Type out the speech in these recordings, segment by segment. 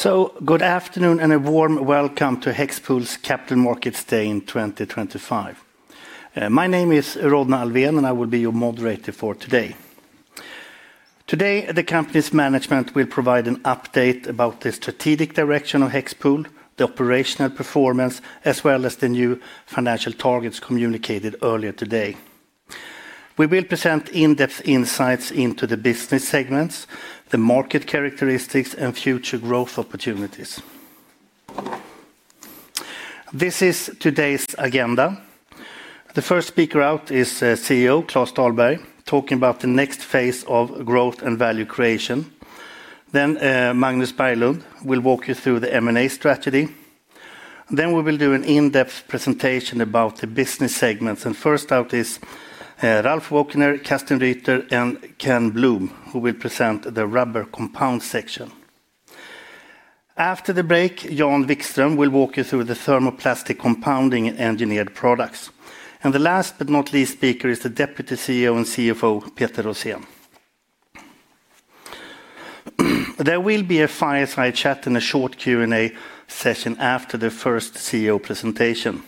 So, good afternoon and a warm welcome to HEXPOL's Capital Markets Day in 2025. My name is Róna Alvén, and I will be your moderator for today. Today, the company's management will provide an update about the strategic direction of HEXPOL, the operational performance, as well as the new financial targets communicated earlier today. We will present in-depth insights into the business segments, the market characteristics, and future growth opportunities. This is today's agenda. The first speaker out is CEO Klas Dahlberg, talking about the next phase of growth and value creation. Then Magnus Berglund will walk you through the M&A strategy. Then we will do an in-depth presentation about the business segments. And first out is Ralf Wolkener, Carsten Rüter, and Ken Bloom, who will present the rubber compound section. After the break, Jan Wikström will walk you through the thermoplastic compounding and engineered products. And the last but not least speaker is the Deputy CEO and CFO, Peter Rosén. There will be a fireside chat and a short Q&A session after the first CEO presentation,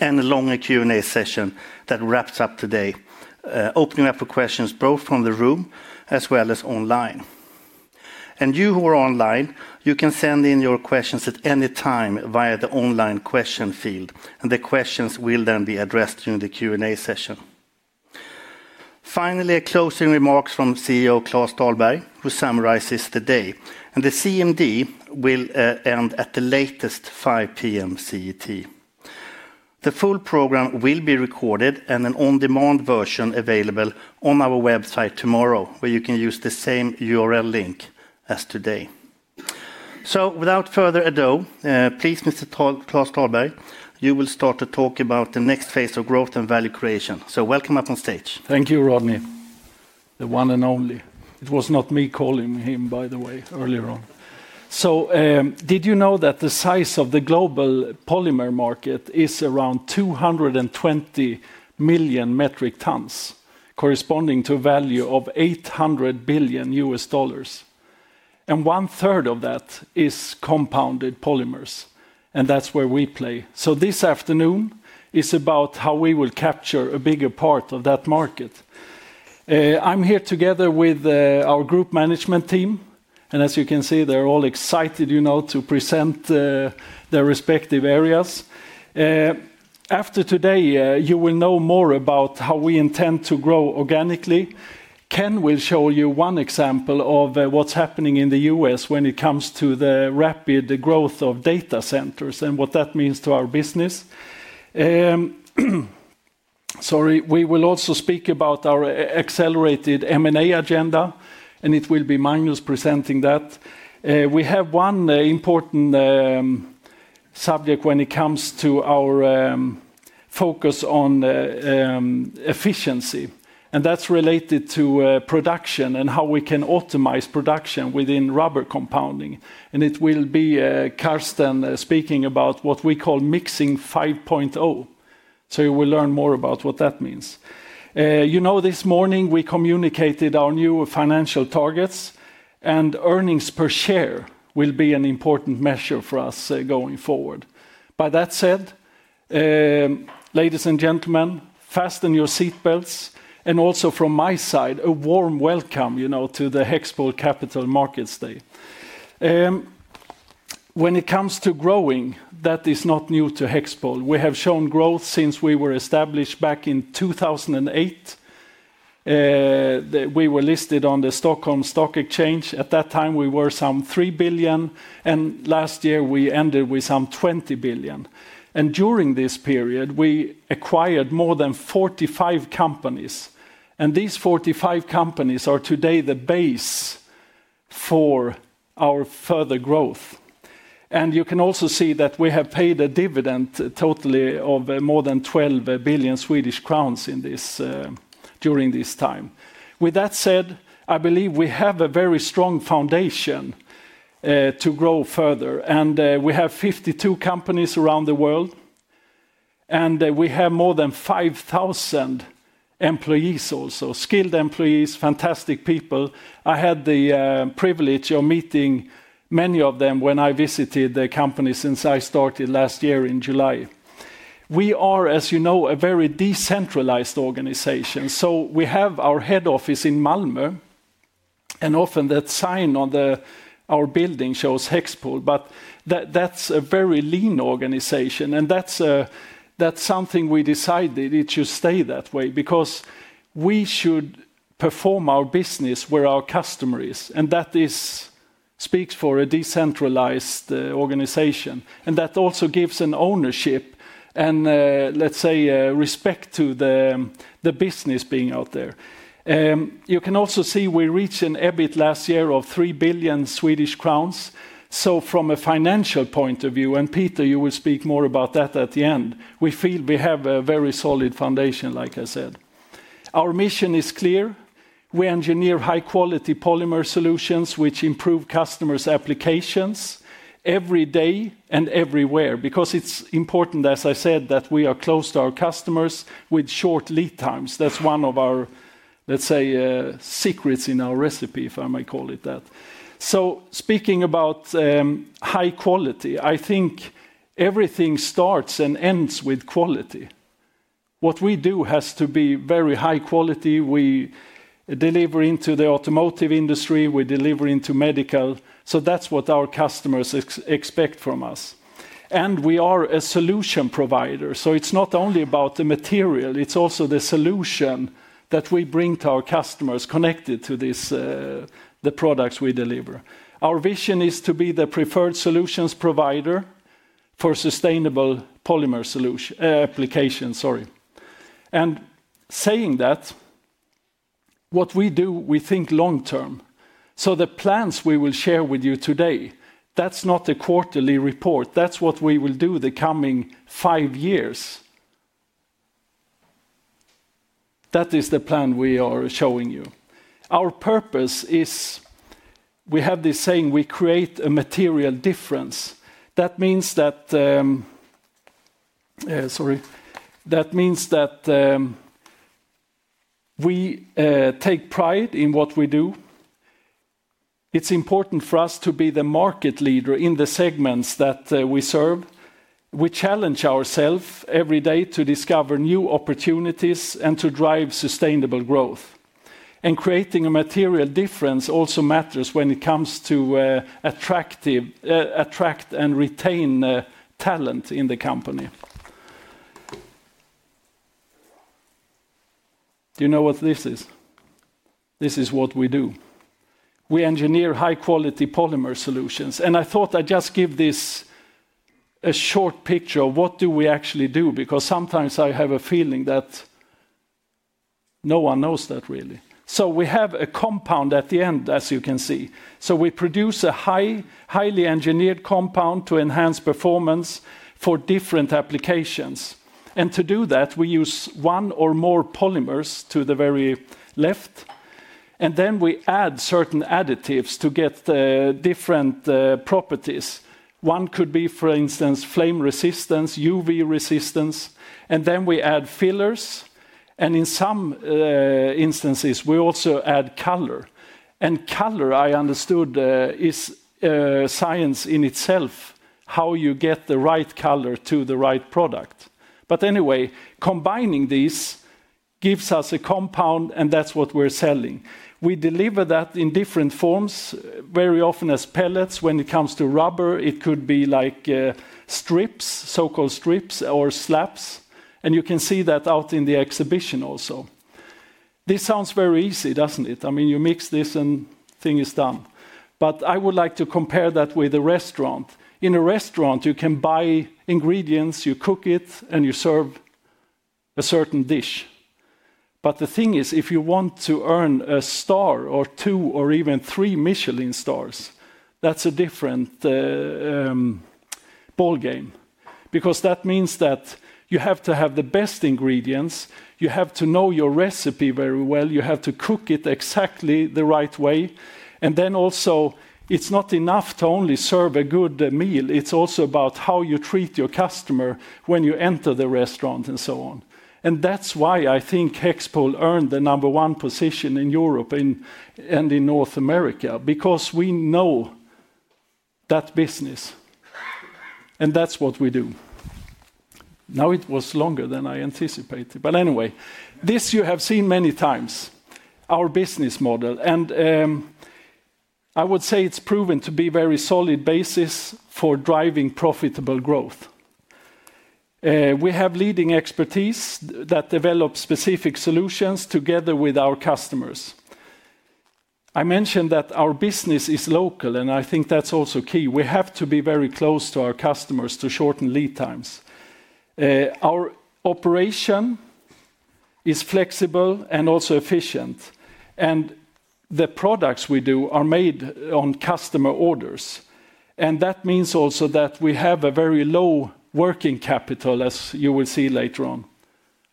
and a longer Q&A session that wraps up today, opening up for questions both from the room as well as online. And you who are online, you can send in your questions at any time via the online question field, and the questions will then be addressed during the Q&A session. Finally, closing remarks from CEO Klas Dahlberg, who summarizes the day. And the CMD will end at the latest 5:00 P.M. CET. The full program will be recorded and an on-demand version available on our website tomorrow, where you can use the same URL link as today. So, without further ado, please, Mr. Klas Dahlberg, you will start to talk about the next phase of growth and value creation. So, welcome up on stage. Thank you, Rodney. The one and only. It was not me calling him, by the way, earlier on. So, did you know that the size of the global polymer market is around 220 million metric tons, corresponding to a value of $800 billion? And one third of that is compounded polymers, and that's where we play. So, this afternoon is about how we will capture a bigger part of that market. I'm here together with our group management team, and as you can see, they're all excited, you know, to present their respective areas. After today, you will know more about how we intend to grow organically. Ken will show you one example of what's happening in the US when it comes to the rapid growth of data centers and what that means to our business. Sorry, we will also speak about our accelerated M&A agenda, and it will be Magnus presenting that. We have one important subject when it comes to our focus on efficiency, and that's related to production and how we can optimize production within rubber compounding. And it will be Carsten speaking about what we call Mixing 5.0. So, you will learn more about what that means. You know, this morning we communicated our new financial targets, and earnings per share will be an important measure for us going forward. With that said, ladies and gentlemen, fasten your seatbelts. And also from my side, a warm welcome, you know, to the HEXPOL Capital Markets Day. When it comes to growing, that is not new to HEXPOL. We have shown growth since we were established back in 2008. We were listed on the Stockholm Stock Exchange. At that time, we were some 3 billion SEK, and last year we ended with some 20 billion SEK. And during this period, we acquired more than 45 companies, and these 45 companies are today the base for our further growth. And you can also see that we have paid a dividend totally of more than 12 billion Swedish crowns during this time. With that said, I believe we have a very strong foundation to grow further, and we have 52 companies around the world. And we have more than 5,000 employees also, skilled employees, fantastic people. I had the privilege of meeting many of them when I visited the companies since I started last year in July. We are, as you know, a very decentralized organization. So, we have our head office in Malmö. And often that sign on our building shows HEXPOL, but that's a very lean organization, and that's something we decided it should stay that way because we should perform our business where our customer is, and that speaks for a decentralized organization. And that also gives an ownership and, let's say, respect to the business being out there. You can also see we reached an EBIT last year of 3 billion Swedish crowns. So, from a financial point of view, and Peter, you will speak more about that at the end, we feel we have a very solid foundation, like I said. Our mission is clear. We engineer high-quality polymer solutions which improve customers' applications every day and everywhere because it's important, as I said, that we are close to our customers with short lead times. That's one of our, let's say, secrets in our recipe, if I may call it that. So, speaking about high quality, I think everything starts and ends with quality. What we do has to be very high quality. We deliver into the automotive industry, we deliver into medical. So, that's what our customers expect from us. And we are a solution provider. So, it's not only about the material, it's also the solution that we bring to our customers connected to the products we deliver. Our vision is to be the preferred solutions provider for sustainable polymer applications, sorry. And saying that, what we do, we think long term. So, the plans we will share with you today, that's not a quarterly report. That's what we will do the coming five years. That is the plan we are showing you. Our purpose is we have this saying, we create a material difference. That means that. Sorry, that means that. We take pride in what we do. It's important for us to be the market leader in the segments that we serve. We challenge ourselves every day to discover new opportunities and to drive sustainable growth. And creating a material difference also matters when it comes to attract and retain talent in the company. Do you know what this is? This is what we do. We engineer high-quality polymer solutions. And I thought I'd just give this a short picture of what do we actually do because sometimes I have a feeling that no one knows that really. So, we have a compound at the end, as you can see. So, we produce a highly engineered compound to enhance performance for different applications. And to do that, we use one or more polymers to the very left, and then we add certain additives to get different properties. One could be, for instance, flame resistance, UV resistance, and then we add fillers. And in some instances, we also add color. And color, I understood, is science in itself, how you get the right color to the right product. But anyway, combining these gives us a compound, and that's what we're selling. We deliver that in different forms, very often as pellets. When it comes to rubber, it could be like strips, so-called strips or slabs. And you can see that out in the exhibition also. This sounds very easy, doesn't it? I mean, you mix this and the thing is done. But I would like to compare that with a restaurant. In a restaurant, you can buy ingredients, you cook it, and you serve a certain dish. But the thing is, if you want to earn a star or two or even three Michelin stars, that's a different ball game because that means that you have to have the best ingredients, you have to know your recipe very well, you have to cook it exactly the right way. And then also, it's not enough to only serve a good meal. It's also about how you treat your customer when you enter the restaurant and so on. And that's why I think HEXPOL earned the number one position in Europe and in North America because we know that business. And that's what we do. Now it was longer than I anticipated, but anyway, this you have seen many times, our business model. And I would say it's proven to be a very solid basis for driving profitable growth. We have leading expertise that develops specific solutions together with our customers. I mentioned that our business is local, and I think that's also key. We have to be very close to our customers to shorten lead times. Our operation is flexible and also efficient, and the products we do are made on customer orders. And that means also that we have a very low working capital, as you will see later on.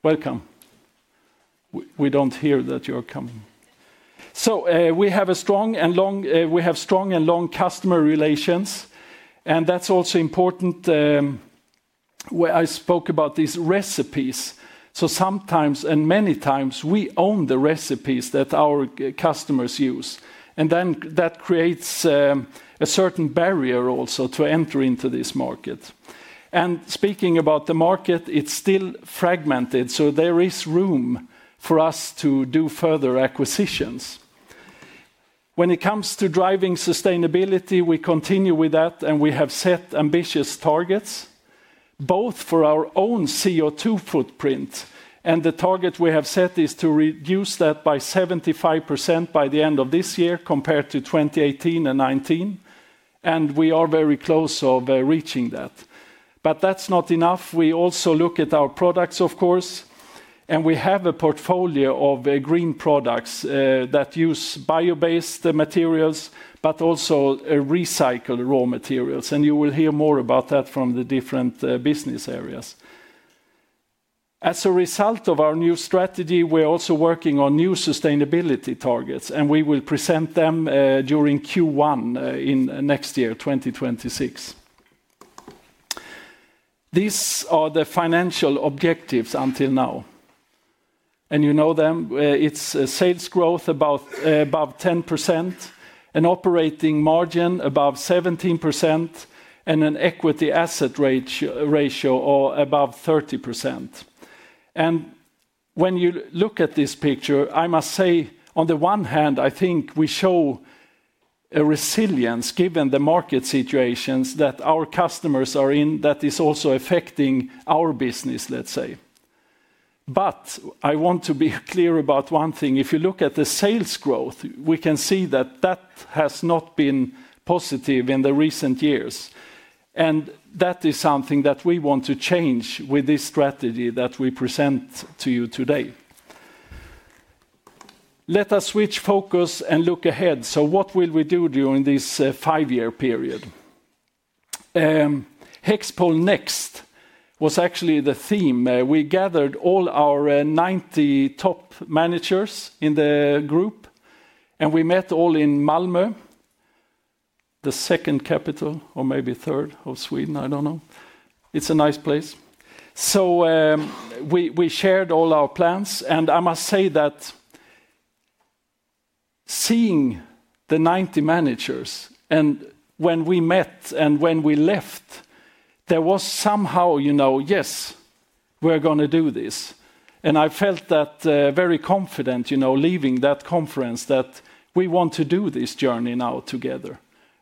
Welcome. We don't hear that you're coming. So, we have strong and long customer relations, and that's also important. Where I spoke about these recipes. So, sometimes, and many times, we own the recipes that our customers use. And then that creates a certain barrier also to enter into this market. And speaking about the market, it's still fragmented. So, there is room for us to do further acquisitions. When it comes to driving sustainability, we continue with that, and we have set ambitious targets, both for our own CO2 footprint, and the target we have set is to reduce that by 75% by the end of this year compared to 2018 and 2019. And we are very close to reaching that. But that's not enough. We also look at our products, of course, and we have a portfolio of green products that use bio-based materials, but also recycled raw materials. And you will hear more about that from the different business areas. As a result of our new strategy, we're also working on new sustainability targets, and we will present them during Q1 in next year, 2026. These are the financial objectives until now. And you know them. It's sales growth above 10%, an operating margin above 17%. And an equity asset ratio above 30%. And when you look at this picture, I must say, on the one hand, I think we show a resilience given the market situations that our customers are in that is also affecting our business, let's say. But I want to be clear about one thing. If you look at the sales growth, we can see that that has not been positive in the recent years. That is something that we want to change with this strategy that we present to you today. Let us switch focus and look ahead. What will we do during this five-year period? HEXPOL Next was actually the theme. We gathered all our 90 top managers in the group. We met all in Malmö. The second capital or maybe third of Sweden, I don't know. It's a nice place. We shared all our plans, and I must say that. Seeing the 90 managers and when we met and when we left, there was somehow, you know, yes, we're going to do this. I felt that very confident, you know, leaving that conference that we want to do this journey now together.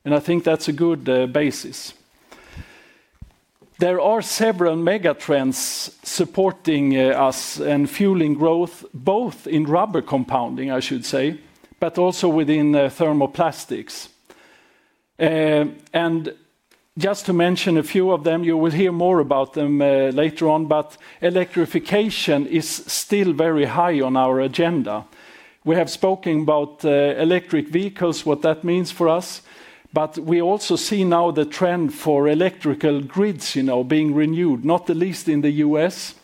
I think that's a good basis. There are several mega trends supporting us and fueling growth, both in rubber compounding, I should say, but also within thermoplastics. Just to mention a few of them, you will hear more about them later on, but electrification is still very high on our agenda. We have spoken about electric vehicles, what that means for us, but we also see now the trend for electrical grids, you know, being renewed, not the least in the U.S.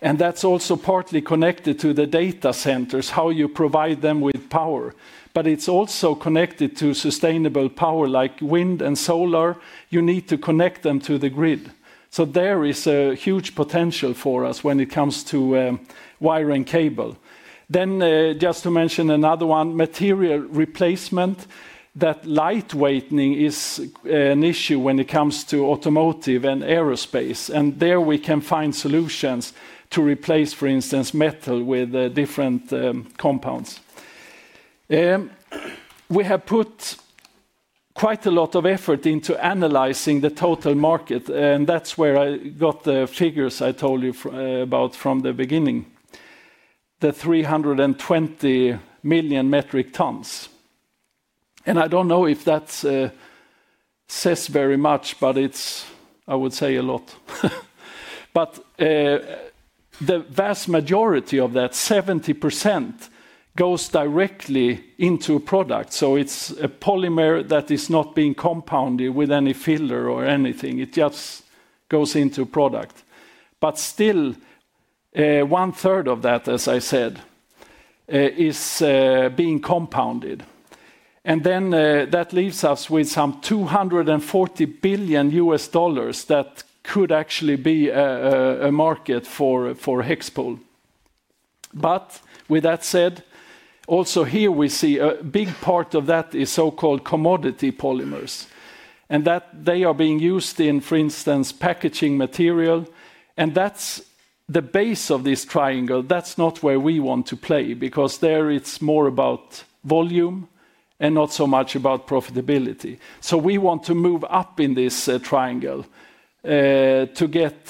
That's also partly connected to the data centers, how you provide them with power. It's also connected to sustainable power like wind and solar. You need to connect them to the grid. There is a huge potential for us when it comes to wiring cable. Just to mention another one, material replacement, that light weighting is an issue when it comes to automotive and aerospace. There we can find solutions to replace, for instance, metal with different compounds. We have put quite a lot of effort into analyzing the total market, and that's where I got the figures I told you about from the beginning. The 320 million metric tons. I don't know if that says very much, but it's, I would say, a lot. The vast majority of that, 70%, goes directly into a product. It's a polymer that is not being compounded with any filler or anything. It just goes into a product. Still, one third of that, as I said, is being compounded. Then that leaves us with some $240 billion that could actually be a market for HEXPOL. With that said, also here we see a big part of that is so-called commodity polymers. They are being used in, for instance, packaging material. That's the base of this triangle. That's not where we want to play because there it's more about volume and not so much about profitability. We want to move up in this triangle to get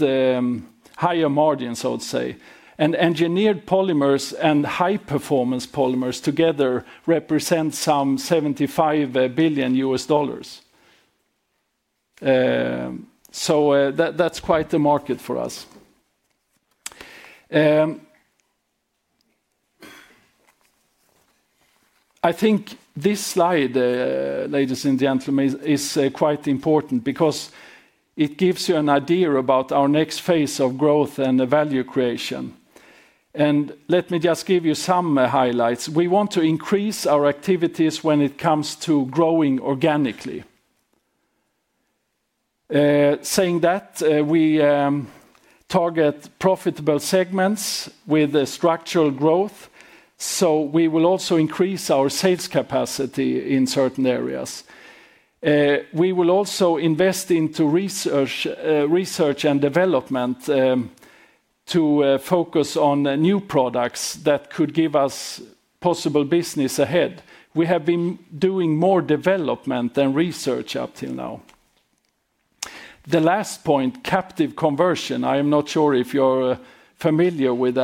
higher margins, I would say. Engineered polymers and high-performance polymers together represent some $75 billion. That's quite the market for us. I think this slide, ladies and gentlemen, is quite important because it gives you an idea about our next phase of growth and value creation, and let me just give you some highlights. We want to increase our activities when it comes to growing organically, saying that, we target profitable segments with structural growth. So, we will also increase our sales capacity in certain areas. We will also invest into research and development to focus on new products that could give us possible business ahead. We have been doing more development than research up till now. The last point, captive conversion, I am not sure if you're familiar with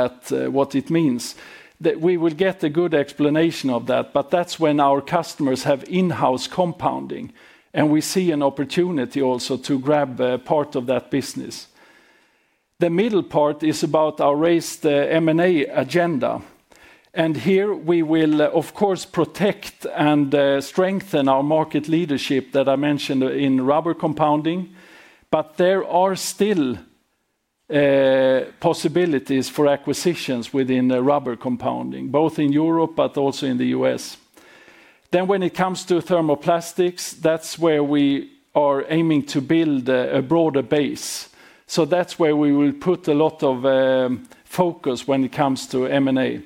what it means. We will get a good explanation of that, but that's when our customers have in-house compounding, and we see an opportunity also to grab part of that business. The middle part is about our raised M&A agenda, and here we will, of course, protect and strengthen our market leadership that I mentioned in rubber compounding. But there are still possibilities for acquisitions within rubber compounding, both in Europe but also in the US. Then, when it comes to thermoplastics, that's where we are aiming to build a broader base, so that's where we will put a lot of focus when it comes to M&A.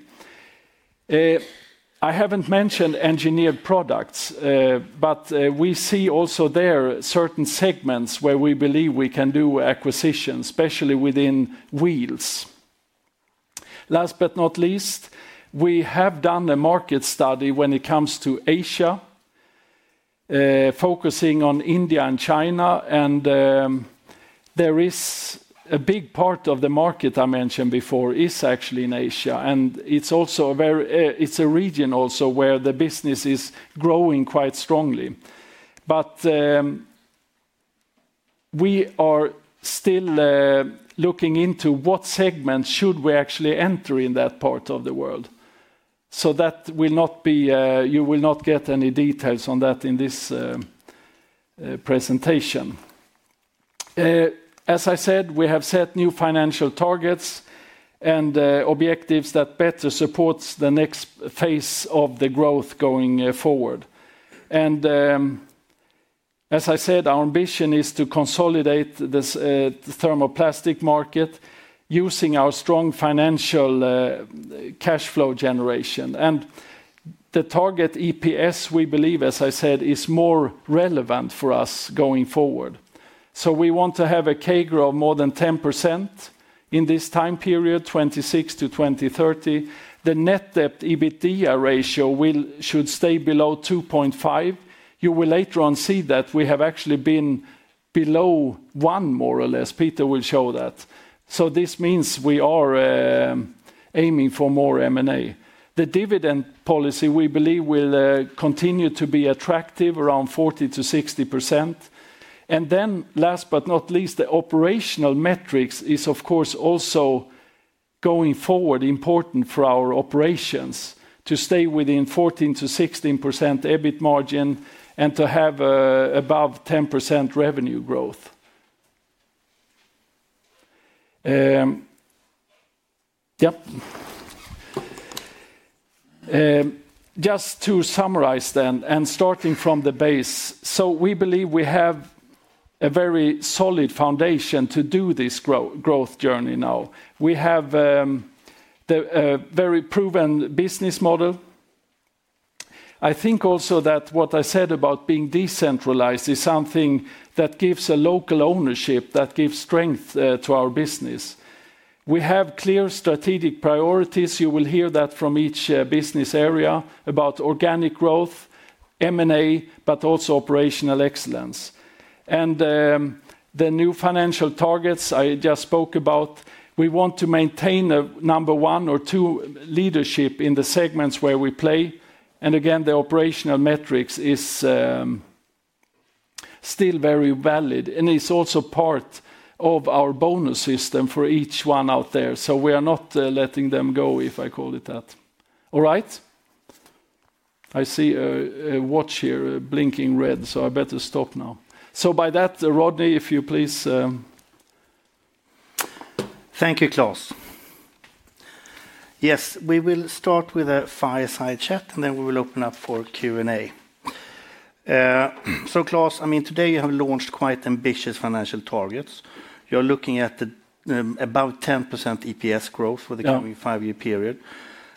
I haven't mentioned engineered products, but we see also there certain segments where we believe we can do acquisitions, especially within wheels. Last but not least, we have done a market study when it comes to Asia, focusing on India and China, and there is a big part of the market I mentioned before is actually in Asia. And it's also a very, it's a region also where the business is growing quite strongly, but we are still looking into what segment should we actually enter in that part of the world. So that will not be, you will not get any details on that in this presentation. As I said, we have set new financial targets and objectives that better support the next phase of the growth going forward, and as I said, our ambition is to consolidate the thermoplastic market using our strong financial cash flow generation. And the target EPS, we believe, as I said, is more relevant for us going forward. So, we want to have a CAGR of more than 10% in this time period, 2026 to 2030. The net debt/EBITDA ratio should stay below 2.5. You will later on see that we have actually been below one, more or less. Peter will show that. So, this means we are aiming for more M&A. The dividend policy, we believe, will continue to be attractive, around 40%-60%. And then, last but not least, the operational metrics is, of course, also going forward important for our operations to stay within 14%-16% EBIT margin and to have above 10% revenue growth. Yep. Just to summarize then, and starting from the base, so we believe we have. A very solid foundation to do this growth journey now. We have a very proven business model. I think also that what I said about being decentralized is something that gives a local ownership that gives strength to our business. We have clear strategic priorities. You will hear that from each business area about organic growth, M&A, but also operational excellence. And the new financial targets I just spoke about, we want to maintain a number one or two leadership in the segments where we play. And again, the operational metrics is still very valid, and it's also part of our bonus system for each one out there. So, we are not letting them go, if I call it that. All right? I see a watch here blinking red, so I better stop now. So, by that, Róna, if you please. Thank you, Klas. Yes, we will start with a fireside chat, and then we will open up for Q&A. So, Klas, I mean, today you have launched quite ambitious financial targets. You're looking at about 10% EPS growth for the coming five-year period.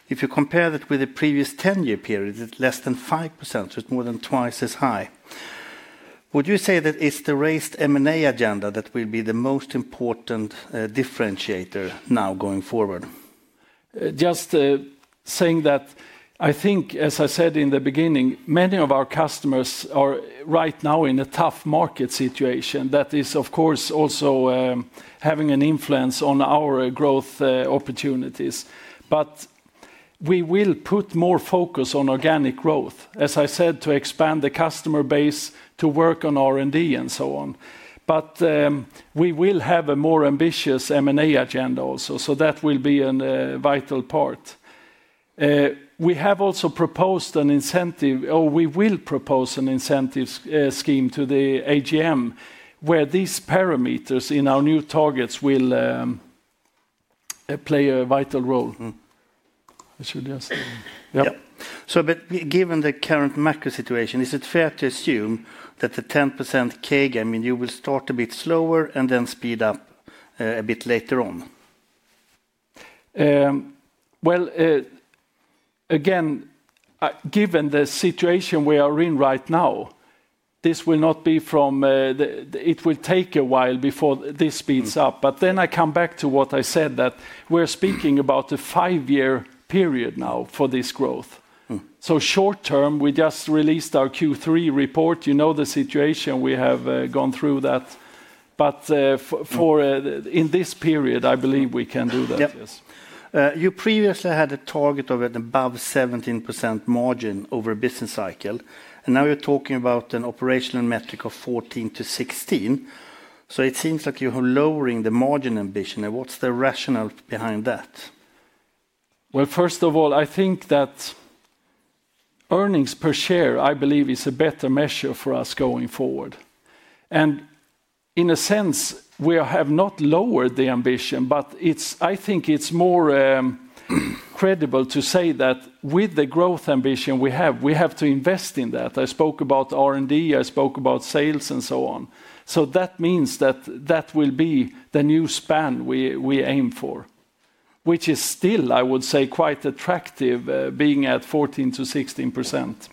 If you compare that with the previous 10-year period, it's less than 5%, so it's more than twice as high. Would you say that it's the raised M&A agenda that will be the most important differentiator now going forward? Just saying that, I think, as I said in the beginning, many of our customers are right now in a tough market situation that is, of course, also having an influence on our growth opportunities. But we will put more focus on organic growth, as I said, to expand the customer base, to work on R&D and so on. But we will have a more ambitious M&A agenda also, so that will be a vital part. We have also proposed an incentive, or we will propose an incentive scheme to the AGM, where these parameters in our new targets will play a vital role. I should just say. Yep. So, but given the current macro situation, is it fair to assume that the 10% CAGR, I mean, you will start a bit slower and then speed up a bit later on? Well, again, given the situation we are in right now, this will not be from. It will take a while before this speeds up. But then I come back to what I said, that we're speaking about a five-year period now for this growth. So, short term, we just released our Q3 report. You know the situation we have gone through that. But for in this period, I believe we can do that, yes. You previously had a target of an above 17% margin over a business cycle, and now you're talking about an operational metric of 14-16. So, it seems like you are lowering the margin ambition. And what's the rationale behind that? Well, first of all, I think that earnings per share, I believe, is a better measure for us going forward. In a sense, we have not lowered the ambition, but I think it's more credible to say that with the growth ambition we have, we have to invest in that. I spoke about R&D, I spoke about sales and so on. So, that means that will be the new span we aim for. Which is still, I would say, quite attractive being at 14%-16%.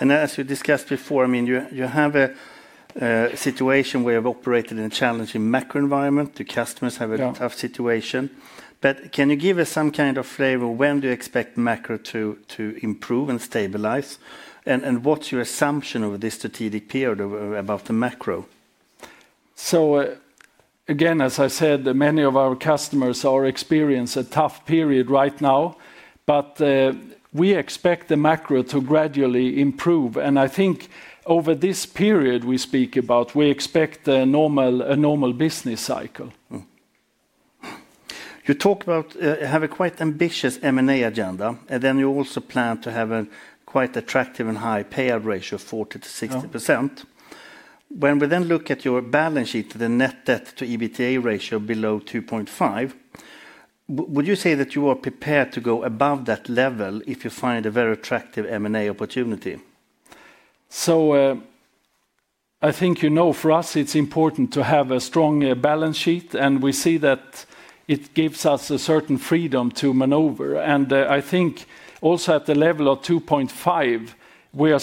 As you discussed before, I mean, you have a situation where you've operated in a challenging macro environment. Your customers have a tough situation, but can you give us some kind of flavor of when do you expect macro to improve and stabilize? And what's your assumption of this strategic period about the macro? So, again, as I said, many of our customers are experiencing a tough period right now, but we expect the macro to gradually improve and I think over this period we speak about, we expect a normal business cycle. You talk about having a quite ambitious M&A agenda, and then you also plan to have a quite attractive and high payout ratio of 40%-60%. When we then look at your balance sheet, the net debt to EBITDA ratio below 2.5. Would you say that you are prepared to go above that level if you find a very attractive M&A opportunity? So, I think you know for us it's important to have a strong balance sheet, and we see that it gives us a certain freedom to maneuver. And I think also at the level of 2.5, we are still on a. We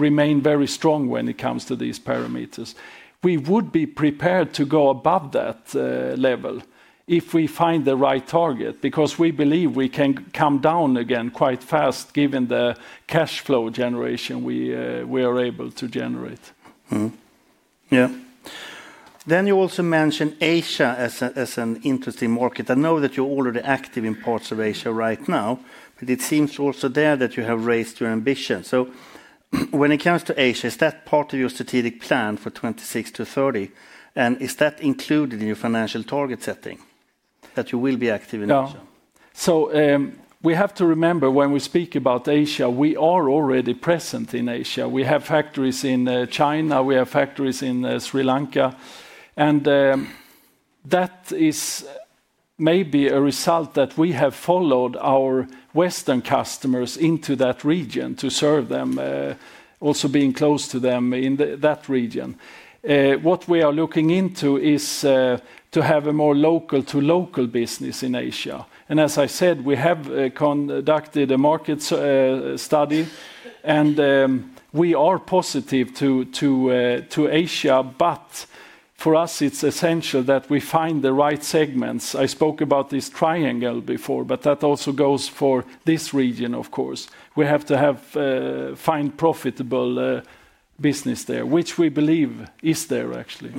remain very strong when it comes to these parameters. We would be prepared to go above that level if we find the right target because we believe we can come down again quite fast given the cash flow generation we are able to generate. Yeah. Then you also mentioned Asia as an interesting market. I know that you're already active in parts of Asia right now, but it seems also there that you have raised your ambition. So, when it comes to Asia, is that part of your strategic plan for 2026 to 2030? And is that included in your financial target setting that you will be active in Asia? Yeah. So, we have to remember when we speak about Asia, we are already present in Asia. We have factories in China, we have factories in Sri Lanka. And that is maybe a result that we have followed our Western customers into that region to serve them, also being close to them in that region. What we are looking into is to have a more local-to-local business in Asia. And as I said, we have conducted a market study, and we are positive to Asia, but for us, it's essential that we find the right segments. I spoke about this triangle before, but that also goes for this region, of course. We have to find profitable business there, which we believe is there actually.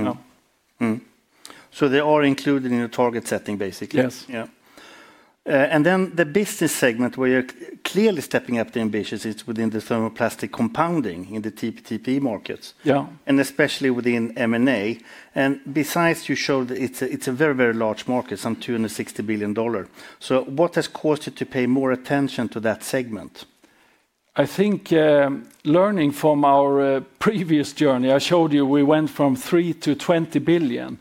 So, they are included in your target setting, basically. Yes. Yeah. And then the business segment where you're clearly stepping up the ambition is within the thermoplastic compounding in the TPE markets. Yeah. And especially within M&A. And besides, you showed that it's a very, very large market, some $260 billion. So, what has caused you to pay more attention to that segment? I think learning from our previous journey, I showed you we went from 3 to 20 billion,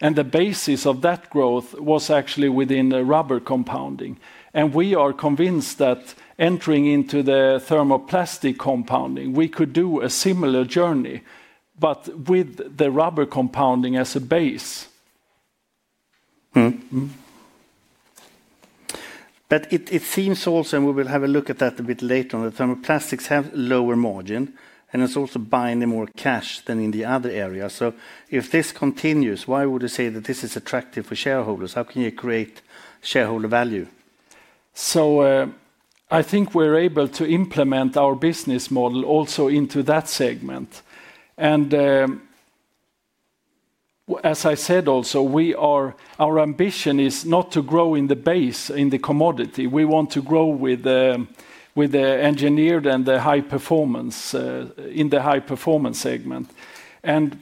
and the basis of that growth was actually within the rubber compounding. And we are convinced that entering into the thermoplastic compounding, we could do a similar journey, but with the rubber compounding as a base. But it seems also, and we will have a look at that a bit later, the thermoplastics have lower margin, and it's also buying more cash than in the other areas. So, if this continues, why would you say that this is attractive for shareholders? How can you create shareholder value? So, I think we're able to implement our business model also into that segment. And. As I said, also our ambition is not to grow in the base, in the commodity. We want to grow with. The engineered and the high performance in the high performance segment. And.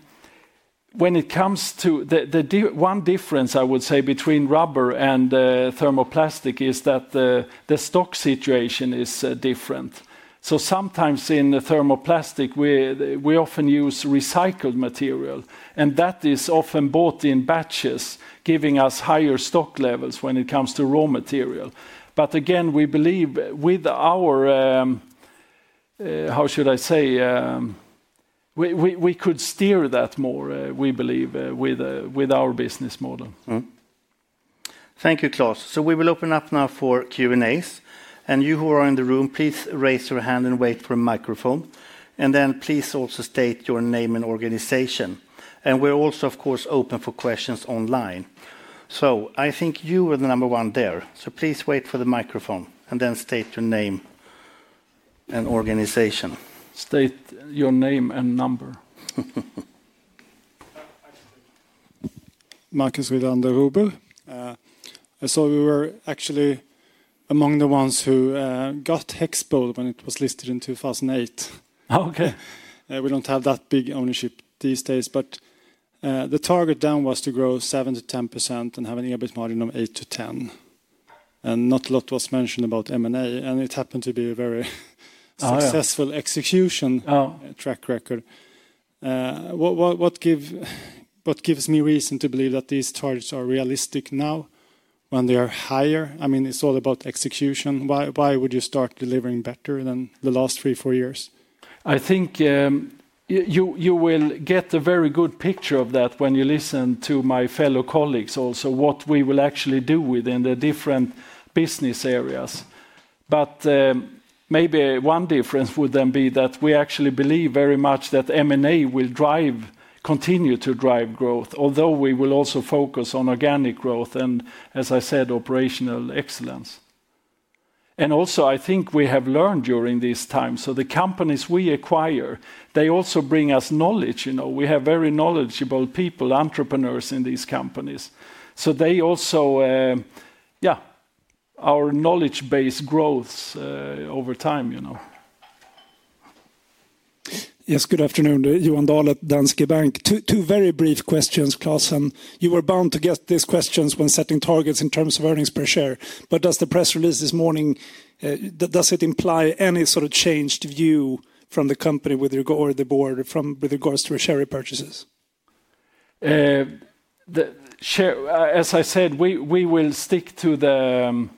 When it comes to the one difference, I would say, between rubber and thermoplastic is that the stock situation is different. So, sometimes in thermoplastic, we often use recycled material, and that is often bought in batches, giving us higher stock levels when it comes to raw material. But again, we believe with our. How should I say. We could steer that more, we believe, with our business model. Thank you, Klas. So, we will open up now for Q&As. And you who are in the room, please raise your hand and wait for a microphone. And then please also state your name and organization. And we're also, of course, open for questions online. So, I think you were the number one there. So, please wait for the microphone and then state your name and organization. State your name and number. Markus Wieslander Huber. I saw you were actually among the ones who got HEXPOL when it was listed in 2008. Okay. We don't have that big ownership these days, but. The target then was to grow 7%-10% and have an EBIT margin of 8%-10%. And not a lot was mentioned about M&A, and it happened to be a very successful execution track record. What gives me reason to believe that these targets are realistic now when they are higher? I mean, it's all about execution. Why would you start delivering better than the last three, four years? I think you will get a very good picture of that when you listen to my fellow colleagues also, what we will actually do within the different business areas. But.aybe one difference would then be that we actually believe very much that M&A will drive, continue to drive growth, although we will also focus on organic growth and, as I said, operational excellence. And also, I think we have learned during this time. So, the companies we acquire, they also bring us knowledge. You know, we have very knowledgeable people, entrepreneurs in these companies. So, they also, yeah, our knowledge base grows over time, you know. Yes, good afternoon, Johan Dahl at Danske Bank. Two very brief questions, Klas. And you were bound to get these questions when setting targets in terms of earnings per share. But does the press release this morning. Does it imply any sort of changed view from the company with regard to the board with regards to share repurchases? As I said, we will stick to the.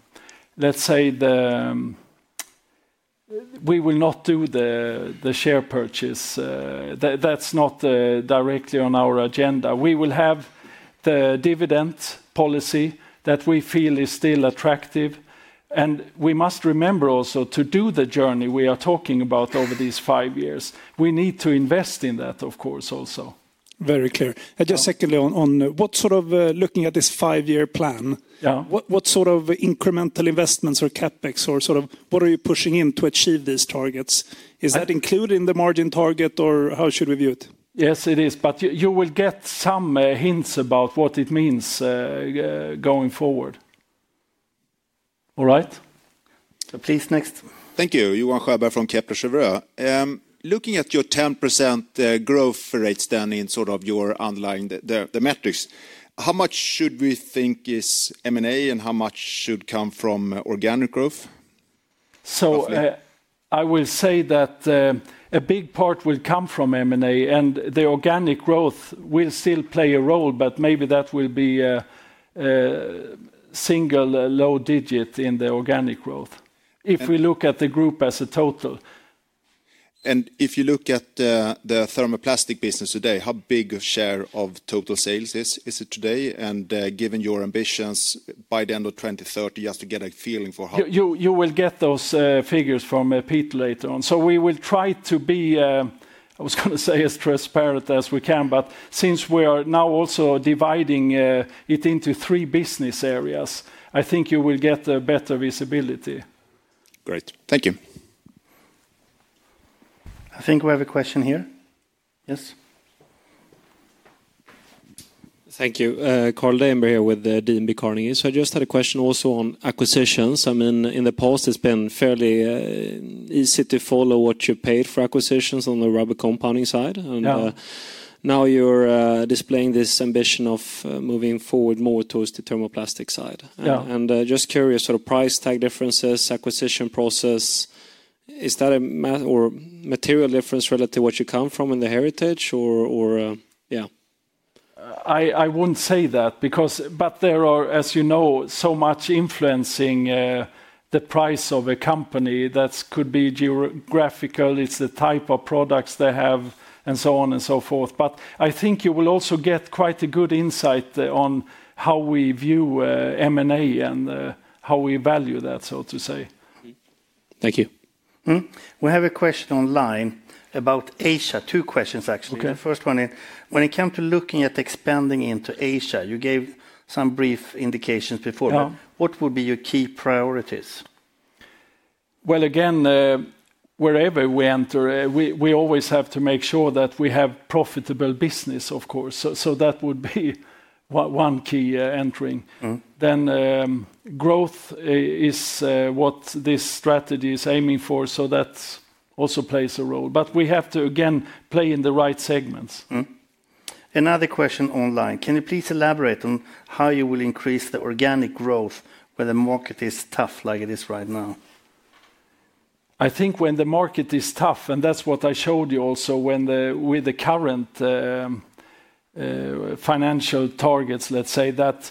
Let's say the. We will not do the share purchase. That's not directly on our agenda. We will have the dividend policy that we feel is still attractive. And we must remember also to do the journey we are talking about over these five years. We need to invest in that, of course, also. Very clear. And just secondly on what sort of looking at this five-year plan. What sort of incremental investments or CapEx or sort of what are you pushing in to achieve these targets? Is that included in the margin target or how should we view it? Yes, it is. But you will get some hints about what it means. Going forward. All right. So, please next. Thank you, Johan Sjöberg from Kepler Cheuvreux. Looking at your 10% growth rate standing in sort of your underlying the metrics, how much should we think is M&A and how much should come from organic growth? So, I will say that. A big part will come from M&A and the organic growth will still play a role, but maybe that will be. A single low digit in the organic growth if we look at the group as a total. And if you look at the thermoplastic business today, how big a share of total sales is it today? And given your ambitions by the end of 2030, just to get a feeling for how. You will get those figures from Peter later on. So, we will try to be, I was going to say, as transparent as we can, but since we are now also dividing it into three business areas, I think you will get a better visibility. Great. Thank you. I think we have a question here. Yes. Thank you. Carl Deijenberg here with DNB Carnegie. So, I just had a question also on acquisitions. I mean, in the past, it's been fairly. Easy to follow what you paid for acquisitions on the rubber compounding side. And now you're displaying this ambition of moving forward more towards the thermoplastic side. And just curious, sort of price tag differences, acquisition process. Is that a matter or material difference relative to what you come from in the heritage or, yeah? I won't say that because, but there are, as you know, so much influencing. The price of a company that could be geographical, it's the type of products they have and so on and so forth. But I think you will also get quite a good insight on how we view M&A and how we value that, so to say. Thank you. We have a question online about Asia, two questions actually. The first one is, when it came to looking at expanding into Asia, you gave some brief indications before, but what would be your key priorities? Well, again. Wherever we enter, we always have to make sure that we have profitable business, of course. So, that would be one key entering. Then growth is what this strategy is aiming for, so that also plays a role. But we have to, again, play in the right segments. Another question online. Can you please elaborate on how you will increase the organic growth when the market is tough like it is right now? I think when the market is tough, and that's what I showed you also with the current financial targets, let's say that.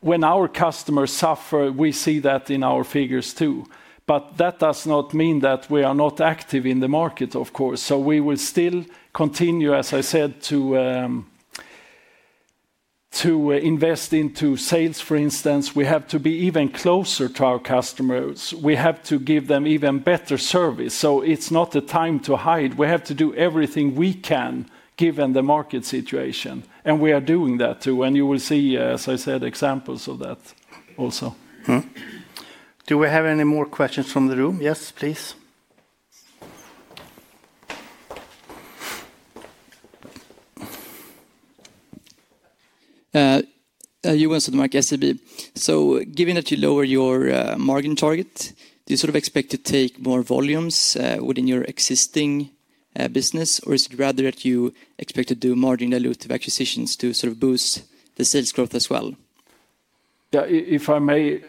When our customers suffer, we see that in our figures too. But that does not mean that we are not active in the market, of course. So, we will still continue, as I said, to invest into sales, for instance. We have to be even closer to our customers. We have to give them even better service. So, it's not the time to hide. We have to do everything we can given the market situation. And we are doing that too. And you will see, as I said, examples of that also. Do we have any more questions from the room? Yes, please. Joen Sundmark, SEB. So, given that you lower your margin target, do you sort of expect to take more volumes within your existing business, or is it rather that you expect to do margin dilutive acquisitions to sort of boost the sales growth as well? Yeah, if I may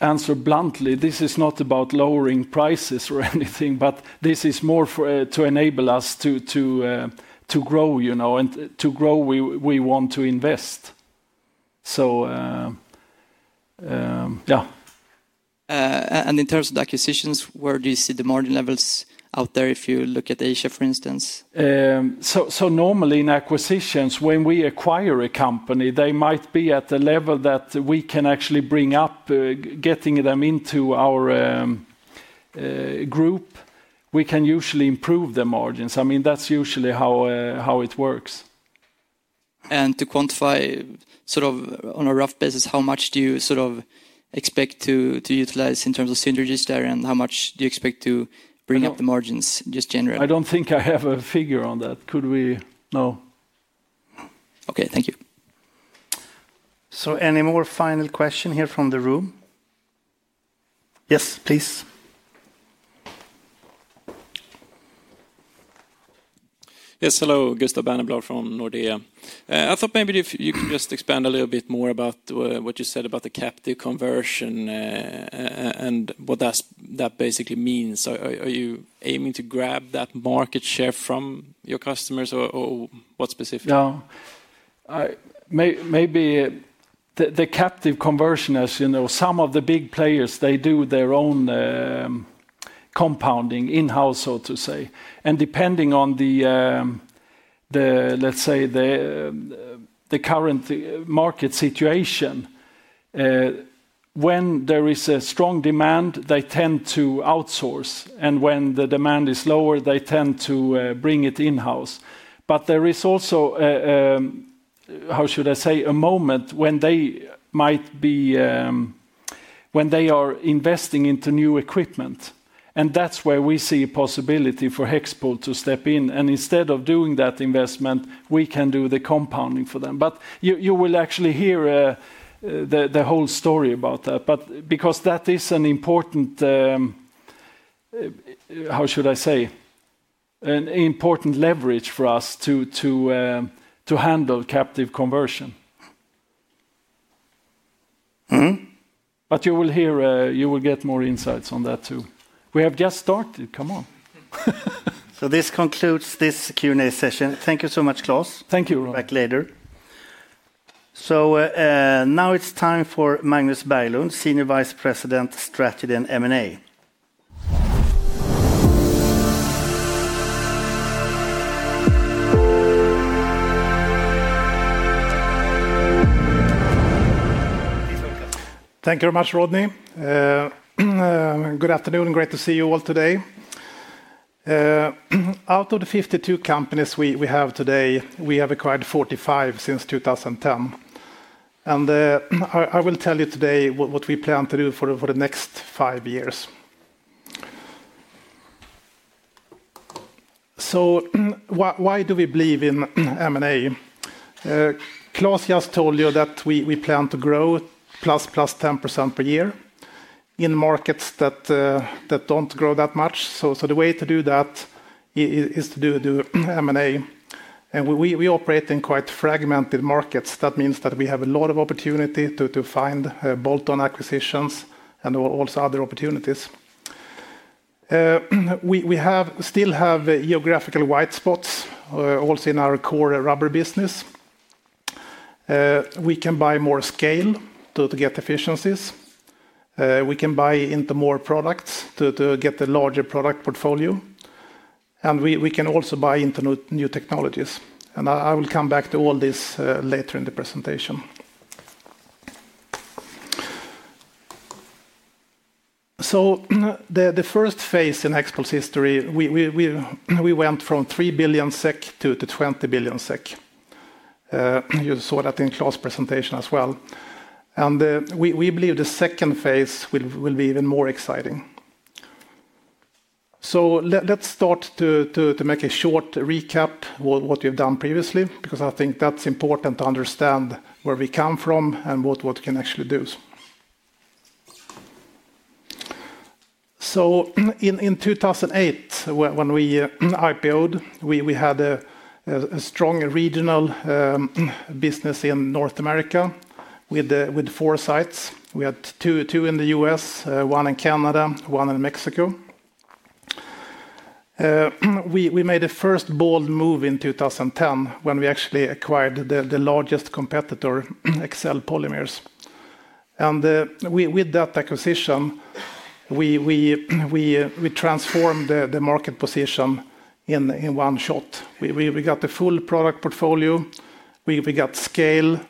answer bluntly, this is not about lowering prices or anything, but this is more to enable us to grow, you know, and to grow, we want to invest. So. Yeah. And in terms of the acquisitions, where do you see the margin levels out there if you look at Asia, for instance? So, normally in acquisitions, when we acquire a company, they might be at a level that we can actually bring up getting them into our group. We can usually improve the margins. I mean, that's usually how it works. And to quantify sort of on a rough basis, how much do you sort of expect to utilize in terms of synergies there, and how much do you expect to bring up the margins just generally? I don't think I have a figure on that. Could we know? Okay, thank you. So, any more final questions here from the room? Yes, please. Yes, hello, Gustav Bernerblad from Nordea. I thought maybe if you can just expand a little bit more about what you said about the captive conversion. And what that basically means. Are you aiming to grab that market share from your customers or what specifically? No. Maybe. The captive conversion, as you know, some of the big players, they do their own compounding in-house, so to say. And depending on the current market situation. When there is a strong demand, they tend to outsource. And when the demand is lower, they tend to bring it in-house. But there is also a moment when they are investing into new equipment. And that's where we see a possibility for HEXPOL to step in. And instead of doing that investment, we can do the compounding for them. But you will actually hear the whole story about that. But because that is an important leverage for us to handle captive conversion. But you will hear, you will get more insights on that too. We have just started. Come on. So, this concludes this Q&A session. Thank you so much, Klas. Thank you. Back later. So, now it's time for Magnus Berglund, Senior Vice President, Strategy and M&A. Thank you very much, Rodney. Good afternoon and great to see you all today. Out of the 52 companies we have today, we have acquired 45 since 2010. And I will tell you today what we plan to do for the next five years. So, why do we believe in M&A? Klas just told you that we plan to grow plus plus 10% per year in markets that don't grow that much. So, the way to do that is to do M&A. And we operate in quite fragmented markets. That means that we have a lot of opportunity to find bolt-on acquisitions and also other opportunities. We still have geographical white spots also in our core rubber business. We can buy more scale to get efficiencies. We can buy into more products to get a larger product portfolio. And we can also buy into new technologies. And I will come back to all this later in the presentation. So, the first phase in HEXPOL's history, we went from 3 billion SEK to 20 billion SEK. You saw that in Klas's presentation as well. And we believe the second phase will be even more exciting. So, let's start to make a short recap of what we've done previously because I think that's important to understand where we come from and what we can actually do. So, in 2008, when we IPO'ed, we had a strong regional business in North America with four sites. We had two in the US, one in Canada, one in Mexico. We made a first bold move in 2010 when we actually acquired the largest competitor, Excel Polymers, and with that acquisition we transformed the market position in one shot. We got the full product portfolio. We got scale.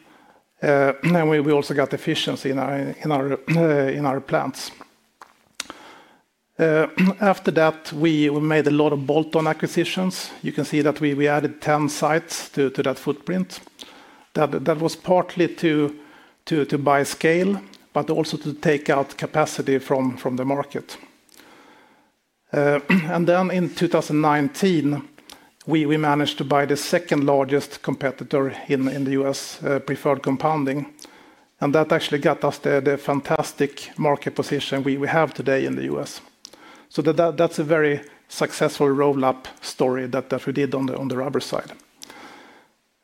We also got efficiency in our plants. After that, we made a lot of bolt-on acquisitions. You can see that we added 10 sites to that footprint. That was partly to buy scale, but also to take out capacity from the market. Then in 2019 we managed to buy the second largest competitor in the US, Preferred Compounding, and that actually got us the fantastic market position we have today in the US. That's a very successful roll-up story that we did on the rubber side.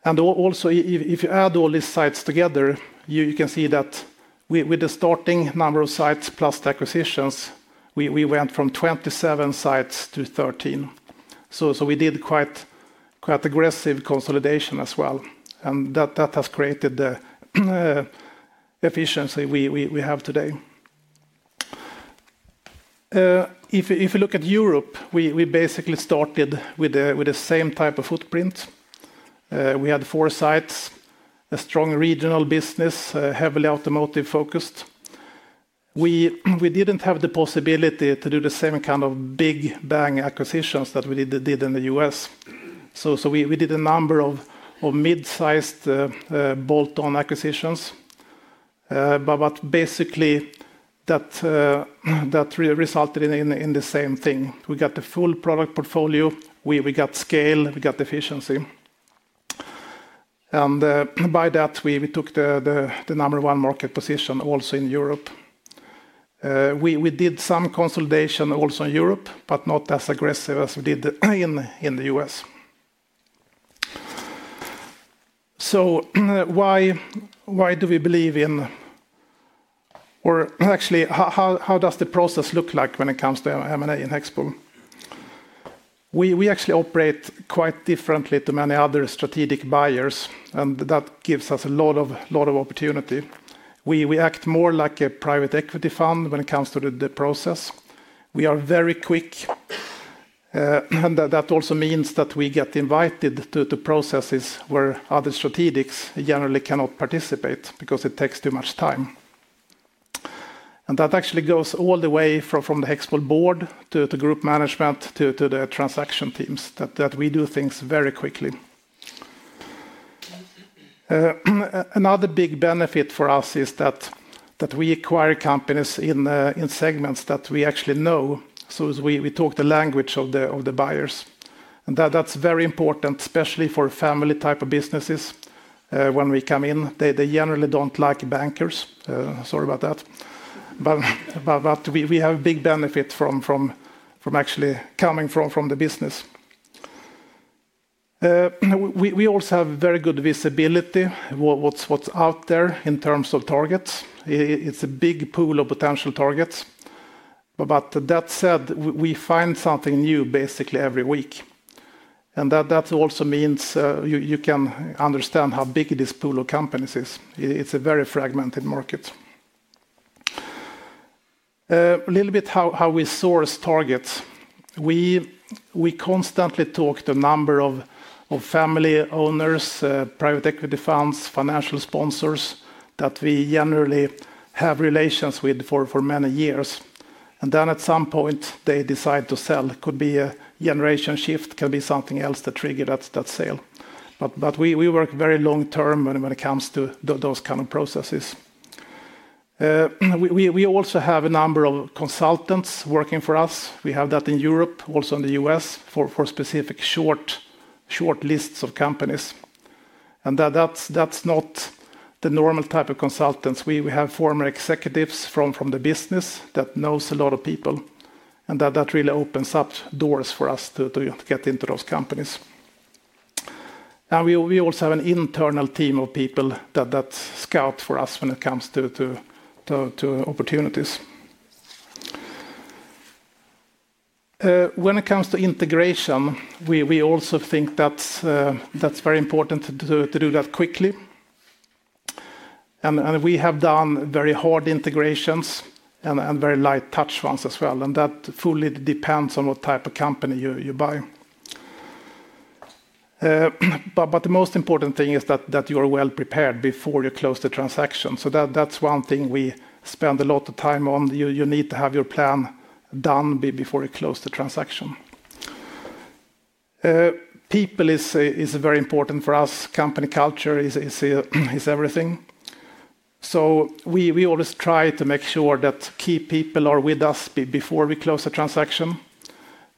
Also, if you add all these sites together, you can see that with the starting number of sites plus the acquisitions, we went from 27 sites to 13. We did quite aggressive consolidation as well. That has created the efficiency we have today. If you look at Europe, we basically started with the same type of footprint. We had four sites, a strong regional business, heavily automotive-focused. We didn't have the possibility to do the same kind of big bang acquisitions that we did in the US. We did a number of mid-sized bolt-on acquisitions. Basically, that resulted in the same thing. We got the full product portfolio. We got scale. We got efficiency. By that, we took the number one market position also in Europe. We did some consolidation also in Europe, but not as aggressive as we did in the US. Why do we believe in or actually, how does the process look like when it comes to M&A in HEXPOL? We actually operate quite differently to many other strategic buyers, and that gives us a lot of opportunity. We act more like a private equity fund when it comes to the process. We are very quick. That also means that we get invited to processes where other strategics generally cannot participate because it takes too much time. That actually goes all the way from the HEXPOL board to group management to the transaction teams that we do things very quickly. Another big benefit for us is that we acquire companies in segments that we actually know. We talk the language of the buyers. That's very important, especially for family type of businesses. When we come in, they generally don't like bankers. Sorry about that. We have a big benefit from actually coming from the business. We also have very good visibility of what's out there in terms of targets. It's a big pool of potential targets. That said, we find something new basically every week. That also means you can understand how big this pool of companies is. It's a very fragmented market. A little bit how we source targets. We constantly talk to a number of family owners, private equity funds, financial sponsors that we generally have relations with for many years. And then at some point, they decide to sell. It could be a generation shift. It could be something else that triggered that sale. But we work very long-term when it comes to those kinds of processes. We also have a number of consultants working for us. We have that in Europe, also in the US, for specific short lists of companies. And that's not the normal type of consultants. We have former executives from the business that know a lot of people. And that really opens up doors for us to get into those companies. And we also have an internal team of people that scout for us when it comes to opportunities. When it comes to integration, we also think that's very important to do that quickly. And we have done very hard integrations and very light touch ones as well. And that fully depends on what type of company you buy. But the most important thing is that you are well prepared before you close the transaction. So that's one thing we spend a lot of time on. You need to have your plan done before you close the transaction. People is very important for us. Company culture is everything. So we always try to make sure that key people are with us before we close the transaction.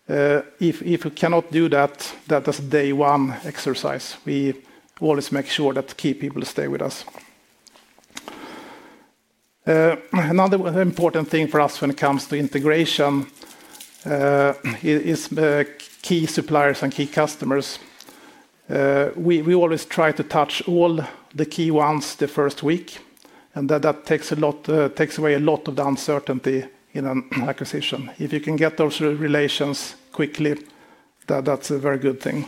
If we cannot do that, that's a day-one exercise. We always make sure that key people stay with us. Another important thing for us when it comes to integration is key suppliers and key customers. We always try to touch all the key ones the first week. And that takes away a lot of the uncertainty in an acquisition. If you can get those relations quickly, that's a very good thing.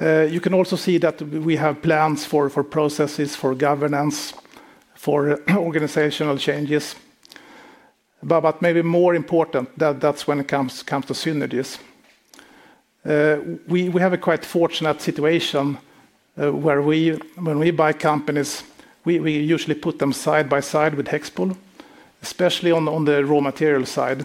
You can also see that we have plans for processes, for governance, for organizational changes. But maybe more important, that's when it comes to synergies. We have a quite fortunate situation where when we buy companies, we usually put them side by side with HEXPOL, especially on the raw material side.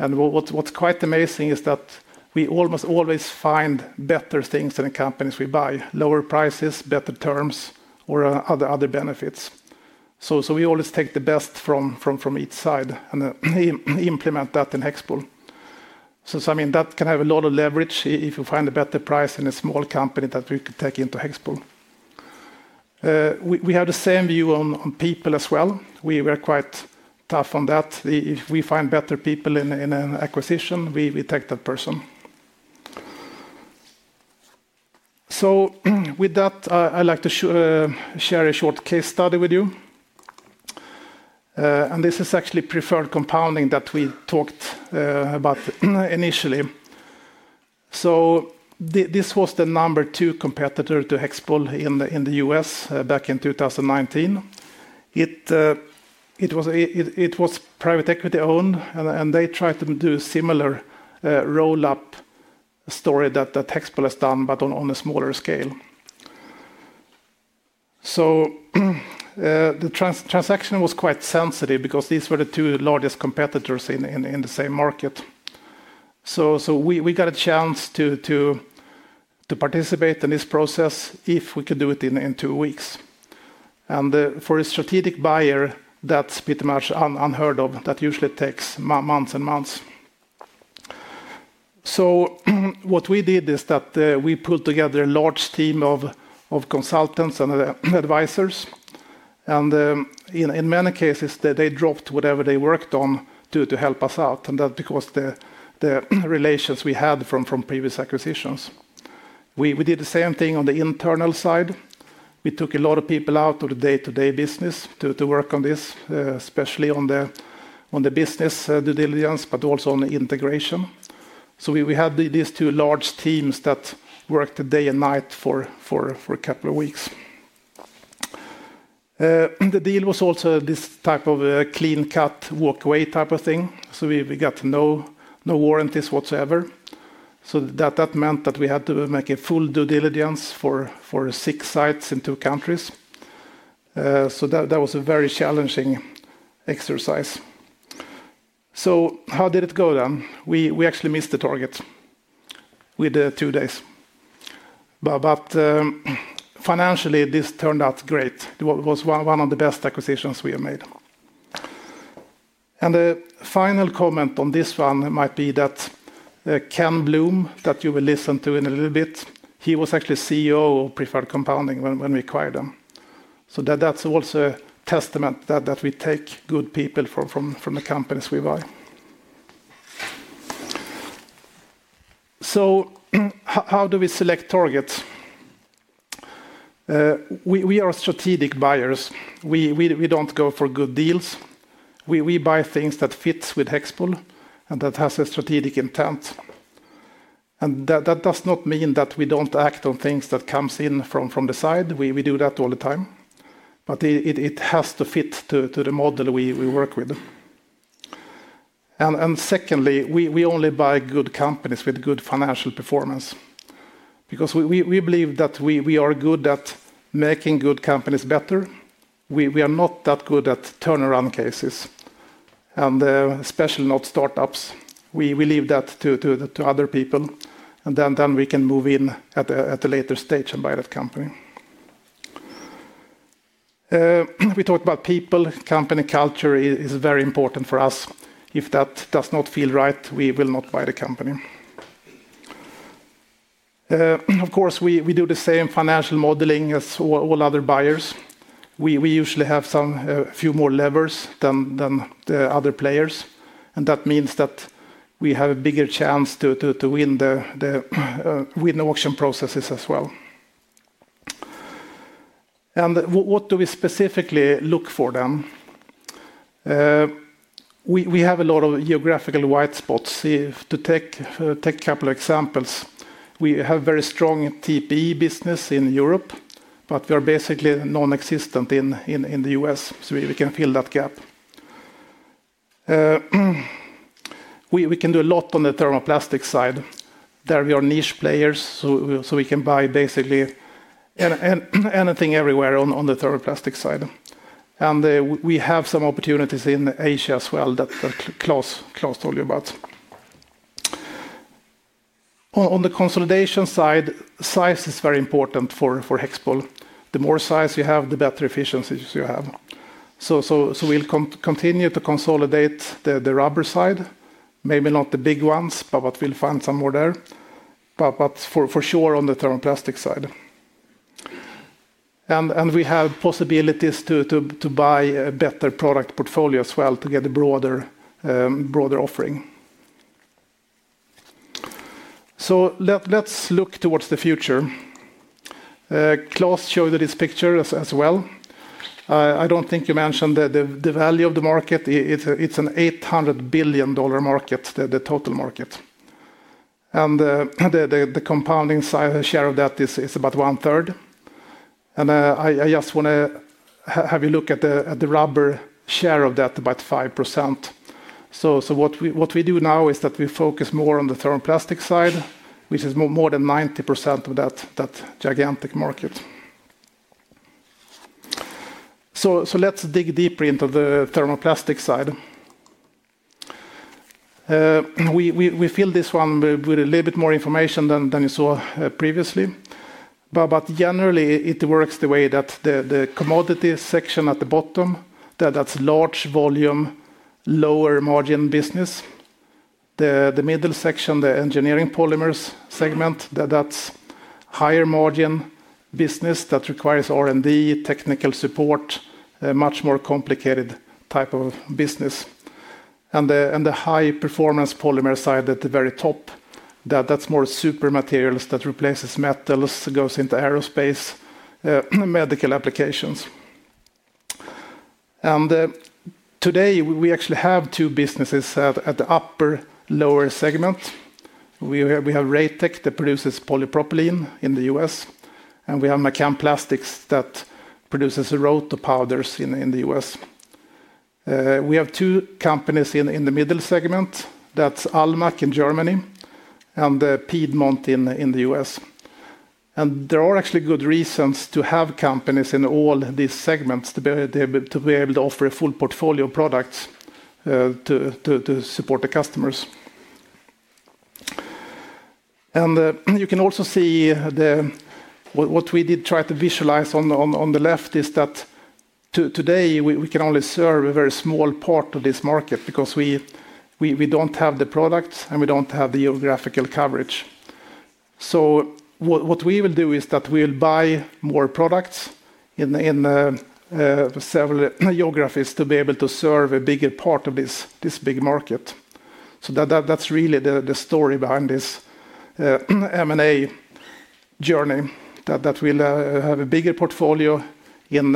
And what's quite amazing is that we almost always find better things in the companies we buy, lower prices, better terms, or other benefits. So we always take the best from each side and implement that in HEXPOL. So I mean, that can have a lot of leverage if you find a better price in a small company that we could take into HEXPOL. We have the same view on people as well. We are quite tough on that. If we find better people in an acquisition, we take that person. So with that, I'd like to share a short case study with you. And this is actually Preferred Compounding that we talked about initially. So this was the number two competitor to HEXPOL in the US back in 2019. It. It was private equity-owned, and they tried to do a similar roll-up story that HEXPOL has done, but on a smaller scale. So the transaction was quite sensitive because these were the two largest competitors in the same market. So we got a chance to participate in this process if we could do it in two weeks. And for a strategic buyer, that's pretty much unheard of. That usually takes months and months. So what we did is that we pulled together a large team of consultants and advisors. And in many cases, they dropped whatever they worked on to help us out. And that's because the relations we had from previous acquisitions. We did the same thing on the internal side. We took a lot of people out of the day-to-day business to work on this, especially on the business due diligence, but also on the integration. So we had these two large teams that worked day and night for a couple of weeks. The deal was also this type of clean-cut, walk-away type of thing. So we got no warranties whatsoever. So that meant that we had to make a full due diligence for six sites in two countries. So that was a very challenging exercise. So how did it go then? We actually missed the target with two days. But financially, this turned out great. It was one of the best acquisitions we have made. And the final comment on this one might be that Ken Bloom, that you will listen to in a little bit, he was actually CEO of Preferred Compounding when we acquired them. So that's also a testament that we take good people from the companies we buy. So how do we select targets? We are strategic buyers. We don't go for good deals. We buy things that fit with HEXPOL and that have a strategic intent. And that does not mean that we don't act on things that come in from the side. We do that all the time. But it has to fit to the model we work with. And secondly, we only buy good companies with good financial performance. Because we believe that we are good at making good companies better. We are not that good at turnaround cases. And especially not startups. We leave that to other people. And then we can move in at a later stage and buy that company. We talked about people. Company culture is very important for us. If that does not feel right, we will not buy the company. Of course, we do the same financial modeling as all other buyers. We usually have a few more levers than the other players. And that means that we have a bigger chance to win the auction processes as well. And what do we specifically look for then? We have a lot of geographical white spots. To take a couple of examples, we have a very strong TPE business in Europe, but we are basically nonexistent in the US. So we can fill that gap. We can do a lot on the thermoplastic side. There we are niche players, so we can buy basically anything everywhere on the thermoplastic side. And we have some opportunities in Asia as well that Klas told you about. On the consolidation side, size is very important for HEXPOL. The more size you have, the better efficiencies you have. So we'll continue to consolidate the rubber side. Maybe not the big ones, but we'll find some more there. But for sure on the thermoplastic side. And we have possibilities to buy a better product portfolio as well to get a broader offering. So let's look towards the future. Klas showed you this picture as well. I don't think you mentioned the value of the market. It's an $800 billion market, the total market. And the compounding share of that is about one-third. And I just want to have you look at the rubber share of that, about 5%. So what we do now is that we focus more on the thermoplastic side, which is more than 90% of that gigantic market. So let's dig deeper into the thermoplastic side. We filled this one with a little bit more information than you saw previously. But generally, it works the way that the commodity section at the bottom, that's large volume, lower margin business. The middle section, the engineering polymers segment, that's higher margin business that requires R&D, technical support. Much more complicated type of business. And the high-performance polymer side at the very top, that's more super materials that replaces metals, goes into aerospace. Medical applications. And today, we actually have two businesses at the upper-lower segment. We have RheTech that produces polypropylene in the U.S. And we have McCann Plastics that produces roto powders in the U.S. We have two companies in the middle segment. That's almaak in Germany and Piedmont in the US. And there are actually good reasons to have companies in all these segments to be able to offer a full portfolio of products. To support the customers. And you can also see what we did try to visualize on the left is that today, we can only serve a very small part of this market because we don't have the products and we don't have the geographical coverage. So what we will do is that we will buy more products in several geographies to be able to serve a bigger part of this big market. So that's really the story behind this M&A journey that will have a bigger portfolio in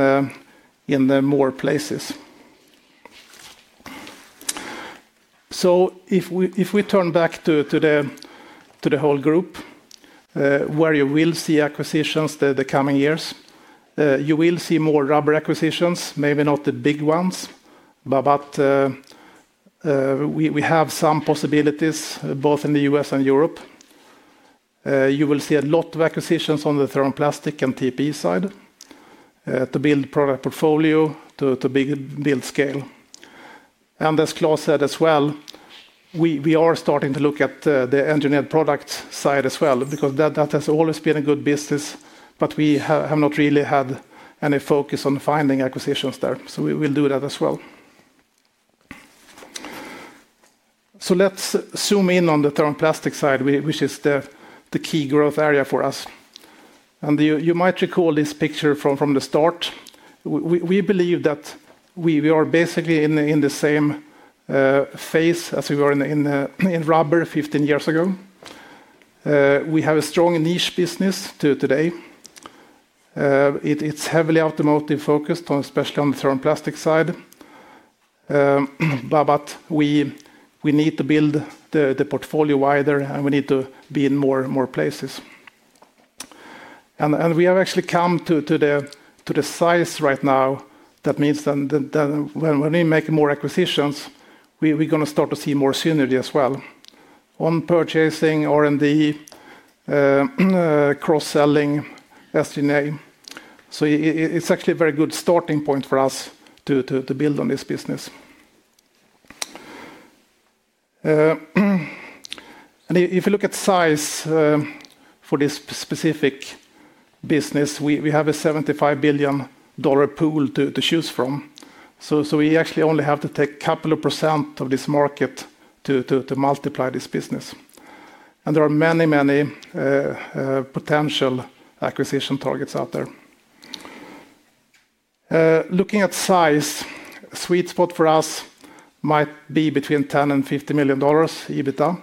more places. So if we turn back to the whole group, where you will see acquisitions the coming years, you will see more rubber acquisitions, maybe not the big ones. But we have some possibilities both in the US and Europe. You will see a lot of acquisitions on the thermoplastic and TPE side. To build product portfolio, to build scale. And as Klas said as well. We are starting to look at the engineered product side as well because that has always been a good business, but we have not really had any focus on finding acquisitions there. So we will do that as well. So let's zoom in on the thermoplastic side, which is the key growth area for us. And you might recall this picture from the start. We believe that. We are basically in the same phase as we were in rubber 15 years ago. We have a strong niche business today. It's heavily automotive-focused, especially on the thermoplastic side. But we need to build the portfolio wider and we need to be in more places. And we have actually come to the size right now. That means that when we make more acquisitions, we're going to start to see more synergy as well. On purchasing, R&D. Cross-selling, SG&A. So it's actually a very good starting point for us to build on this business. And if you look at size for this specific business, we have a $75 billion pool to choose from. So we actually only have to take a couple of percent of this market to multiply this business. And there are many, many potential acquisition targets out there. Looking at size, sweet spot for us might be between $10 million-$50 million EBITDA.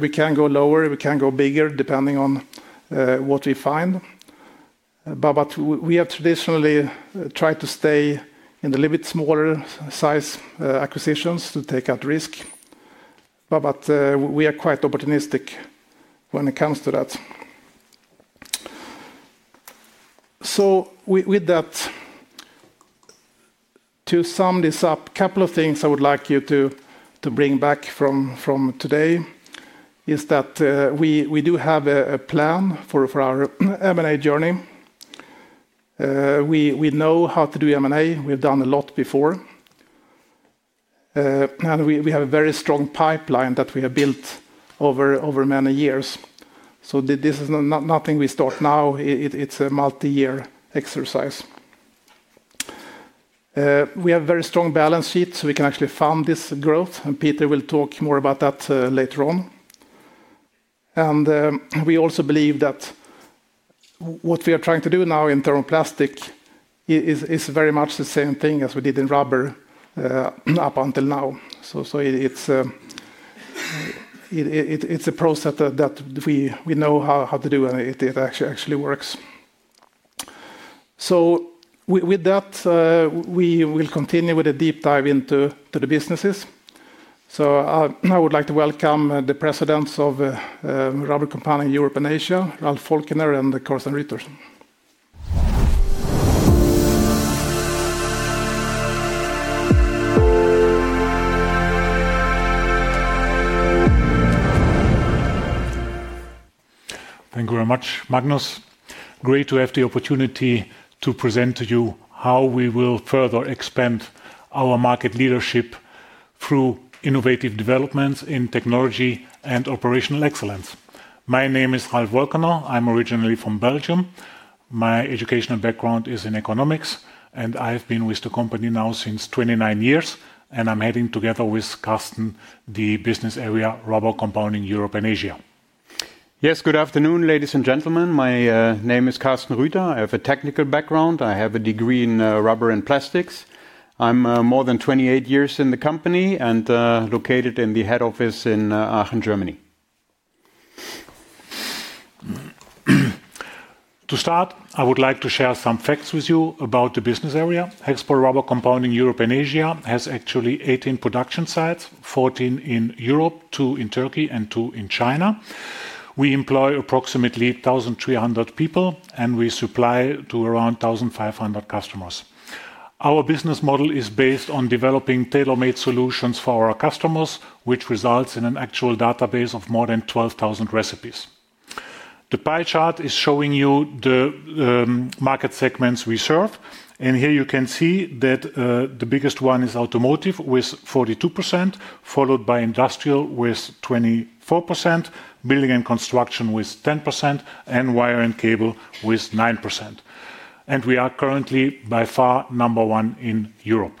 We can go lower, we can go bigger depending on what we find. But we have traditionally tried to stay in the little bit smaller size acquisitions to take out risk. But we are quite opportunistic when it comes to that. So with that to sum this up, a couple of things I would like you to bring back from today. Is that we do have a plan for our M&A journey. We know how to do M&A. We've done a lot before. And we have a very strong pipeline that we have built over many years. So this is nothing we start now. It's a multi-year exercise. We have a very strong balance sheet, so we can actually fund this growth. And Peter will talk more about that later on. And we also believe that what we are trying to do now in thermoplastic is very much the same thing as we did in rubber up until now. So it's a process that we know how to do and it actually works. So with that we will continue with a deep dive into the businesses. So I would like to welcome the presidents of Rubber Company in Europe and Asia, Ralf Wolkener and Carsten Rüter. Thank you very much, Magnus. Great to have the opportunity to present to you how we will further expand our market leadership through innovative developments in technology and operational excellence. My name is Ralf Wolkener. I'm originally from Belgium. My educational background is in economics, and I have been with the company now since 29 years, and I'm heading together with Carsten the business area rubber compounding Europe and Asia. Yes, good afternoon, ladies and gentlemen. My name is Carsten Rüter. I have a technical background. I have a degree in rubber and plastics. I'm more than 28 years in the company and located in the head office in Aachen, Germany. To start, I would like to share some facts with you about the business area. HEXPOL rubber compounding Europe and Asia has actually 18 production sites, 14 in Europe, 2 in Turkey, and 2 in China. We employ approximately 1,300 people, and we supply to around 1,500 customers. Our business model is based on developing tailor-made solutions for our customers, which results in an actual database of more than 12,000 recipes. The pie chart is showing you the market segments we serve. And here you can see that the biggest one is automotive with 42%, followed by industrial with 24%, building and construction with 10%, and wire and cable with 9%. And we are currently by far number one in Europe.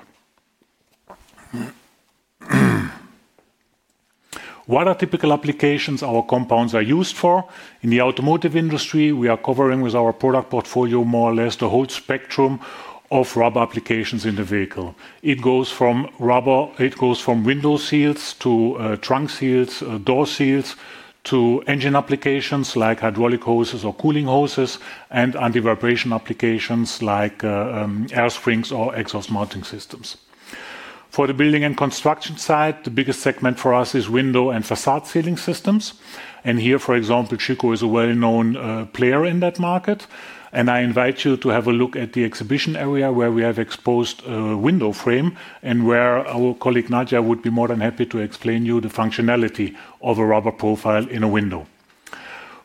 What are typical applications our compounds are used for? In the automotive industry, we are covering with our product portfolio more or less the whole spectrum of rubber applications in the vehicle. It goes from window seals to trunk seals, door seals, to engine applications like hydraulic hoses or cooling hoses, and anti-vibration applications like air springs or exhaust mounting systems. For the building and construction side, the biggest segment for us is window and facade sealing systems. And here, for example, Schüco is a well-known player in that market. And I invite you to have a look at the exhibition area where we have exposed a window frame and where our colleague Nadia would be more than happy to explain to you the functionality of a rubber profile in a window.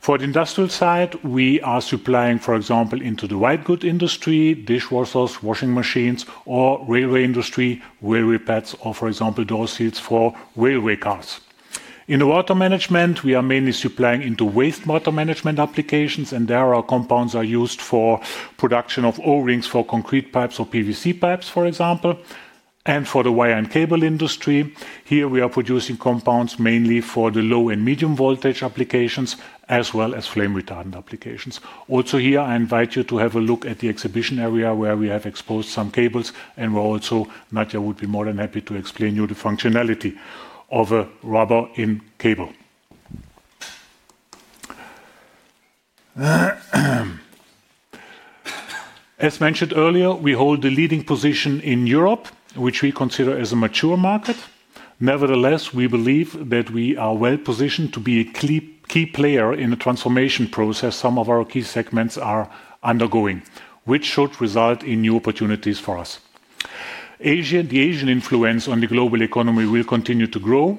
For the industrial side, we are supplying, for example, into the white good industry, dishwashers, washing machines, or railway industry, railway pads, or for example, door seals for railway cars. In the water management, we are mainly supplying into wastewater management applications, and there our compounds are used for production of O-rings for concrete pipes or PVC pipes, for example. And for the wire and cable industry, here we are producing compounds mainly for the low and medium voltage applications as well as flame retardant applications. Also here, I invite you to have a look at the exhibition area where we have exposed some cables, and also Nadia would be more than happy to explain to you the functionality of a rubber in cable. As mentioned earlier, we hold the leading position in Europe, which we consider as a mature market. Nevertheless, we believe that we are well positioned to be a key player in the transformation process some of our key segments are undergoing, which should result in new opportunities for us. The Asian influence on the global economy will continue to grow,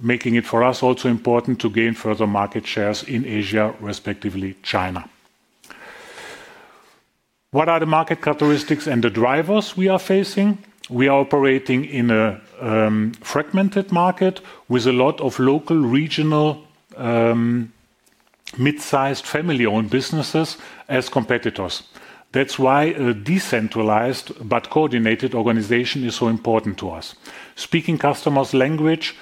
making it for us also important to gain further market shares in Asia, respectively, China. What are the market characteristics and the drivers we are facing? We are operating in a fragmented market with a lot of local, regional, mid-sized family-owned businesses as competitors. That's why a decentralized but coordinated organization is so important to us. Speaking customers' language,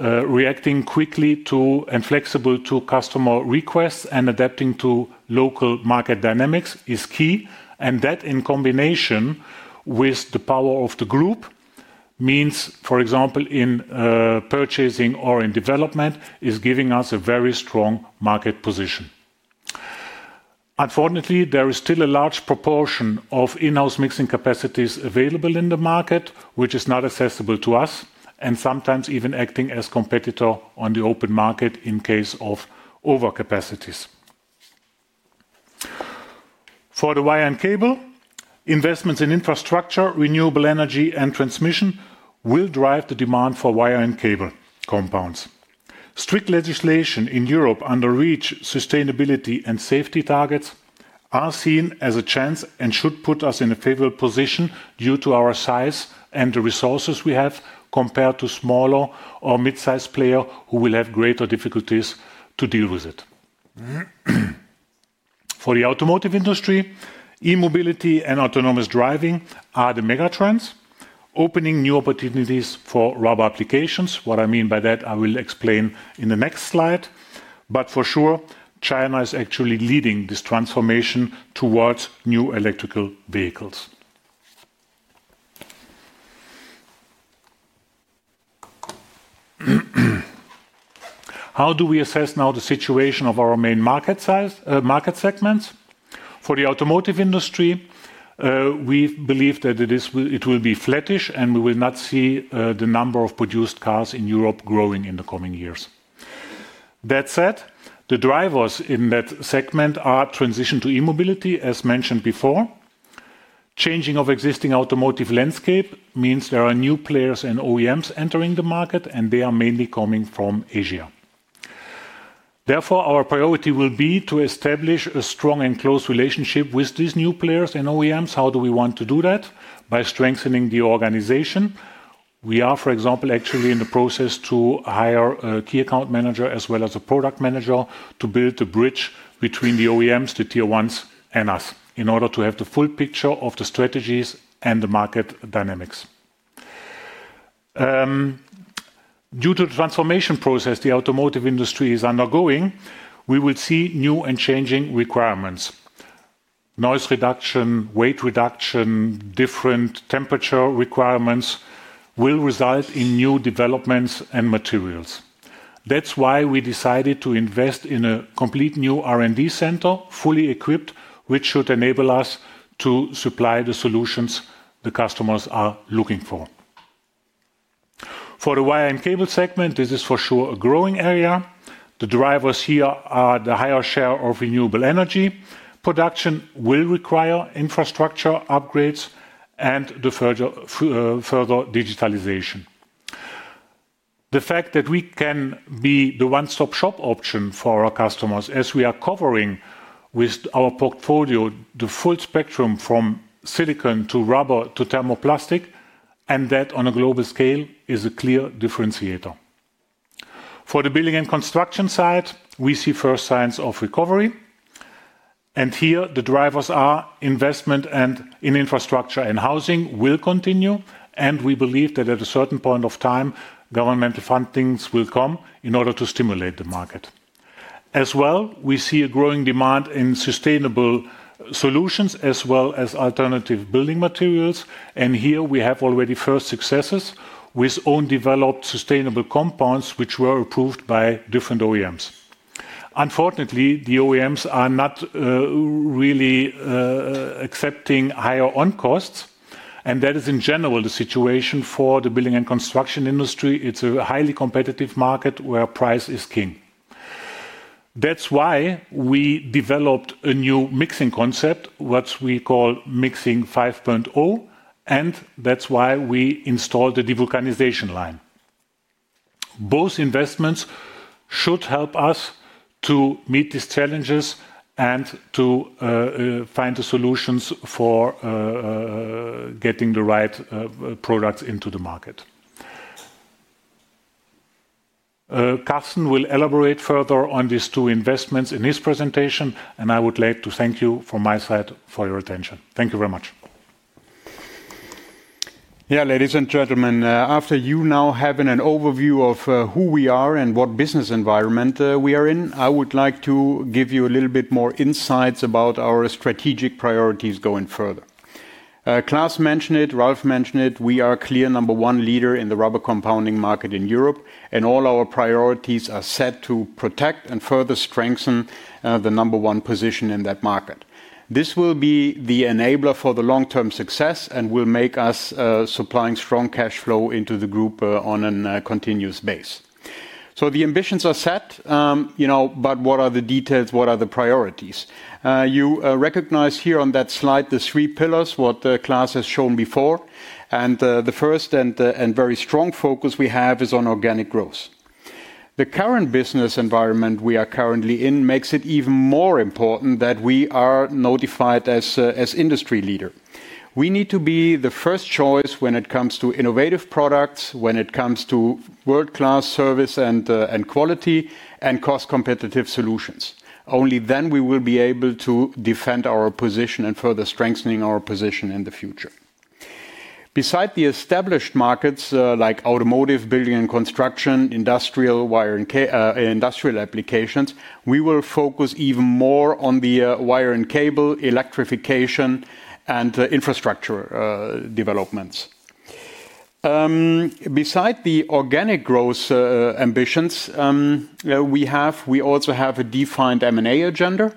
reacting quickly and flexibly to customer requests, and adapting to local market dynamics is key. And that, in combination with the power of the group, means, for example, in purchasing or in development, is giving us a very strong market position. Unfortunately, there is still a large proportion of in-house mixing capacities available in the market, which is not accessible to us, and sometimes even acting as a competitor on the open market in case of overcapacities. For the wire and cable, investments in infrastructure, renewable energy, and transmission will drive the demand for wire and cable compounds. Strict legislation in Europe under REACH sustainability and safety targets are seen as a chance and should put us in a favorable position due to our size and the resources we have compared to smaller or mid-sized players who will have greater difficulties to deal with it. For the automotive industry, e-mobility and autonomous driving are the mega trends, opening new opportunities for rubber applications. What I mean by that, I will explain in the next slide. But for sure, China is actually leading this transformation towards new electric vehicles. How do we assess now the situation of our main market segments? For the automotive industry, we believe that it will be flattish, and we will not see the number of produced cars in Europe growing in the coming years. That said, the drivers in that segment are transition to e-mobility, as mentioned before. Changing of existing automotive landscape means there are new players and OEMs entering the market, and they are mainly coming from Asia. Therefore, our priority will be to establish a strong and close relationship with these new players and OEMs. How do we want to do that? By strengthening the organization. We are, for example, actually in the process to hire a key account manager as well as a product manager to build a bridge between the OEMs, the tier ones, and us in order to have the full picture of the strategies and the market dynamics. Due to the transformation process the automotive industry is undergoing, we will see new and changing requirements. Noise reduction, weight reduction, different temperature requirements will result in new developments and materials. That's why we decided to invest in a complete new R&D center, fully equipped, which should enable us to supply the solutions the customers are looking for. For the wire and cable segment, this is for sure a growing area. The drivers here are the higher share of renewable energy. Production will require infrastructure upgrades and further digitalization. The fact that we can be the one-stop shop option for our customers, as we are covering with our portfolio the full spectrum from silicon to rubber to thermoplastic, and that on a global scale is a clear differentiator. For the building and construction side, we see first signs of recovery, and here the drivers are investment and in infrastructure and housing will continue. We believe that at a certain point of time, governmental fundings will come in order to stimulate the market. As well, we see a growing demand in sustainable solutions as well as alternative building materials, and here we have already first successes with own-developed sustainable compounds, which were approved by different OEMs. Unfortunately, the OEMs are not really accepting higher costs, and that is in general the situation for the building and construction industry. It's a highly competitive market where price is king. That's why we developed a new mixing concept, what we call Mixing 5.0, and that's why we installed the devulcanization line. Both investments should help us to meet these challenges and to find the solutions for getting the right products into the market. Carsten will elaborate further on these two investments in his presentation, and I would like to thank you from my side for your attention. Thank you very much. Yeah, ladies and gentlemen, after you now have an overview of who we are and what business environment we are in, I would like to give you a little bit more insights about our strategic priorities going further. Klas mentioned it, Ralf mentioned it. We are a clear number one leader in the rubber compounding market in Europe, and all our priorities are set to protect and further strengthen the number one position in that market. This will be the enabler for the long-term success and will make us supply strong cash flow into the group on a continuous base. So the ambitions are set. But what are the details? What are the priorities? You recognize here on that slide the three pillars, what Klas has shown before, and the first and very strong focus we have is on organic growth. The current business environment we are currently in makes it even more important that we are notified as industry leader. We need to be the first choice when it comes to innovative products, when it comes to world-class service and quality and cost-competitive solutions. Only then will we be able to defend our position and further strengthen our position in the future. Beside the established markets like automotive, building and construction, industrial applications, we will focus even more on the wire and cable, electrification, and infrastructure developments. Beside the organic growth ambitions, we also have a defined M&A agenda,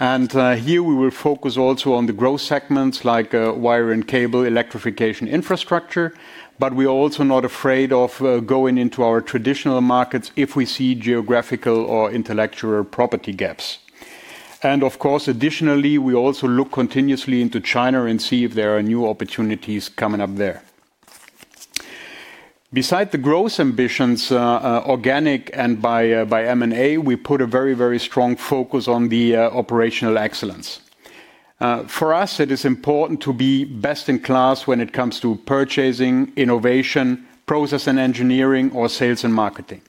and here we will focus also on the growth segments like wire and cable, electrification, infrastructure. But we are also not afraid of going into our traditional markets if we see geographical or intellectual property gaps. Of course, additionally, we also look continuously into China and see if there are new opportunities coming up there. Besides the growth ambitions, organic and by M&A, we put a very, very strong focus on the operational excellence. For us, it is important to be best in class when it comes to purchasing, innovation, process and engineering, or sales and marketing.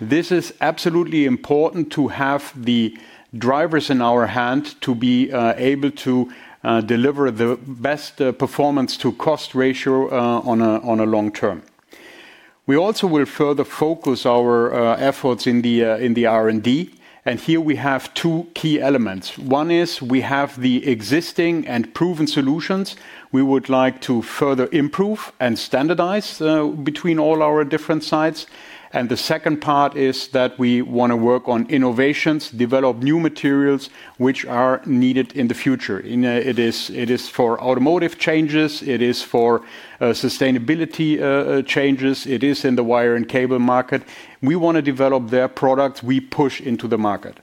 This is absolutely important to have the drivers in our hand to be able to deliver the best performance to cost ratio on a long term. We also will further focus our efforts in the R&D. And here, we have two key elements. One is we have the existing and proven solutions we would like to further improve and standardize between all our different sites. And the second part is that we want to work on innovations, develop new materials which are needed in the future. It is for automotive changes. It is for sustainability changes. It is in the wire and cable market. We want to develop the products we push into the market.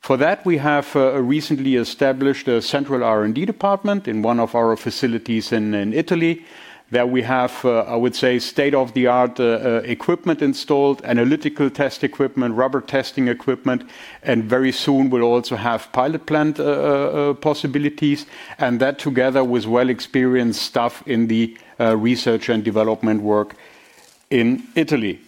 For that, we have recently established a central R&D department in one of our facilities in Italy. There we have, I would say, state-of-the-art equipment installed, analytical test equipment, rubber testing equipment, and very soon, we'll also have pilot plant possibilities. And that together with well-experienced staff in the research and development work in Italy.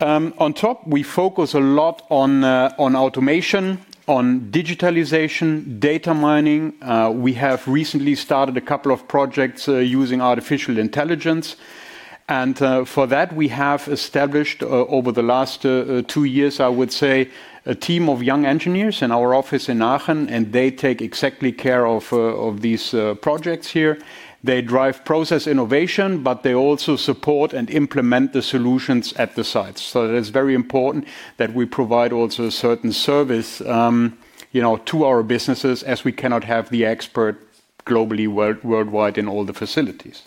On top, we focus a lot on automation, on digitalization, data mining. We have recently started a couple of projects using artificial intelligence. And for that, we have established over the last two years, I would say, a team of young engineers in our office in Aachen, and they take exactly care of these projects here. They drive process innovation, but they also support and implement the solutions at the sites. So it is very important that we provide also a certain service to our businesses as we cannot have the expert globally, worldwide, in all the facilities.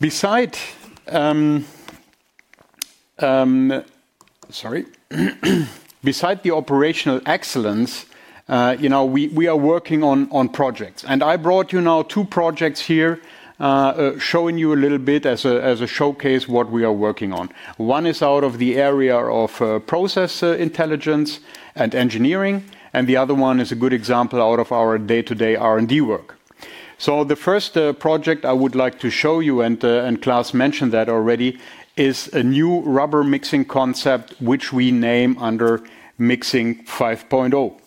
Besides the operational excellence, we are working on projects. And I brought you now two projects here, showing you a little bit as a showcase of what we are working on. One is out of the area of process intelligence and engineering, and the other one is a good example out of our day-to-day R&D work. So the first project I would like to show you, and Klas mentioned that already, is a new rubber mixing concept which we call Mixing 5.0.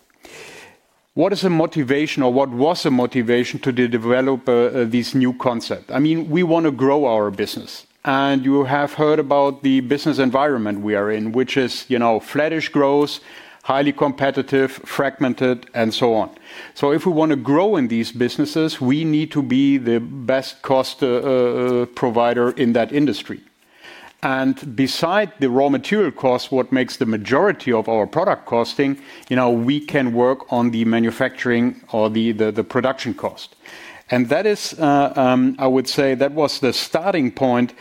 What is the motivation or what was the motivation to develop this new concept? I mean, we want to grow our business. And you have heard about the business environment we are in, which is flattish growth, highly competitive, fragmented, and so on. So if we want to grow in these businesses, we need to be the best-cost provider in that industry. And besides the raw material cost, what makes the majority of our product costing, we can work on the manufacturing or the production cost. That is. I would say that was the starting point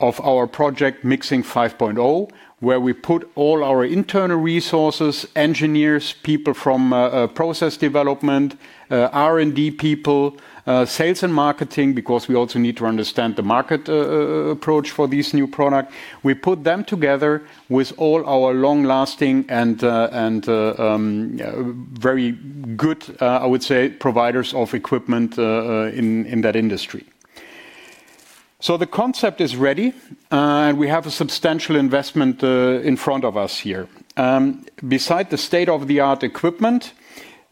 of our project Mixing 5.0, where we put all our internal resources, engineers, people from process development. R&D people. Sales and marketing, because we also need to understand the market approach for these new products. We put them together with all our long-lasting and very good, I would say, providers of equipment in that industry. So the concept is ready, and we have a substantial investment in front of us here. Besides the state-of-the-art equipment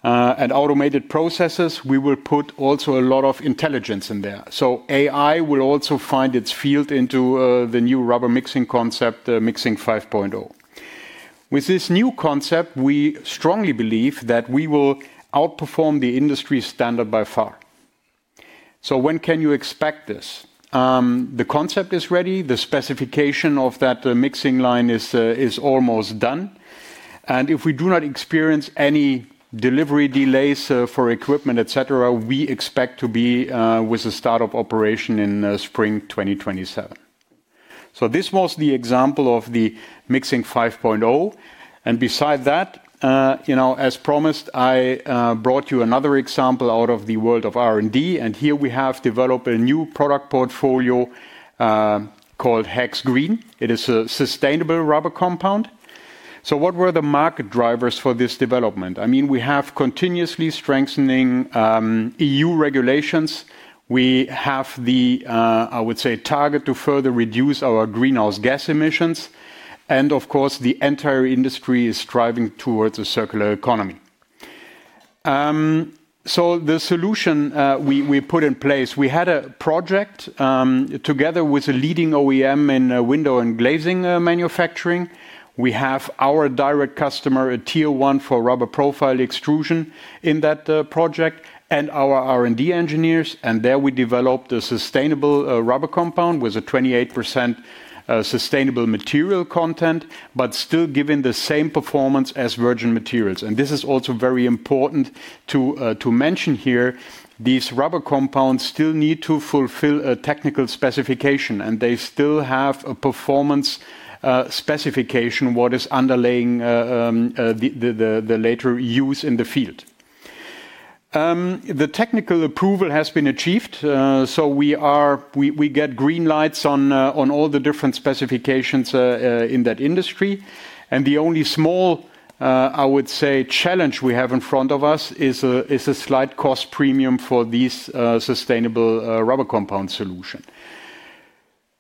and automated processes, we will put also a lot of intelligence in there. So AI will also find its way into the new rubber mixing concept, Mixing 5.0. With this new concept, we strongly believe that we will outperform the industry standard by far. So when can you expect this? The concept is ready. The specification of that mixing line is almost done. And if we do not experience any delivery delays for equipment, etc., we expect to be with a startup operation in spring 2027. So this was the example of the Mixing 5.0. And besides that, as promised, I brought you another example out of the world of R&D. And here, we have developed a new product portfolio called HEX Green. It is a sustainable rubber compound. So what were the market drivers for this development? I mean, we have continuously strengthening EU regulations. We have the, I would say, target to further reduce our greenhouse gas emissions. And of course, the entire industry is striving towards a circular economy. So the solution we put in place, we had a project together with a leading OEM in window and glazing manufacturing. We have our direct customer, a tier one for rubber profile extrusion in that project, and our R&D engineers. And there, we developed a sustainable rubber compound with a 28% sustainable material content, but still giving the same performance as virgin materials. And this is also very important to mention here. These rubber compounds still need to fulfill a technical specification, and they still have a performance specification, what is underlying the later use in the field. The technical approval has been achieved. So we get green lights on all the different specifications in that industry. And the only small, I would say, challenge we have in front of us is a slight cost premium for these sustainable rubber compound solutions.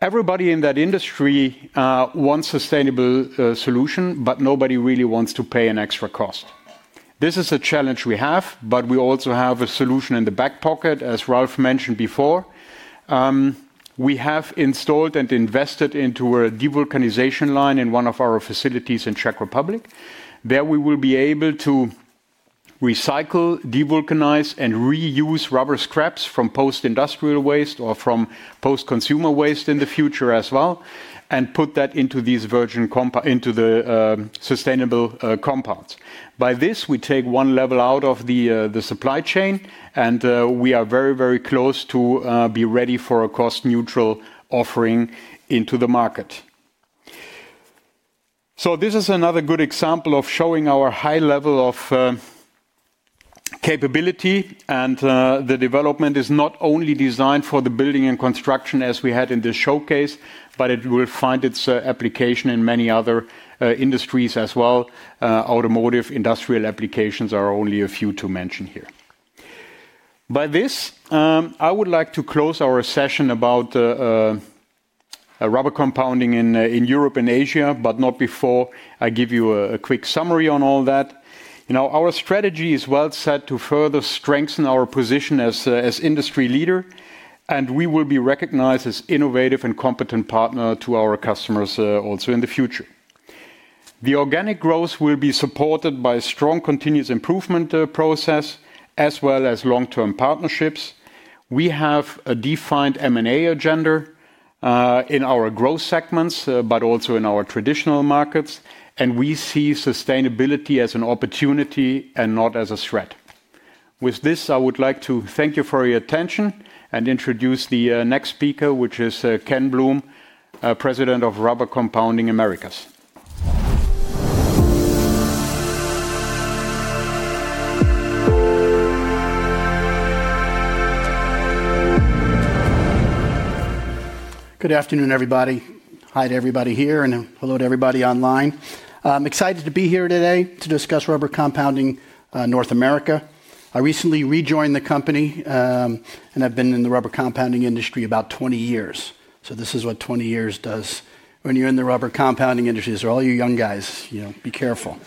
Everybody in that industry wants a sustainable solution, but nobody really wants to pay an extra cost. This is a challenge we have, but we also have a solution in the back pocket, as Ralf mentioned before. We have installed and invested into a devulcanization line in one of our facilities in Czech Republic. There we will be able to recycle, devulcanize, and reuse rubber scraps from post-industrial waste or from post-consumer waste in the future as well, and put that into the sustainable compounds. By this, we take one level out of the supply chain, and we are very, very close to being ready for a cost-neutral offering into the market. So this is another good example of showing our high level of capability. And the development is not only designed for the building and construction as we had in the showcase, but it will find its application in many other industries as well. Automotive, industrial applications are only a few to mention here. By this, I would like to close our session about rubber compounding in Europe and Asia, but not before I give you a quick summary on all that. Our strategy is well set to further strengthen our position as industry leader, and we will be recognized as an innovative and competent partner to our customers also in the future. The organic growth will be supported by a strong continuous improvement process as well as long-term partnerships. We have a defined M&A agenda in our growth segments, but also in our traditional markets. And we see sustainability as an opportunity and not as a threat. With this, I would like to thank you for your attention and introduce the next speaker, which is Ken Bloom, President of Rubber Compounding Americas. Good afternoon, everybody. Hi to everybody here and hello to everybody online. I'm excited to be here today to discuss rubber compounding North America. I recently rejoined the company, and I've been in the rubber compounding industry about 20 years. So this is what 20 years does. When you're in the rubber compounding industry, these are all you young guys. Be careful.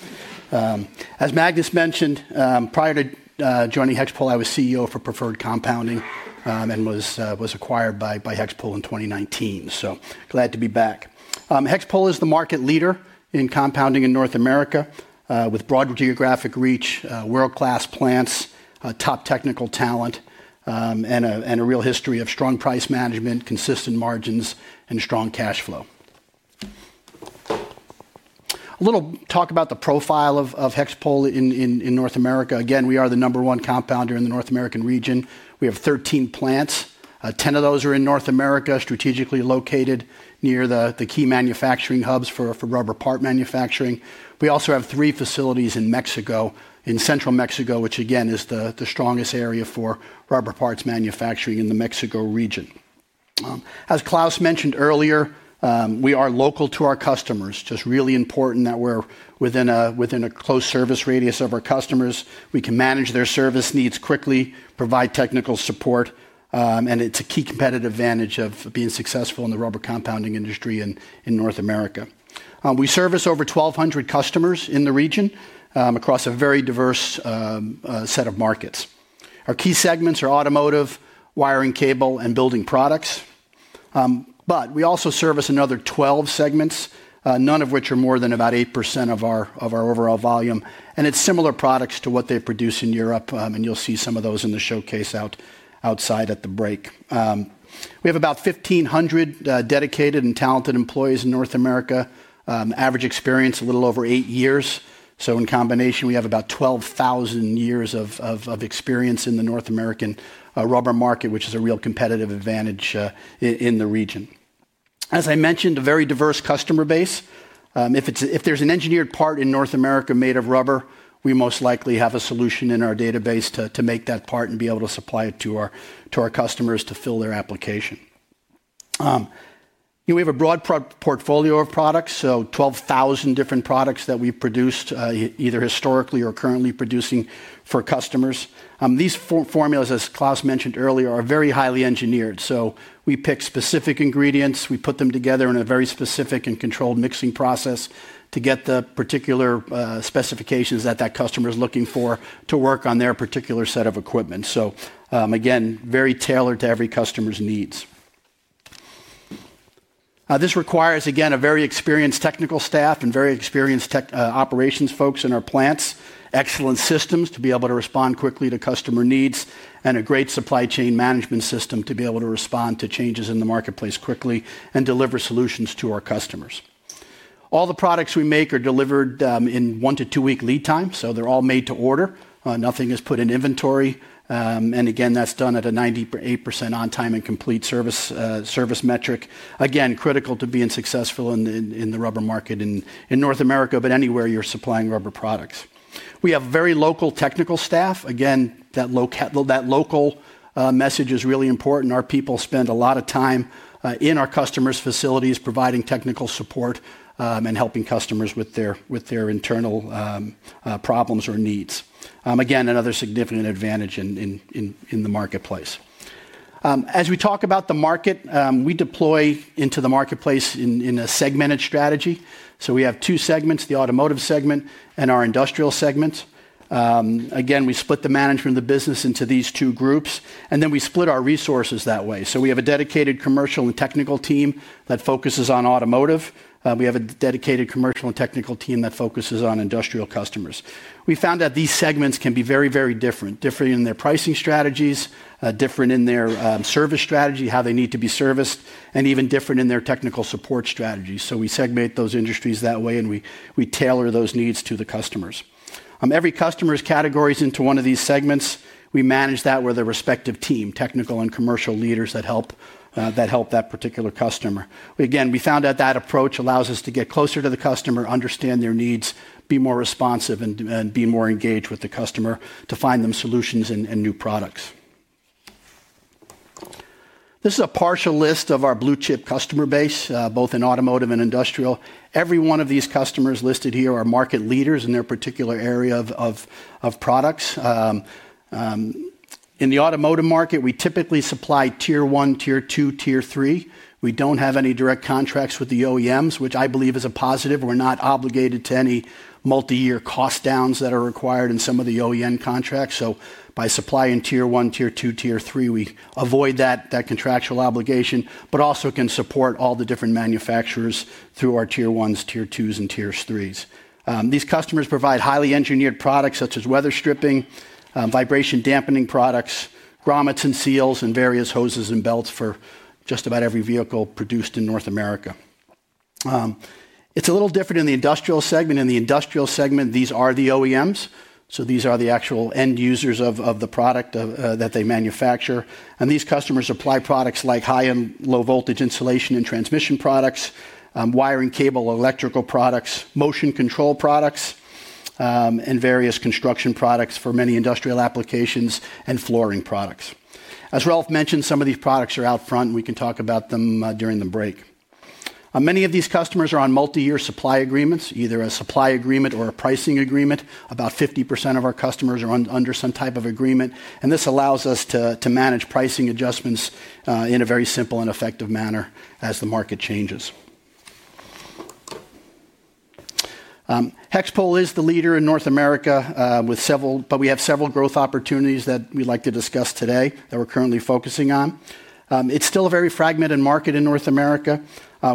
As Magnus mentioned, prior to joining HEXPOL, I was CEO for Preferred Compounding and was acquired by HEXPOL in 2019. So glad to be back. HEXPOL is the market leader in compounding in North America with broad geographic reach, world-class plants, top technical talent, and a real history of strong price management, consistent margins, and strong cash flow. A little talk about the profile of HEXPOL in North America. Again, we are the number one compounder in the North American region. We have 13 plants. 10 of those are in North America, strategically located near the key manufacturing hubs for rubber part manufacturing. We also have three facilities in Mexico, in Central Mexico, which, again, is the strongest area for rubber parts manufacturing in the Mexico region. As Klas mentioned earlier, we are local to our customers. Just really important that we're within a close service radius of our customers. We can manage their service needs quickly, provide technical support. And it's a key competitive advantage of being successful in the rubber compounding industry in North America. We service over 1,200 customers in the region across a very diverse set of markets. Our key segments are automotive, wiring, cable, and building products. But we also service another 12 segments, none of which are more than about 8% of our overall volume. It's similar products to what they produce in Europe, and you'll see some of those in the showcase outside at the break. We have about 1,500 dedicated and talented employees in North America. Average experience, a little over eight years, so in combination, we have about 12,000 years of experience in the North American rubber market, which is a real competitive advantage in the region. As I mentioned, a very diverse customer base. If there's an engineered part in North America made of rubber, we most likely have a solution in our database to make that part and be able to supply it to our customers to fill their application. We have a broad portfolio of products, so 12,000 different products that we've produced, either historically or currently producing for customers. These formulas, as Klas mentioned earlier, are very highly engineered. So we pick specific ingredients. We put them together in a very specific and controlled mixing process to get the particular specifications that that customer is looking for to work on their particular set of equipment. So again, very tailored to every customer's needs. This requires, again, a very experienced technical staff and very experienced operations folks in our plants, excellent systems to be able to respond quickly to customer needs, and a great supply chain management system to be able to respond to changes in the marketplace quickly and deliver solutions to our customers. All the products we make are delivered in one- to two-week lead time. So they're all made to order. Nothing is put in inventory, and again, that's done at a 98% on-time and complete service metric. Again, critical to being successful in the rubber market in North America, but anywhere you're supplying rubber products. We have very local technical staff. Again, that local message is really important. Our people spend a lot of time in our customers' facilities providing technical support, and helping customers with their internal problems or needs. Again, another significant advantage in the marketplace. As we talk about the market, we deploy into the marketplace in a segmented strategy. So we have two segments, the automotive segment and our industrial segment. Again, we split the management of the business into these two groups, and then we split our resources that way. So we have a dedicated commercial and technical team that focuses on automotive. We have a dedicated commercial and technical team that focuses on industrial customers. We found that these segments can be very, very different, different in their pricing strategies, different in their service strategy, how they need to be serviced, and even different in their technical support strategies. So we segment those industries that way, and we tailor those needs to the customers. Every customer's categories into one of these segments, we manage that with a respective team, technical and commercial leaders that help that particular customer. Again, we found that that approach allows us to get closer to the customer, understand their needs, be more responsive, and be more engaged with the customer to find them solutions and new products. This is a partial list of our blue-chip customer base, both in automotive and industrial. Every one of these customers listed here are market leaders in their particular area of products. In the automotive market, we typically supply tier one, tier two, tier three. We don't have any direct contracts with the OEMs, which I believe is a positive. We're not obligated to any multi-year cost downs that are required in some of the OEM contracts. So by supplying tier one, tier two, tier three, we avoid that contractual obligation, but also can support all the different manufacturers through our tier ones, tier twos, and tier threes. These customers provide highly engineered products such as weather stripping, vibration dampening products, grommets and seals, and various hoses and belts for just about every vehicle produced in North America. It's a little different in the industrial segment. In the industrial segment, these are the OEMs. So these are the actual end users of the product that they manufacture. And these customers apply products like high and low voltage insulation and transmission products, wiring, cable, electrical products, motion control products, and various construction products for many industrial applications and flooring products. As Ralf mentioned, some of these products are out front. We can talk about them during the break. Many of these customers are on multi-year supply agreements, either a supply agreement or a pricing agreement. About 50% of our customers are under some type of agreement. And this allows us to manage pricing adjustments in a very simple and effective manner as the market changes. HEXPOL is the leader in North America, but we have several growth opportunities that we'd like to discuss today that we're currently focusing on. It's still a very fragmented market in North America.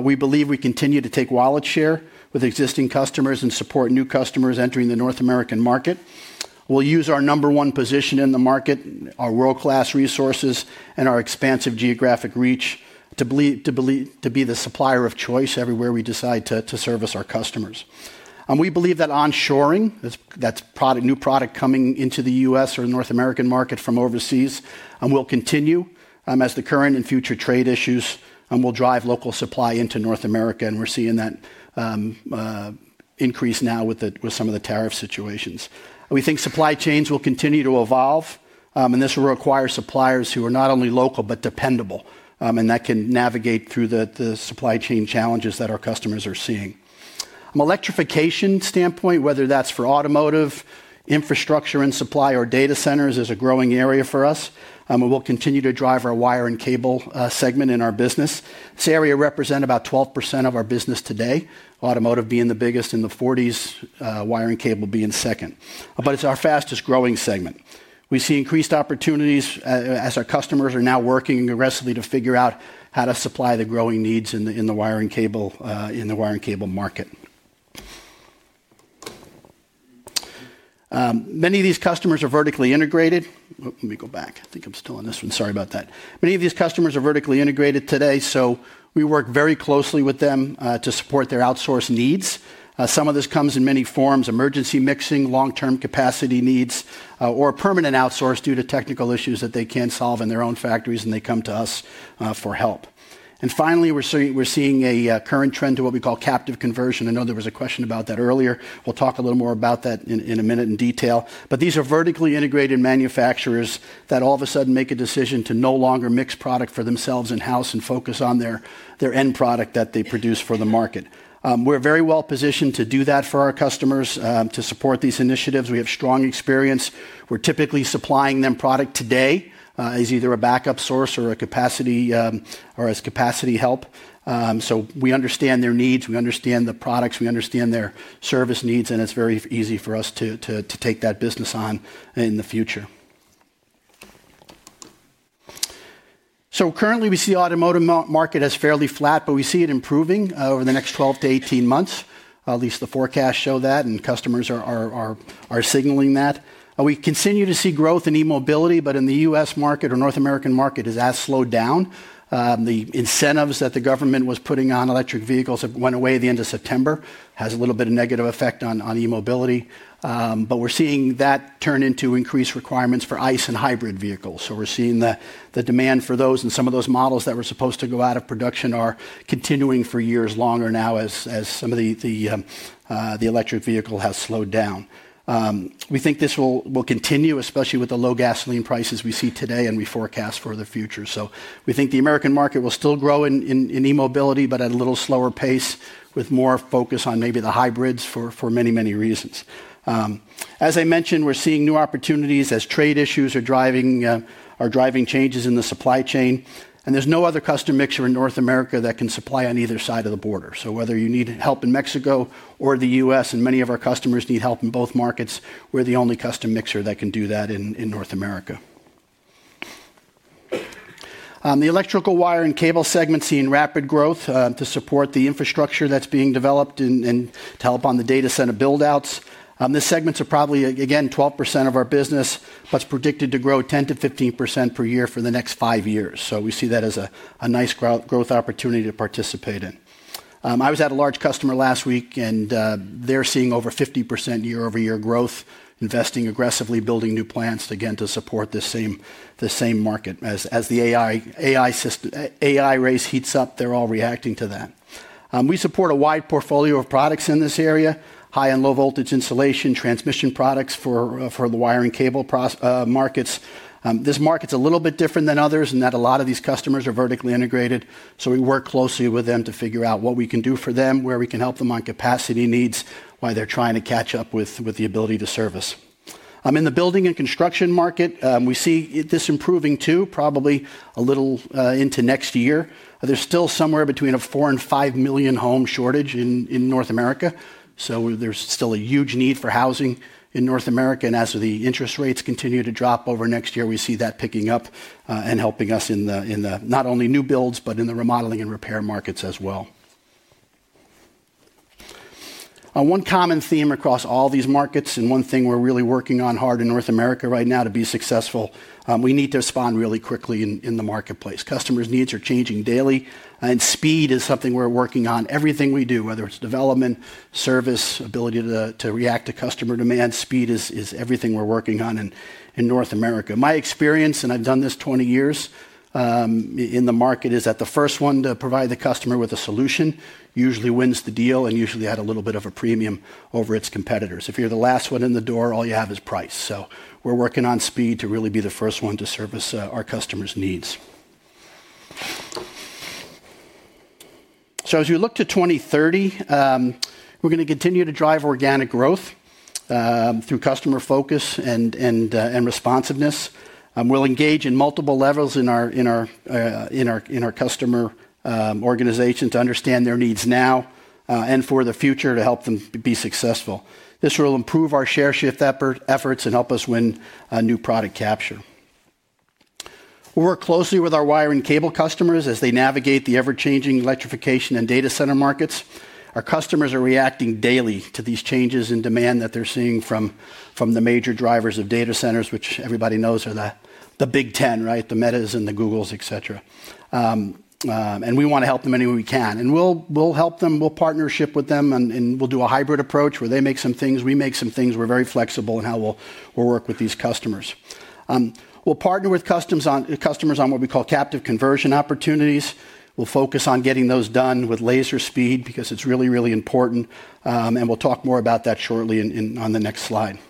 We believe we continue to take wallet share with existing customers and support new customers entering the North American market. We'll use our number one position in the market, our world-class resources, and our expansive geographic reach to be the supplier of choice everywhere we decide to service our customers. We believe that onshoring, that's new product coming into the U.S. or North American market from overseas, will continue as the current and future trade issues will drive local supply into North America. And we're seeing that increase now with some of the tariff situations. We think supply chains will continue to evolve, and this will require suppliers who are not only local but dependable, and that can navigate through the supply chain challenges that our customers are seeing. From an electrification standpoint, whether that's for automotive, infrastructure and supply, or data centers, is a growing area for us. We will continue to drive our wire and cable segment in our business. This area represents about 12% of our business today, automotive being the biggest in the 40s, wire and cable being second. But it's our fastest growing segment. We see increased opportunities as our customers are now working aggressively to figure out how to supply the growing needs in the wire and cable market. Many of these customers are vertically integrated. Let me go back. I think I'm still on this one. Sorry about that. Many of these customers are vertically integrated today. So we work very closely with them to support their outsource needs. Some of this comes in many forms: emergency mixing, long-term capacity needs, or permanent outsource due to technical issues that they can't solve in their own factories, and they come to us for help. And finally, we're seeing a current trend to what we call captive conversion. I know there was a question about that earlier. We'll talk a little more about that in a minute in detail. But these are vertically integrated manufacturers that all of a sudden make a decision to no longer mix product for themselves in-house and focus on their end product that they produce for the market. We're very well positioned to do that for our customers, to support these initiatives. We have strong experience. We're typically supplying them product today as either a backup source or as. Capacity help. So we understand their needs. We understand the products. We understand their service needs, and it's very easy for us to take that business on in the future. So currently, we see the automotive market as fairly flat, but we see it improving over the next 12 to 18 months. At least the forecasts show that, and customers are signaling that. We continue to see growth in e-mobility, but in the US market or North American market, it has slowed down. The incentives that the government was putting on electric vehicles that went away at the end of September have a little bit of a negative effect on e-mobility. But we're seeing that turn into increased requirements for ICE and hybrid vehicles. So we're seeing the demand for those, and some of those models that were supposed to go out of production are continuing for years longer now as some of the. Electric vehicles have slowed down. We think this will continue, especially with the low gasoline prices we see today and we forecast for the future. So we think the American market will still grow in e-mobility, but at a little slower pace with more focus on maybe the hybrids for many, many reasons. As I mentioned, we're seeing new opportunities as trade issues are driving. Changes in the supply chain. And there's no other customer mixer in North America that can supply on either side of the border. Whether you need help in Mexico or the US, and many of our customers need help in both markets, we're the only custom mixer that can do that in North America. The electrical wire and cable segments see rapid growth to support the infrastructure that's being developed and to help on the data center buildouts. These segments are probably, again, 12% of our business, but it's predicted to grow 10%-15% per year for the next five years. So we see that as a nice growth opportunity to participate in. I was at a large customer last week, and they're seeing over 50% year-over-year growth, investing aggressively, building new plants again to support the same market as the AI race heats up. They're all reacting to that. We support a wide portfolio of products in this area: high and low voltage insulation, transmission products for the wire and cable markets. This market's a little bit different than others in that a lot of these customers are vertically integrated. So we work closely with them to figure out what we can do for them, where we can help them on capacity needs, why they're trying to catch up with the ability to service. In the building and construction market, we see this improving too, probably a little into next year. There's still somewhere between four and five million home shortage in North America. So there's still a huge need for housing in North America. And as the interest rates continue to drop over next year, we see that picking up and helping us in not only new builds, but in the remodeling and repair markets as well. One common theme across all these markets and one thing we're really working on hard in North America right now to be successful, we need to respond really quickly in the marketplace. Customers' needs are changing daily, and speed is something we're working on. Everything we do, whether it's development, service, ability to react to customer demand, speed is everything we're working on in North America. My experience, and I've done this 20 years in the market, is that the first one to provide the customer with a solution usually wins the deal and usually had a little bit of a premium over its competitors. If you're the last one in the door, all you have is price. So we're working on speed to really be the first one to service our customers' needs. As we look to 2030, we're going to continue to drive organic growth through customer focus and responsiveness. We'll engage in multiple levels in our customer organization to understand their needs now and for the future to help them be successful. This will improve our share shift efforts and help us win new product capture. We'll work closely with our wire and cable customers as they navigate the ever-changing electrification and data center markets. Our customers are reacting daily to these changes in demand that they're seeing from the major drivers of data centers, which everybody knows are the big 10, right? The Metas and the Googles, etc. We want to help them any way we can, and we'll help them. We'll partner with them, and we'll do a hybrid approach where they make some things, we make some things. We're very flexible in how we'll work with these customers. We'll partner with customers on what we call captive conversion opportunities. We'll focus on getting those done with laser speed because it's really, really important, and we'll talk more about that shortly on the next slide.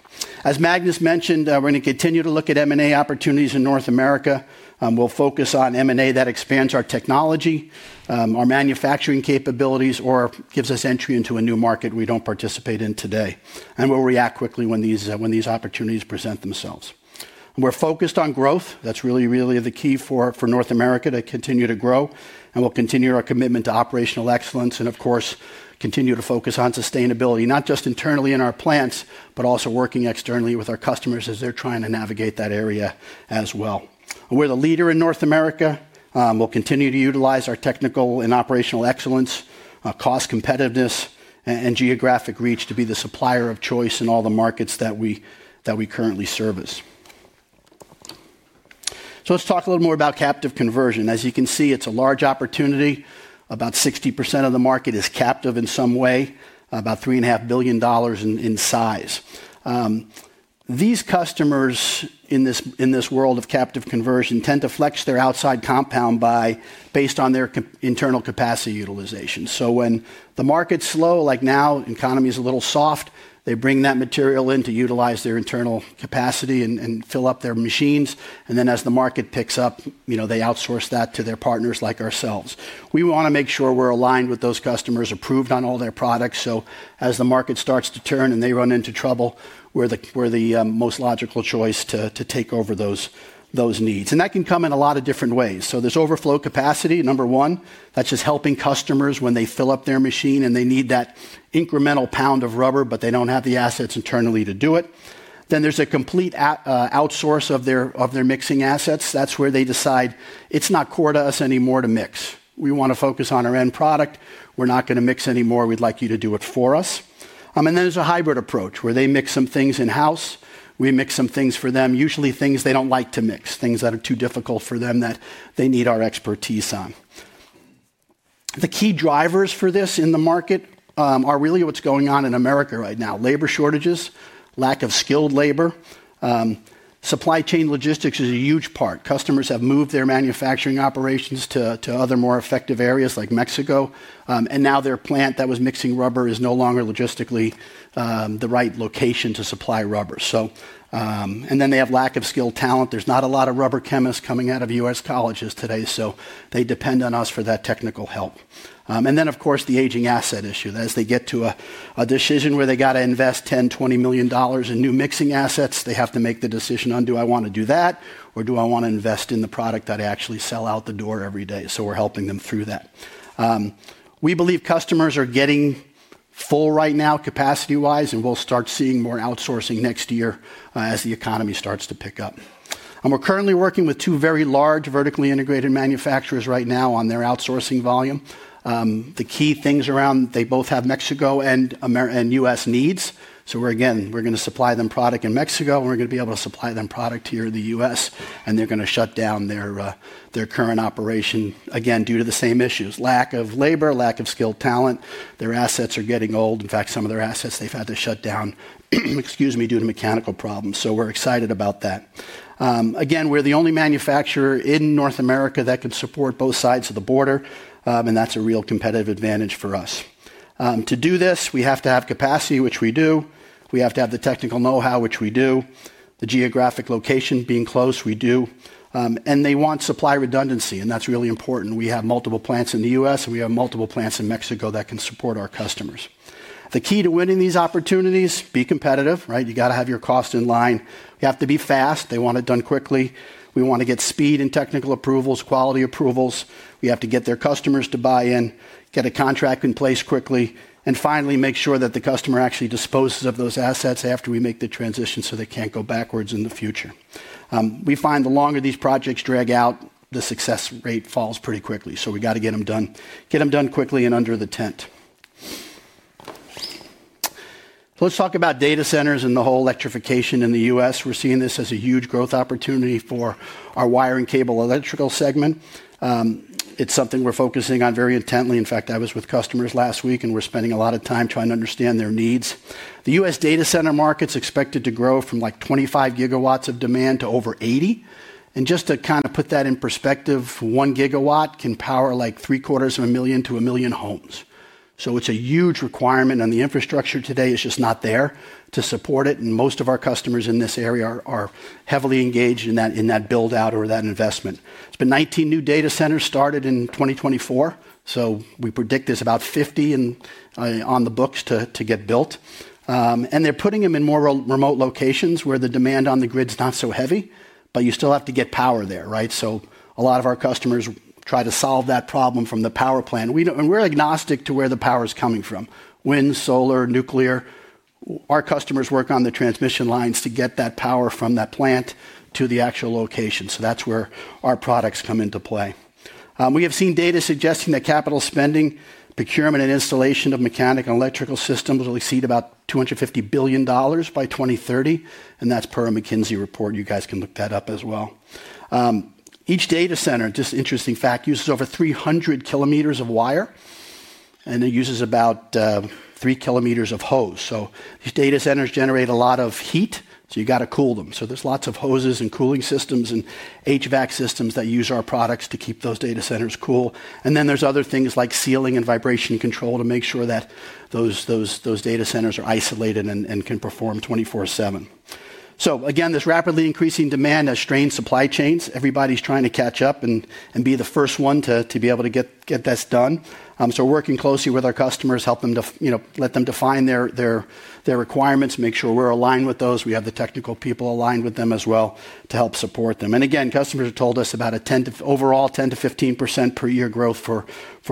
As Magnus mentioned, we're going to continue to look at M&A opportunities in North America. We'll focus on M&A that expands our technology, our manufacturing capabilities, or gives us entry into a new market we don't participate in today, and we'll react quickly when these opportunities present themselves. We're focused on growth. That's really, really the key for North America to continue to grow, and we'll continue our commitment to operational excellence and, of course, continue to focus on sustainability, not just internally in our plants, but also working externally with our customers as they're trying to navigate that area as well. We're the leader in North America. We'll continue to utilize our technical and operational excellence, cost competitiveness, and geographic reach to be the supplier of choice in all the markets that we currently service. So let's talk a little more about captive conversion. As you can see, it's a large opportunity. About 60% of the market is captive in some way, about $3.5 billion in size. These customers in this world of captive conversion tend to flex their outside compound based on their internal capacity utilization. So when the market's slow, like now, the economy is a little soft, they bring that material in to utilize their internal capacity and fill up their machines. And then as the market picks up, they outsource that to their partners like ourselves. We want to make sure we're aligned with those customers, approved on all their products. So as the market starts to turn and they run into trouble, we're the most logical choice to take over those needs. And that can come in a lot of different ways. So there's overflow capacity, number one. That's just helping customers when they fill up their machine and they need that incremental pound of rubber, but they don't have the assets internally to do it. Then there's a complete outsource of their mixing assets. That's where they decide, "It's not core to us anymore to mix. We want to focus on our end product. We're not going to mix anymore. We'd like you to do it for us." And then there's a hybrid approach where they mix some things in-house. We mix some things for them, usually things they don't like to mix, things that are too difficult for them that they need our expertise on. The key drivers for this in the market are really what's going on in America right now: labor shortages, lack of skilled labor. Supply chain logistics is a huge part. Customers have moved their manufacturing operations to other more effective areas like Mexico. And now their plant that was mixing rubber is no longer logistically the right location to supply rubber. And then they have lack of skilled talent. There's not a lot of rubber chemists coming out of U.S. colleges today, so they depend on us for that technical help. And then, of course, the aging asset issue. As they get to a decision where they got to invest $10 million-$20 million in new mixing assets, they have to make the decision on, "Do I want to do that, or do I want to invest in the product that I actually sell out the door every day?" So we're helping them through that. We believe customers are getting full right now capacity-wise, and we'll start seeing more outsourcing next year as the economy starts to pick up. And we're currently working with two very large vertically integrated manufacturers right now on their outsourcing volume. The key things around, they both have Mexico and U.S. needs. So again, we're going to supply them product in Mexico, and we're going to be able to supply them product here in the U.S., and they're going to shut down their current operation, again, due to the same issues: lack of labor, lack of skilled talent. Their assets are getting old. In fact, some of their assets they've had to shut down. Excuse me, due to mechanical problems. So we're excited about that. Again, we're the only manufacturer in North America that can support both sides of the border, and that's a real competitive advantage for us. To do this, we have to have capacity, which we do. We have to have the technical know-how, which we do. The geographic location being close, we do. And they want supply redundancy, and that's really important. We have multiple plants in the U.S., and we have multiple plants in Mexico that can support our customers. The key to winning these opportunities: be competitive, right? You got to have your cost in line. You have to be fast. They want it done quickly. We want to get speed in technical approvals, quality approvals. We have to get their customers to buy in, get a contract in place quickly, and finally, make sure that the customer actually disposes of those assets after we make the transition so they can't go backwards in the future. We find the longer these projects drag out, the success rate falls pretty quickly. So we got to get them done quickly and under the tent. Let's talk about data centers and the whole electrification in the U.S. We're seeing this as a huge growth opportunity for our wire and cable electrical segment. It's something we're focusing on very intently. In fact, I was with customers last week, and we're spending a lot of time trying to understand their needs. The US data center market's expected to grow from like 25 GW of demand to over 80 GW. And just to kind of put that in perspective, one gigawatt can power like 750,000 to 1 million homes. So it's a huge requirement, and the infrastructure today is just not there to support it. And most of our customers in this area are heavily engaged in that build-out or that investment. It's been 19 new data centers started in 2024. So we predict there's about 50 on the books to get built. And they're putting them in more remote locations where the demand on the grid's not so heavy, but you still have to get power there, right? So a lot of our customers try to solve that problem from the power plant. And we're agnostic to where the power is coming from: wind, solar, nuclear. Our customers work on the transmission lines to get that power from that plant to the actual location. So that's where our products come into play. We have seen data suggesting that capital spending, procurement, and installation of mechanical and electrical systems will exceed about $250 billion by 2030. And that's per a McKinsey report. You guys can look that up as well. Each data center, just interesting fact, uses over 300 km of wire. And it uses about 3 km of hose. So these data centers generate a lot of heat, so you got to cool them. So there's lots of hoses and cooling systems and HVAC systems that use our products to keep those data centers cool. And then there's other things like sealing and vibration control to make sure that those data centers are isolated and can perform 24/7. So again, this rapidly increasing demand has strained supply chains. Everybody's trying to catch up and be the first one to be able to get this done. So we're working closely with our customers, helping them to let them define their requirements, make sure we're aligned with those. We have the technical people aligned with them as well to help support them. And again, customers have told us about an overall 10%-15% per year growth for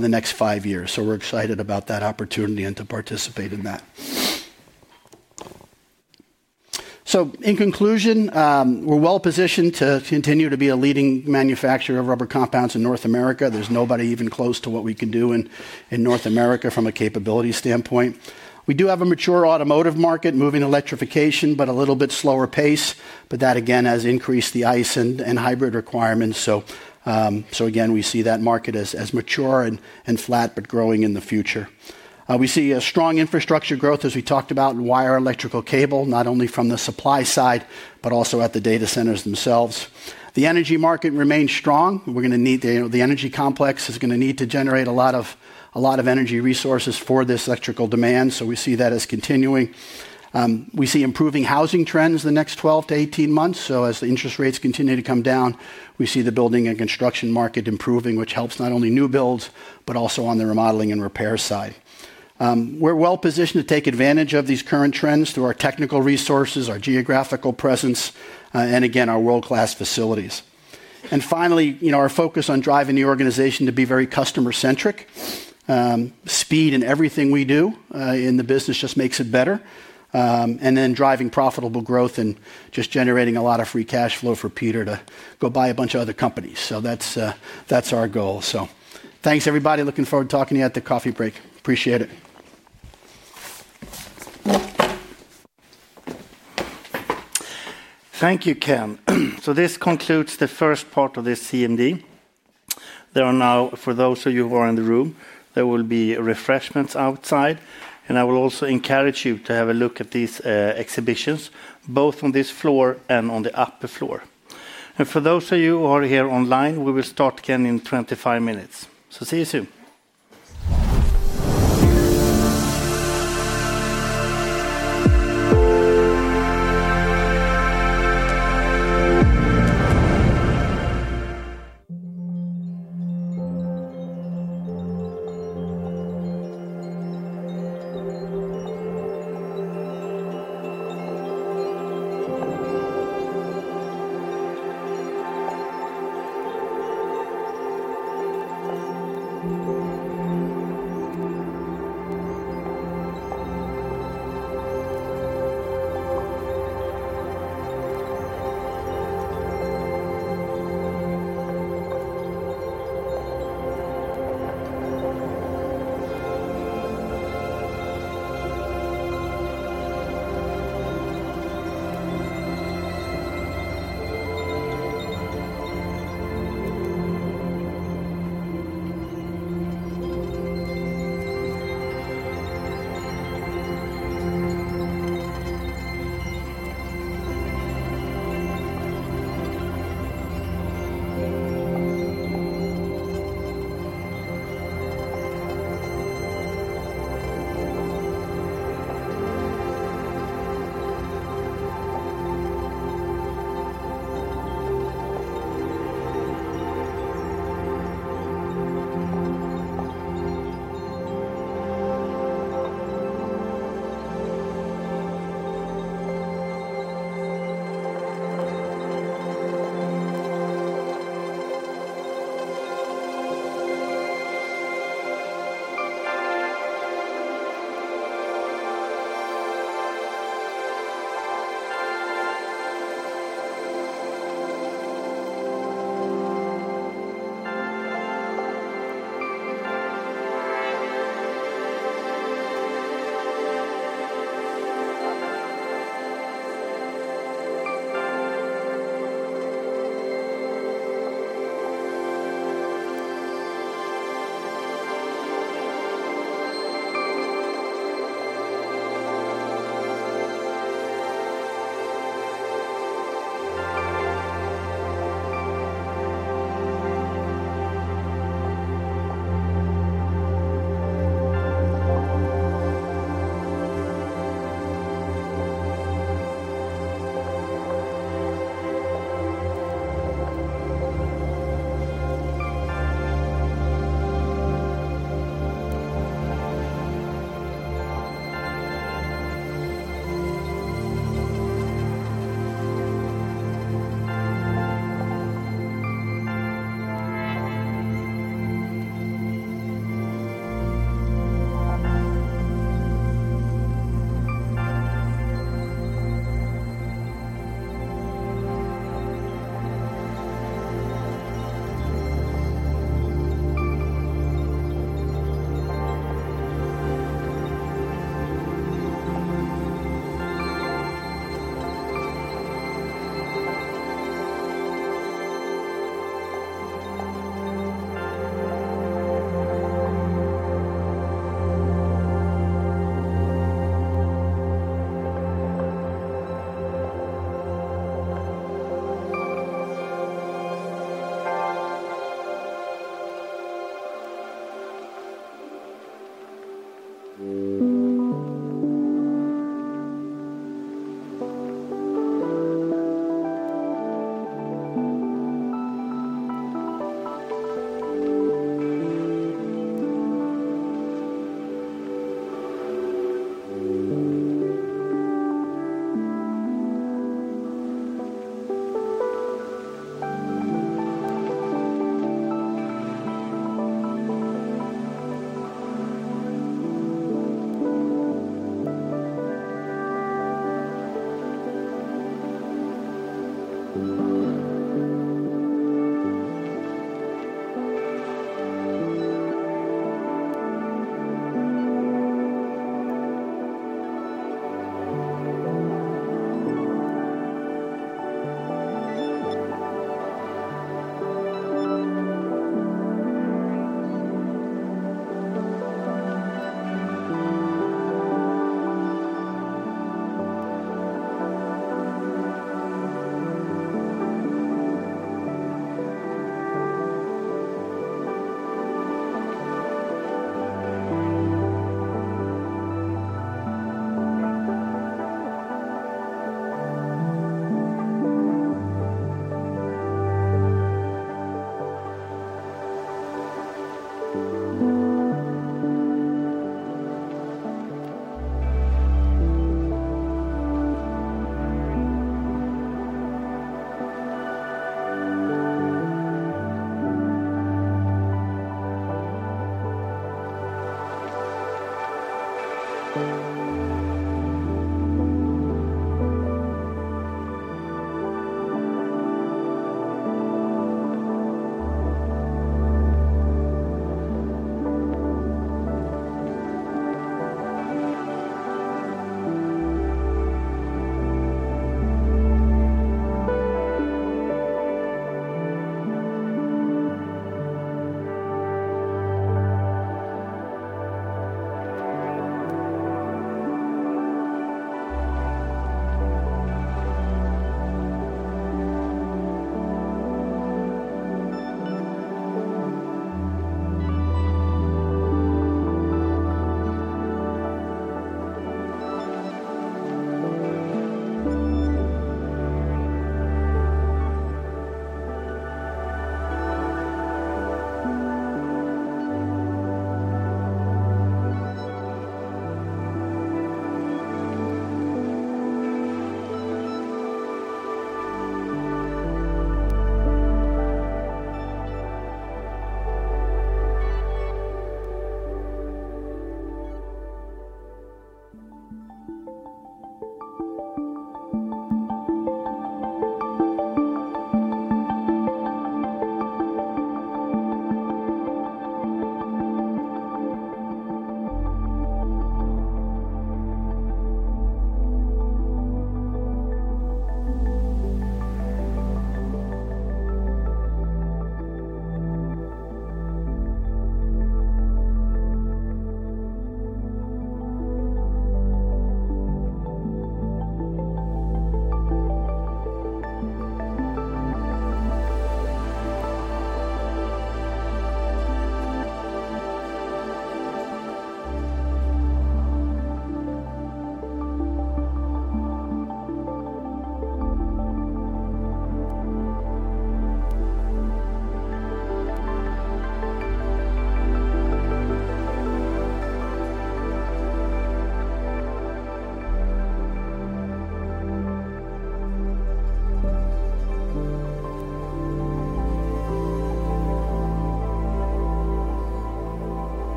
the next five years. So we're excited about that opportunity and to participate in that. So in conclusion, we're well positioned to continue to be a leading manufacturer of rubber compounds in North America. There's nobody even close to what we can do in North America from a capability standpoint. We do have a mature automotive market, moving electrification, but a little bit slower pace. But that, again, has increased the ICE and hybrid requirements. So again, we see that market as mature and flat, but growing in the future. We see a strong infrastructure growth, as we talked about, and wire electrical cable, not only from the supply side, but also at the data centers themselves. The energy market remains strong. We're going to need. The energy complex is going to need to generate a lot of energy resources for this electrical demand. So we see that as continuing. We see improving housing trends the next 12 to 18 months. So as the interest rates continue to come down, we see the building and construction market improving, which helps not only new builds, but also on the remodeling and repair side. We're well positioned to take advantage of these current trends through our technical resources, our geographical presence, and again, our world-class facilities. And finally, our focus on driving the organization to be very customer-centric. Speed in everything we do in the business just makes it better. And then driving profitable growth and just generating a lot of free cash flow for Peter to go buy a bunch of other companies. So that's our goal. So thanks, everybody. Looking forward to talking to you at the coffee break. Appreciate it. Thank you, Ken. So this concludes the first part of this CMD. There are now, for those of you who are in the room, there will be refreshments outside. And I will also encourage you to have a look at these exhibitions, both on this floor and on the upper floor. And for those of you who are here online, we will start again in 25 minutes. So see you soon.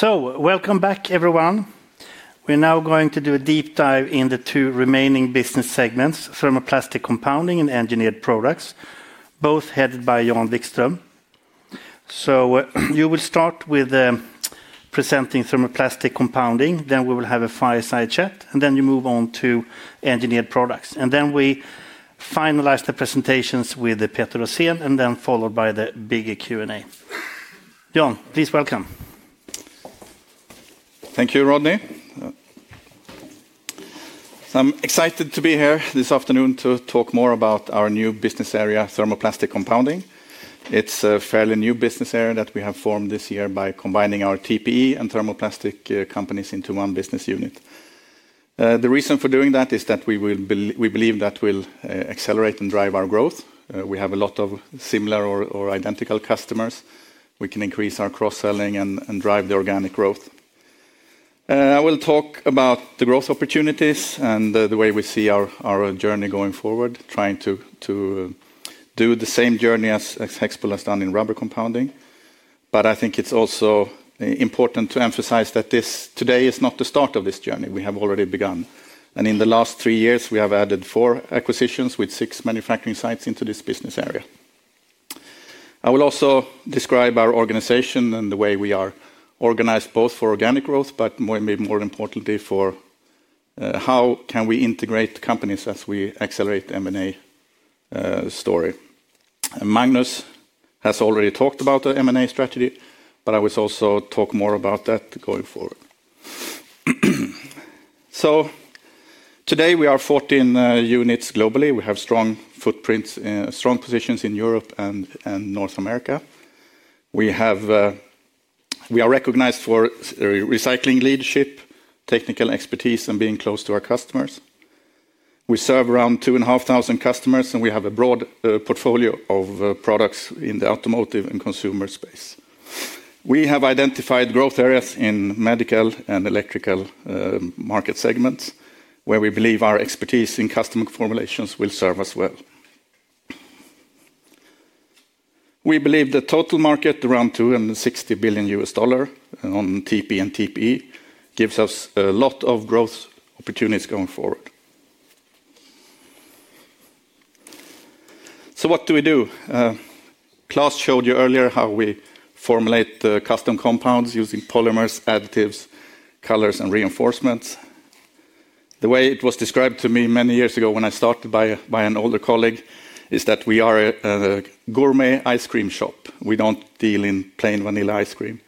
So, welcome back, everyone. We're now going to do a deep dive into the two remaining business segments: thermoplastic compounding and engineered products, both headed by Jan Wikström. So, you will start with presenting thermoplastic compounding, then we will have a fireside chat, and then you move on to engineered products. And then we finalize the presentations with Peter Rosén, and then followed by the bigger Q&A. Jan, please welcome. Thank you, Róna. I'm excited to be here this afternoon to talk more about our new business area, thermoplastic compounding. It's a fairly new business area that we have formed this year by combining our TPE and thermoplastic companies into one business unit. The reason for doing that is that we believe that will accelerate and drive our growth. We have a lot of similar or identical customers. We can increase our cross-selling and drive the organic growth. I will talk about the growth opportunities and the way we see our journey going forward, trying to do the same journey as HEXPOL has done in rubber compounding. But I think it's also important to emphasize that this today is not the start of this journey. We have already begun. And in the last three years, we have added four acquisitions with six manufacturing sites into this business area. I will also describe our organization and the way we are organized, both for organic growth, but maybe more importantly, for how we can integrate companies as we accelerate the M&A story. Magnus has already talked about the M&A strategy, but I will also talk more about that going forward. So, today we are 14 units globally. We have strong footprints, strong positions in Europe and North America. We are recognized for recycling leadership, technical expertise, and being close to our customers. We serve around 2,500 customers, and we have a broad portfolio of products in the automotive and consumer space. We have identified growth areas in medical and electrical market segments, where we believe our expertise in customer formulations will serve us well. We believe the total market, around $260 billion on TPE and TPE, gives us a lot of growth opportunities going forward. So, what do we do? Klas showed you earlier how we formulate custom compounds using polymers, additives, colors, and reinforcements. The way it was described to me many years ago when I started by an older colleague is that we are a gourmet ice cream shop. We don't deal in plain vanilla ice cream.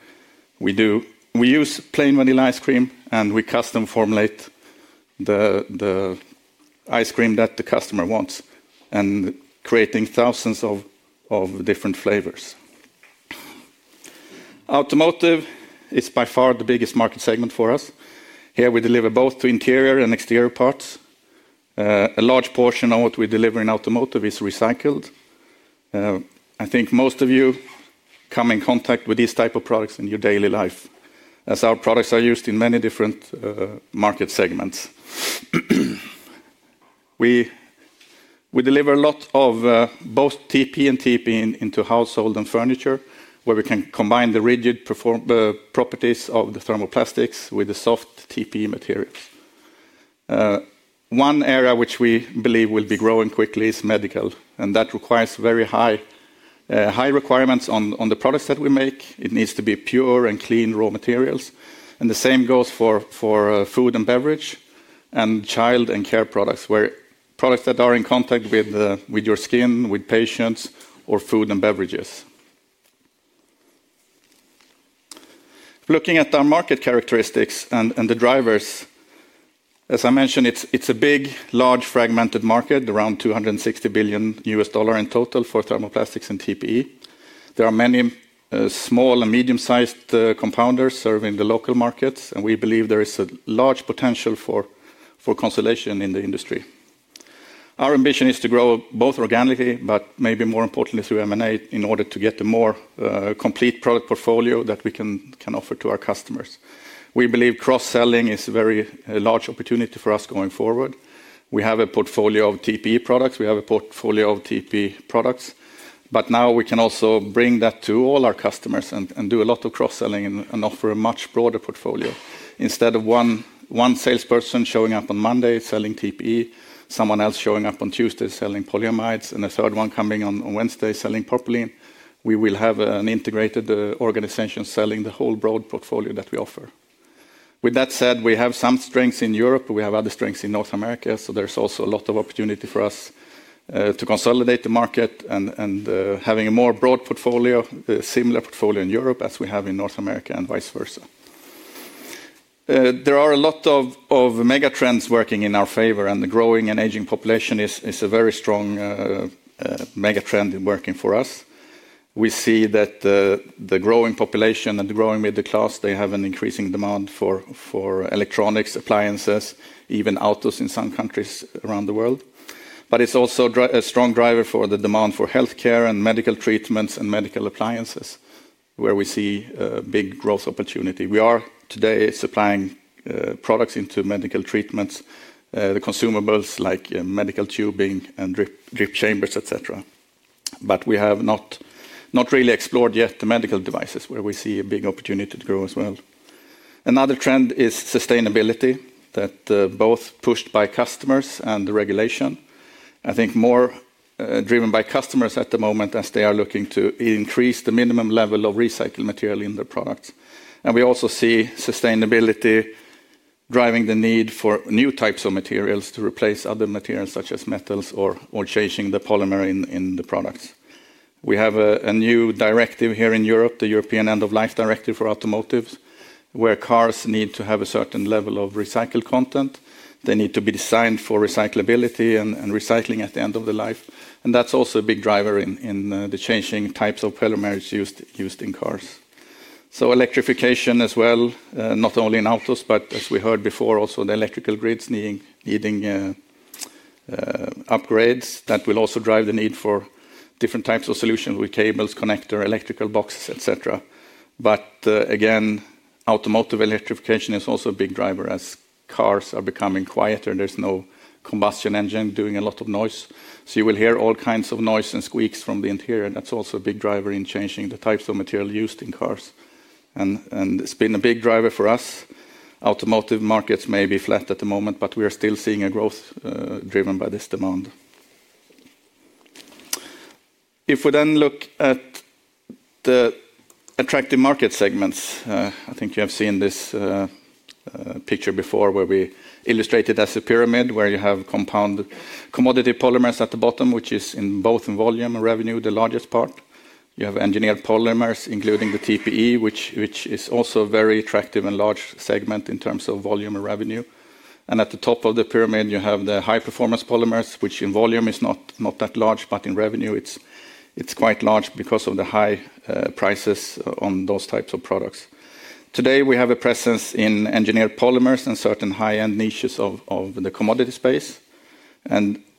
We use plain vanilla ice cream, and we custom formulate the ice cream that the customer wants, creating thousands of different flavors. Automotive is by far the biggest market segment for us. Here, we deliver both interior and exterior parts. A large portion of what we deliver in automotive is recycled. I think most of you come in contact with these types of products in your daily life, as our products are used in many different market segments. We deliver a lot of both TPE and TPE into household and furniture, where we can combine the rigid properties of the thermoplastics with the soft TPE materials. One area which we believe will be growing quickly is medical, and that requires very high requirements on the products that we make. It needs to be pure and clean raw materials. And the same goes for food and beverage and child and care products, where products that are in contact with your skin, with patients, or food and beverages. Looking at our market characteristics and the drivers. As I mentioned, it's a big, large fragmented market, around $260 billion in total for thermoplastics and TPE. There are many small and medium-sized compounders serving the local markets, and we believe there is a large potential for consolidation in the industry. Our ambition is to grow both organically, but maybe more importantly through M&A, in order to get a more complete product portfolio that we can offer to our customers. We believe cross-selling is a very large opportunity for us going forward. We have a portfolio of TPE products. But now we can also bring that to all our customers and do a lot of cross-selling and offer a much broader portfolio. Instead of one salesperson showing up on Monday selling TPE, someone else showing up on Tuesday selling polyamides, and a third one coming on Wednesday selling propylene, we will have an integrated organization selling the whole broad portfolio that we offer. With that said, we have some strengths in Europe. We have other strengths in North America. So, there's also a lot of opportunity for us to consolidate the market and having a more broad portfolio, a similar portfolio in Europe as we have in North America and vice versa. There are a lot of mega trends working in our favor, and the growing and aging population is a very strong mega trend working for us. We see that the growing population and the growing middle class, they have an increasing demand for electronics, appliances, even autos in some countries around the world. But it's also a strong driver for the demand for healthcare and medical treatments and medical appliances, where we see a big growth opportunity. We are today supplying products into medical treatments, the consumables like medical tubing and drip chambers, etc. But we have not really explored yet the medical devices, where we see a big opportunity to grow as well. Another trend is sustainability, both pushed by customers and regulation. I think more driven by customers at the moment as they are looking to increase the minimum level of recycled material in their products. And we also see sustainability driving the need for new types of materials to replace other materials, such as metals, or changing the polymer in the products. We have a new directive here in Europe, the European End-of-Life Directive for Automotive, where cars need to have a certain level of recycled content. They need to be designed for recyclability and recycling at the end of their life. And that's also a big driver in the changing types of polymers used in cars. So, electrification as well, not only in autos, but as we heard before, also the electrical grids needing upgrades that will also drive the need for different types of solutions with cables, connectors, electrical boxes, etc. But again, automotive electrification is also a big driver as cars are becoming quieter. There's no combustion engine doing a lot of noise. So, you will hear all kinds of noise and squeaks from the interior. That's also a big driver in changing the types of material used in cars. And it's been a big driver for us. Automotive markets may be flat at the moment, but we are still seeing a growth driven by this demand. If we then look at the attractive market segments, I think you have seen this picture before, where we illustrate it as a pyramid, where you have commodity polymers at the bottom, which is both in volume and revenue, the largest part. You have engineered polymers, including the TPE, which is also a very attractive and large segment in terms of volume and revenue. At the top of the pyramid, you have the high-performance polymers, which in volume is not that large, but in revenue, it's quite large because of the high prices on those types of products. Today, we have a presence in engineered polymers and certain high-end niches of the commodity space.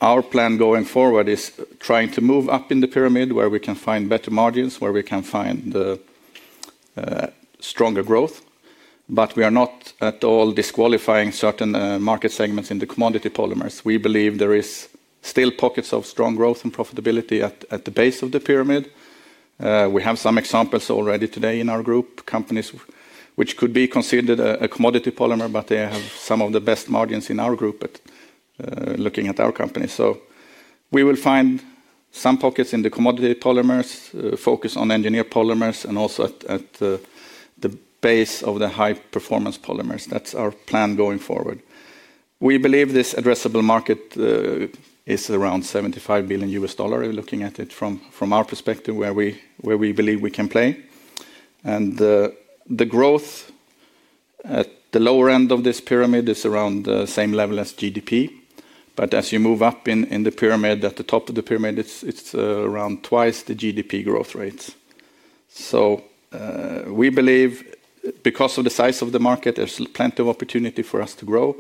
Our plan going forward is trying to move up in the pyramid, where we can find better margins and stronger growth. But we are not at all disqualifying certain market segments in the commodity polymers. We believe there are still pockets of strong growth and profitability at the base of the pyramid. We have some examples already today in our group, companies which could be considered a commodity polymer, but they have some of the best margins in our group. Looking at our companies. So, we will find some pockets in the commodity polymers, focus on engineered polymers, and also at the base of the high-performance polymers. That's our plan going forward. We believe this addressable market is around $75 billion, looking at it from our perspective, where we believe we can play. The growth at the lower end of this pyramid is around the same level as GDP. But as you move up in the pyramid, at the top of the pyramid, it's around twice the GDP growth rates. So, we believe, because of the size of the market, there's plenty of opportunity for us to grow.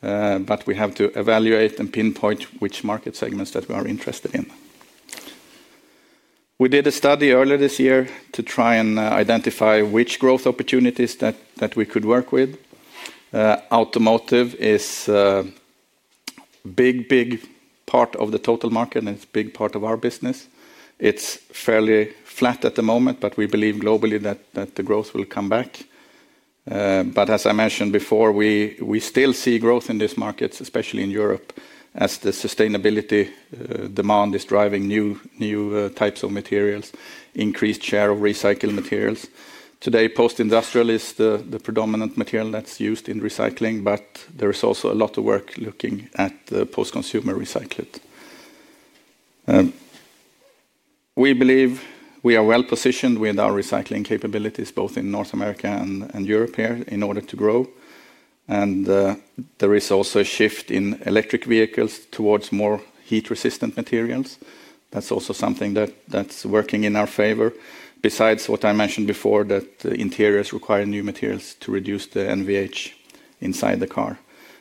But we have to evaluate and pinpoint which market segments that we are interested in. We did a study earlier this year to try and identify which growth opportunities that we could work with. Automotive is a big, big part of the total market, and it's a big part of our business. It's fairly flat at the moment, but we believe globally that the growth will come back. But as I mentioned before, we still see growth in these markets, especially in Europe, as the sustainability demand is driving new types of materials, increased share of recycled materials. Today, post-industrial is the predominant material that's used in recycling, but there is also a lot of work looking at the post-consumer recycled. We believe we are well positioned with our recycling capabilities, both in North America and Europe here, in order to grow. There is also a shift in electric vehicles towards more heat-resistant materials. That's also something that's working in our favor, besides what I mentioned before, that the interiors require new materials to reduce the NVH inside the car.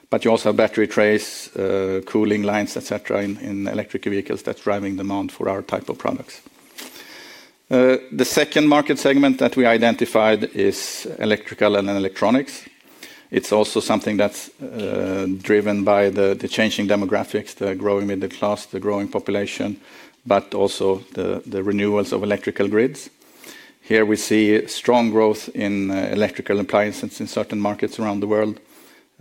But you also have battery trays, cooling lines, etc. in electric vehicles that's driving demand for our type of products. The second market segment that we identified is electrical and electronics. It's also something that's driven by the changing demographics, the growing middle class, the growing population, but also the renewals of electrical grids. Here, we see strong growth in electrical appliances in certain markets around the world.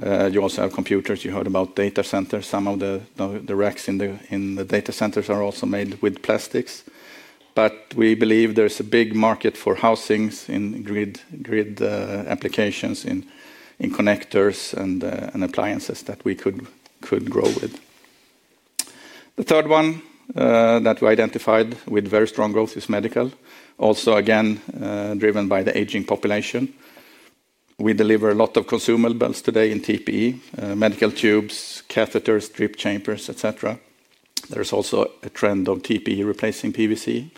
You also have computers. You heard about data centers. Some of the racks in the data centers are also made with plastics. But we believe there's a big market for housings in grid applications, in connectors and appliances that we could grow with. The third one that we identified with very strong growth is medical, also again driven by the aging population. We deliver a lot of consumables today in TPE: medical tubes, catheters, drip chambers, etc. There's also a trend of TPE replacing PVC,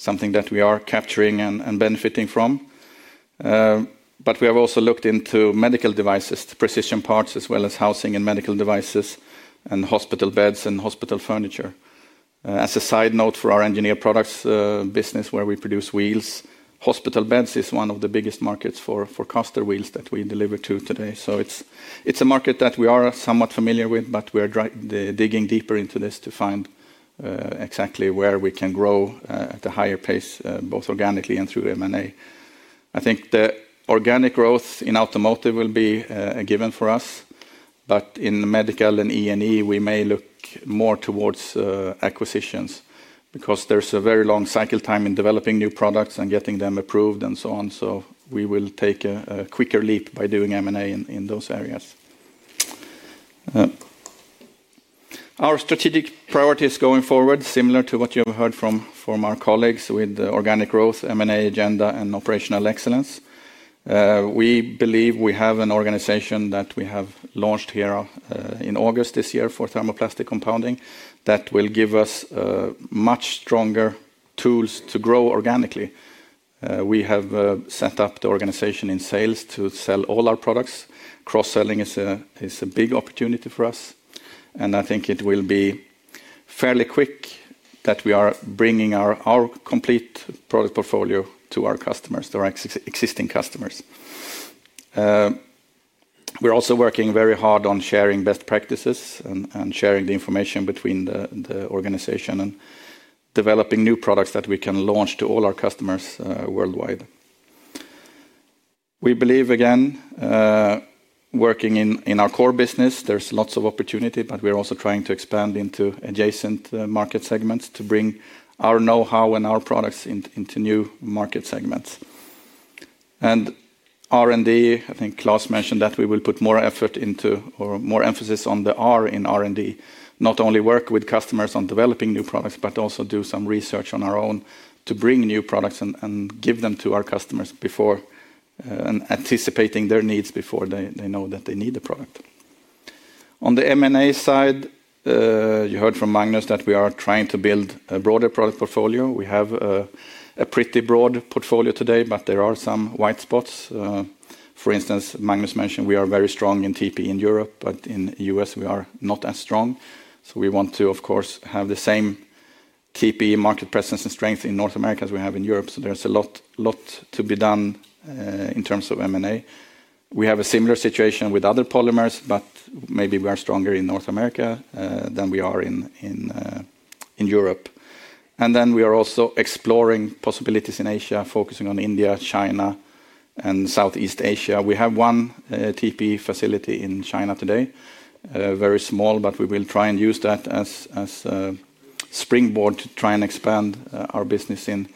something that we are capturing and benefiting from. But we have also looked into medical devices, precision parts, as well as housing and medical devices, and hospital beds and hospital furniture. As a side note for our engineered products business, where we produce wheels, hospital beds is one of the biggest markets for caster wheels that we deliver to today. So, it's a market that we are somewhat familiar with, but we are digging deeper into this to find exactly where we can grow at a higher pace, both organically and through M&A. I think the organic growth in automotive will be a given for us. But in medical and E&E, we may look more towards acquisitions because there's a very long cycle time in developing new products and getting them approved and so on. So, we will take a quicker leap by doing M&A in those areas. Our strategic priorities going forward, similar to what you have heard from our colleagues with the organic growth, M&A agenda, and operational excellence. We believe we have an organization that we have launched here in August this year for thermoplastic compounding that will give us much stronger tools to grow organically. We have set up the organization in sales to sell all our products. Cross-selling is a big opportunity for us. And I think it will be fairly quick that we are bringing our complete product portfolio to our customers, to our existing customers. We're also working very hard on sharing best practices and sharing the information between the organization and developing new products that we can launch to all our customers worldwide. We believe, again, working in our core business, there's lots of opportunity, but we're also trying to expand into adjacent market segments to bring our know-how and our products into new market segments. And R&D, I think Klas mentioned that we will put more effort into or more emphasis on the R in R&D, not only work with customers on developing new products, but also do some research on our own to bring new products and give them to our customers before, anticipating their needs before they know that they need the product. On the M&A side, you heard from Magnus that we are trying to build a broader product portfolio. We have a pretty broad portfolio today, but there are some white spots. For instance, Magnus mentioned we are very strong in TPE in Europe, but in the US, we are not as strong. So, we want to, of course, have the same TPE market presence and strength in North America as we have in Europe. So, there's a lot to be done in terms of M&A. We have a similar situation with other polymers, but maybe we are stronger in North America than we are in Europe. And then we are also exploring possibilities in Asia, focusing on India, China, and Southeast Asia. We have one TPE facility in China today, very small, but we will try and use that as a springboard to try and expand our business in Asia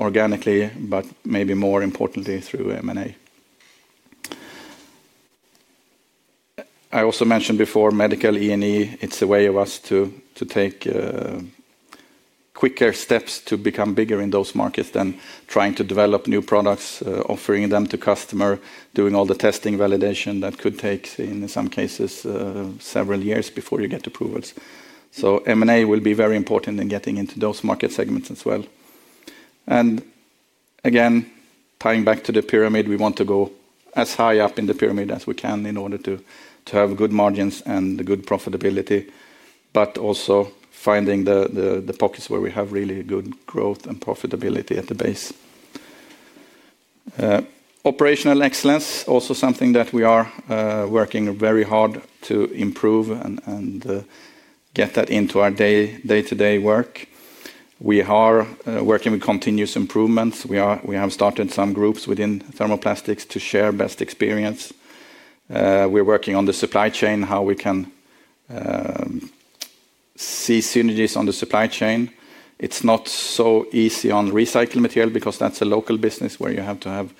organically, but maybe more importantly through M&A. I also mentioned before medical E&E. It's a way of us to take quicker steps to become bigger in those markets than trying to develop new products, offering them to customers, doing all the testing, validation that could take, in some cases, several years before you get approvals. So, M&A will be very important in getting into those market segments as well. And again, tying back to the pyramid, we want to go as high up in the pyramid as we can in order to have good margins and good profitability, but also finding the pockets where we have really good growth and profitability at the base. Operational excellence, also something that we are working very hard to improve and get that into our day-to-day work. We are working with continuous improvements. We have started some groups within thermoplastics to share best experience. We're working on the supply chain, how we can see synergies on the supply chain. It's not so easy on recycled material because that's a local business where you have to have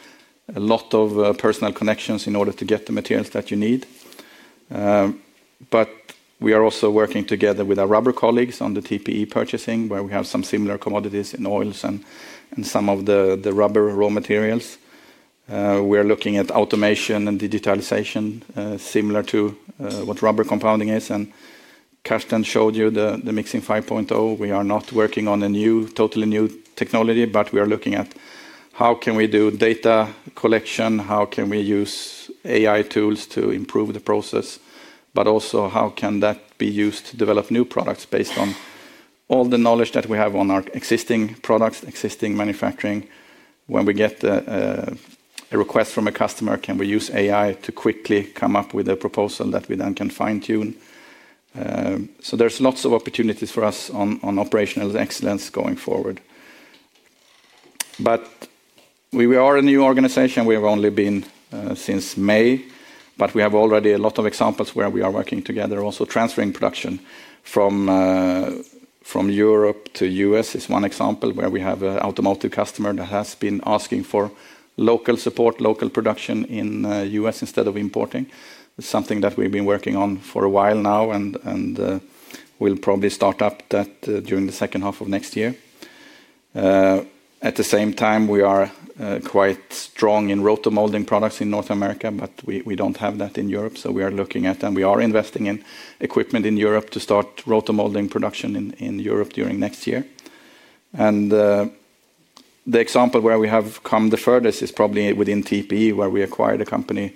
a lot of personal connections in order to get the materials that you need. But we are also At the same time, we are quite strong in roto-molding products in North America, but we don't have that in Europe. So, we are looking at and we are investing in equipment in Europe to start roto-molding production in Europe during next year. And the example where we have come the furthest is probably within TPE, where we acquired a company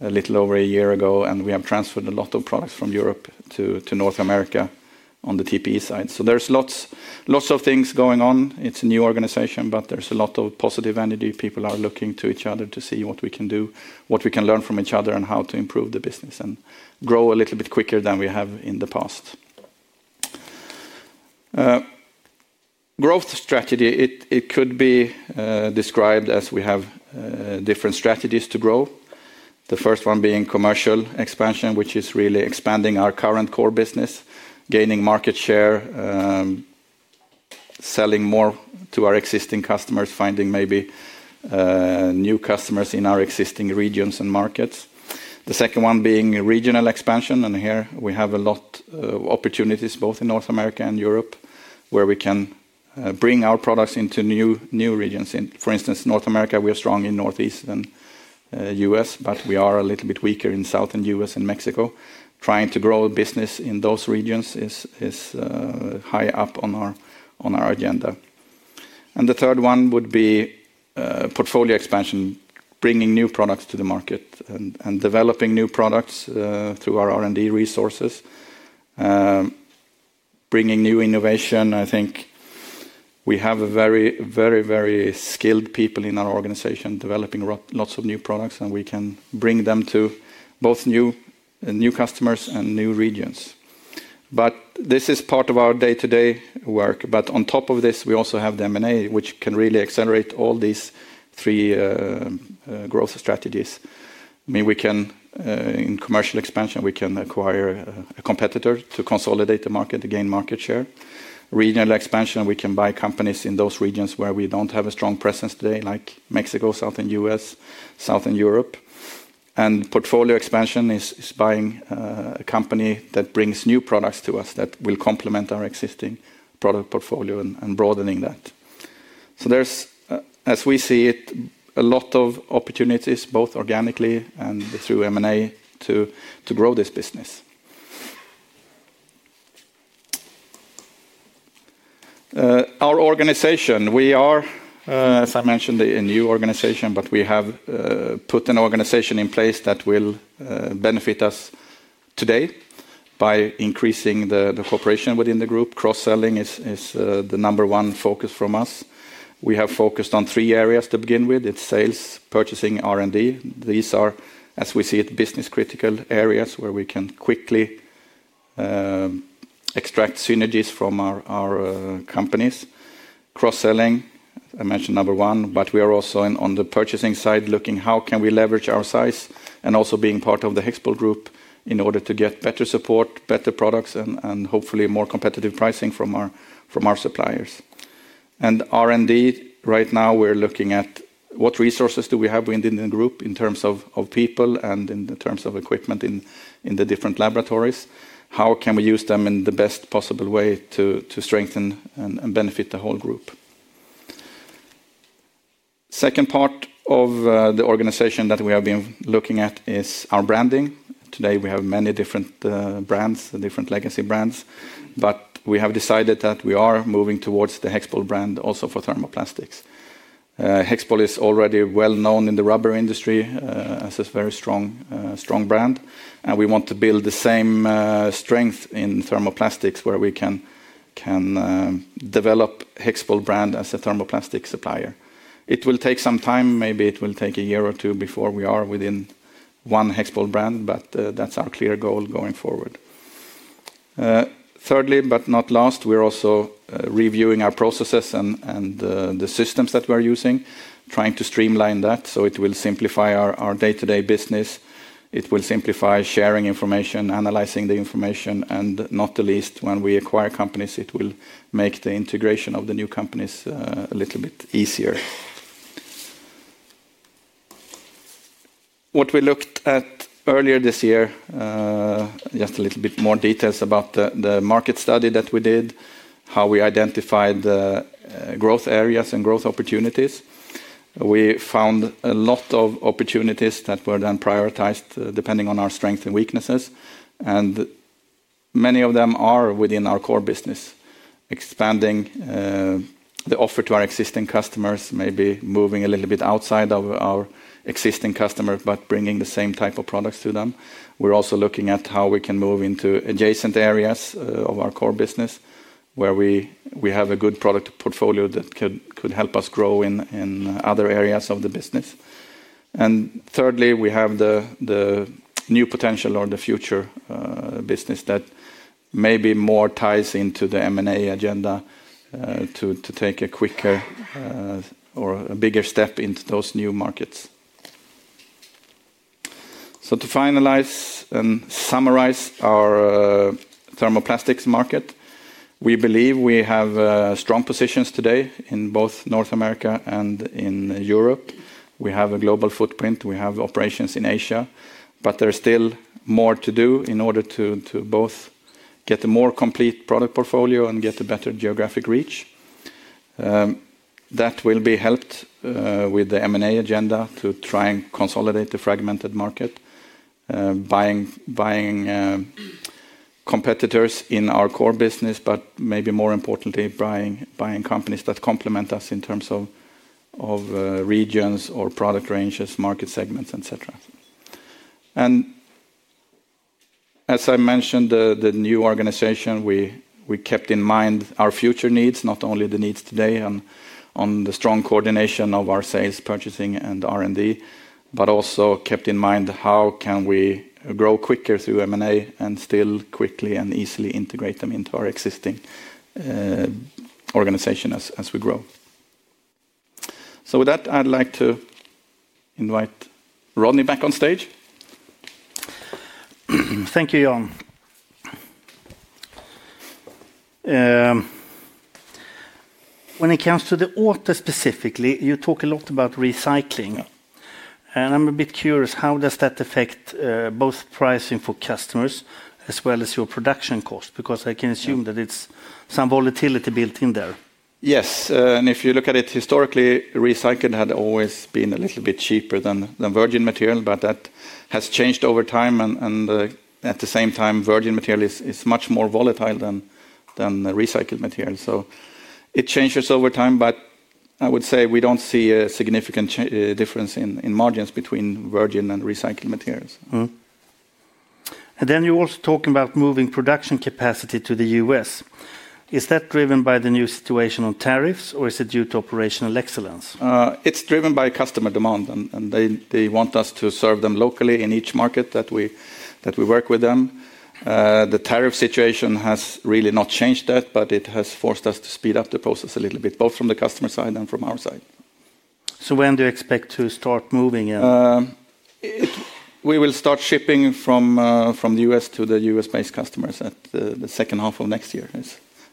a little over a year ago, and we have transferred a lot of products from Europe to North America on the TPE side. So, there's lots of things going on. It's a new organization, but there's a lot of positive energy. People are looking to each other to see what we can do, what we can learn from each other, and how to improve the business and grow a little bit quicker than we have in the past. Growth strategy, it could be described as we have different strategies to grow. The first one being commercial expansion, which is really expanding our current core business, gaining market share. Selling more to our existing customers, finding maybe new customers in our existing regions and markets. The second one being regional expansion. And here we have a lot of opportunities, both in North America and Europe, where we can bring our products into new regions. For instance, North America, we are strong in Northeast and US, but we are a little bit weaker in Southern US and Mexico. Trying to grow business in those regions is high up on our agenda. And the third one would be portfolio expansion, bringing new products to the market and developing new products through our R&D resources. Bringing new innovation. I think we have very, very, very skilled people in our organization developing lots of new products, and we can bring them to both new customers and new regions. But this is part of our day-to-day work. But on top of this, we also have the M&A, which can really accelerate all these three growth strategies. I mean, in commercial expansion, we can acquire a competitor to consolidate the market, to gain market share. Regional expansion, we can buy companies in those regions where we don't have a strong presence today, like Mexico, Southern US, Southern Europe. And portfolio expansion is buying a company that brings new products to us that will complement our existing product portfolio and broadening that. So, there's, as we see it, a lot of opportunities, both organically and through M&A, to grow this business. Our organization, we are, as I mentioned, a new organization, but we have put an organization in place that will benefit us today by increasing the cooperation within the group. Cross-selling is the number one focus from us. We have focused on three areas to begin with. It's sales, purchasing, R&D. These are, as we see it, business-critical areas where we can quickly extract synergies from our companies. Cross-selling, I mentioned number one, but we are also on the purchasing side, looking at how can we leverage our size and also being part of the HEXPOL group in order to get better support, better products, and hopefully more competitive pricing from our suppliers. R&D, right now, we're looking at what resources do we have within the group in terms of people and in terms of equipment in the different laboratories. How can we use them in the best possible way to strengthen and benefit the whole group? Second part of the organization that we have been looking at is our branding. Today, we have many different brands, different legacy brands, but we have decided that we are moving towards the HEXPOL brand also for thermoplastics. HEXPOL is already well known in the rubber industry as a very strong brand, and we want to build the same strength in thermoplastics where we can. Develop the HEXPOL brand as a thermoplastic supplier. It will take some time. Maybe it will take a year or two before we are within one HEXPOL brand, but that's our clear goal going forward. Thirdly, but not last, we're also reviewing our processes and the systems that we're using, trying to streamline that so it will simplify our day-to-day business. It will simplify sharing information, analyzing the information, and not the least, when we acquire companies, it will make the integration of the new companies a little bit easier. What we looked at earlier this year. Just a little bit more details about the market study that we did, how we identified growth areas and growth opportunities. We found a lot of opportunities that were then prioritized depending on our strengths and weaknesses. Many of them are within our core business, expanding the offer to our existing customers, maybe moving a little bit outside of our existing customer, but bringing the same type of products to them. We're also looking at how we can move into adjacent areas of our core business where we have a good product portfolio that could help us grow in other areas of the business. Thirdly, we have the new potential or the future business that maybe more ties into the M&A agenda to take a quicker or a bigger step into those new markets. To finalize and summarize our thermoplastics market, we believe we have strong positions today in both North America and in Europe. We have a global footprint. We have operations in Asia, but there's still more to do in order to both get a more complete product portfolio and get a better geographic reach. That will be helped with the M&A agenda to try and consolidate the fragmented market, buying competitors in our core business, but maybe more importantly, buying companies that complement us in terms of regions or product ranges, market segments, etc. As I mentioned, the new organization, we kept in mind our future needs, not only the needs today on the strong coordination of our sales, purchasing, and R&D, but also kept in mind how can we grow quicker through M&A and still quickly and easily integrate them into our existing organization as we grow. So, with that, I'd like to invite Rodney back on stage. Thank you, Jan. When it comes to the other specifically, you talk a lot about recycling. And I'm a bit curious, how does that affect both pricing for customers as well as your production cost? Because I can assume that it's some volatility built in there. Yes. And if you look at it historically, recycled had always been a little bit cheaper than virgin material, but that has changed over time. And at the same time, virgin material is much more volatile than recycled material. So, it changes over time, but I would say we don't see a significant difference in margins between virgin and recycled materials. And then you're also talking about moving production capacity to the U.S. Is that driven by the new situation on tariffs, or is it due to operational excellence? It's driven by customer demand, and they want us to serve them locally in each market that we work with them. The tariff situation has really not changed that, but it has forced us to speed up the process a little bit, both from the customer side and from our side. So, when do you expect to start moving? We will start shipping from the U.S. to the U.S.-based customers at the second half of next year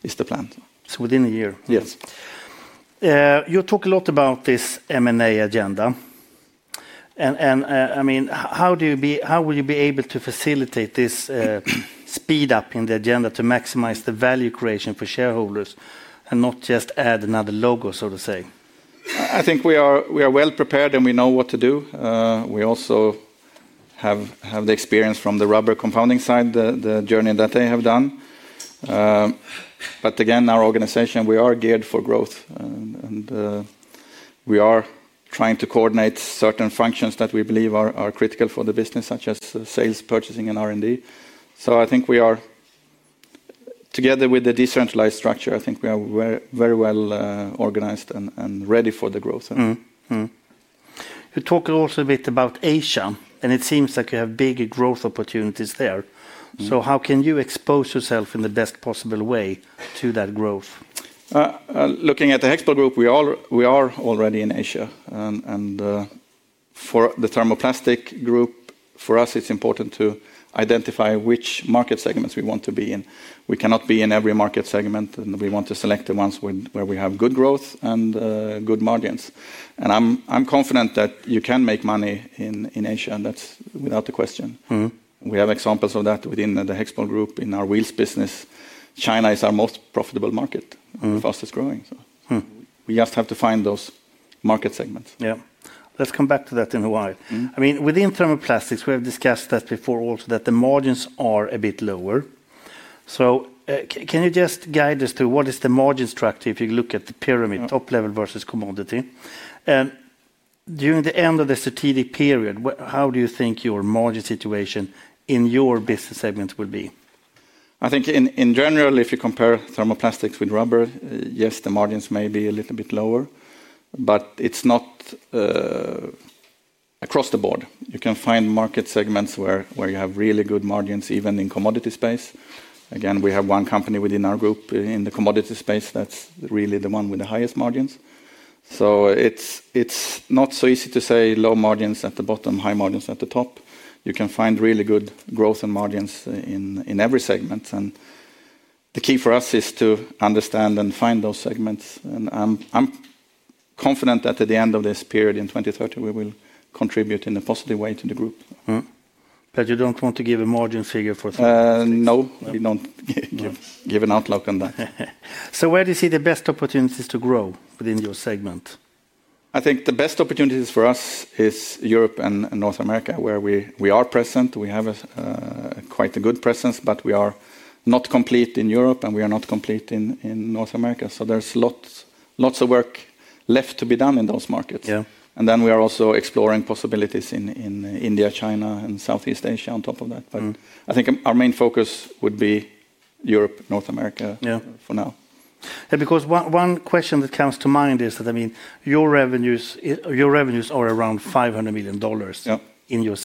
is the plan. So, within a year. Yes. You talk a lot about this M&A agenda. And I mean, how will you be able to facilitate this speed up in the agenda to maximize the value creation for shareholders and not just add another logo, so to say? I think we are well prepared and we know what to do. We also have the experience from the rubber compounding side, the journey that they have done. But again, our organization, we are geared for growth. We are trying to coordinate certain functions that we believe are critical for the business, such as sales, purchasing, and R&D. So, I think we are, together with the decentralized structure, I think we are very well organized and ready for the growth. You talk a little bit about Asia, and it seems like you have big growth opportunities there. So, how can you expose yourself in the best possible way to that growth? Looking at the HEXPOL growth, we are already in Asia. For the thermoplastic group, for us, it's important to identify which market segments we want to be in. We cannot be in every market segment, and we want to select the ones where we have good growth and good margins. I'm confident that you can make money in Asia, and that's without question. We have examples of that within the HEXPOL Group in our wheels business. China is our most profitable market and fastest growing. So, we just have to find those market segments. Yeah. Let's come back to that in a while. I mean, within thermoplastics, we have discussed that before also that the margins are a bit lower. So, can you just guide us through what is the margin structure if you look at the pyramid, top level versus commodity? And at the end of the strategic period, how do you think your margin situation in your business segments will be? I think in general, if you compare thermoplastics with rubber, yes, the margins may be a little bit lower, but it's not across the board. You can find market segments where you have really good margins even in commodity space. Again, we have one company within our group in the commodity space that's really the one with the highest margins. So, it's not so easy to say low margins at the bottom, high margins at the top. You can find really good growth and margins in every segment. And the key for us is to understand and find those segments. And I'm confident that at the end of this period in 2030, we will contribute in a positive way to the group. But you don't want to give a margin figure for this. No, we don't give an outlook on that. So, where do you see the best opportunities to grow within your segment? I think the best opportunities for us is Europe and North America, where we are present. We have quite a good presence, but we are not complete in Europe, and we are not complete in North America. So, there's lots of work left to be done in those markets. And then we are also exploring possibilities in India, China, and Southeast Asia on top of that. But I think our main focus would be Europe, North America for now. Because one question that comes to mind is that, I mean, your revenues are around $500 million.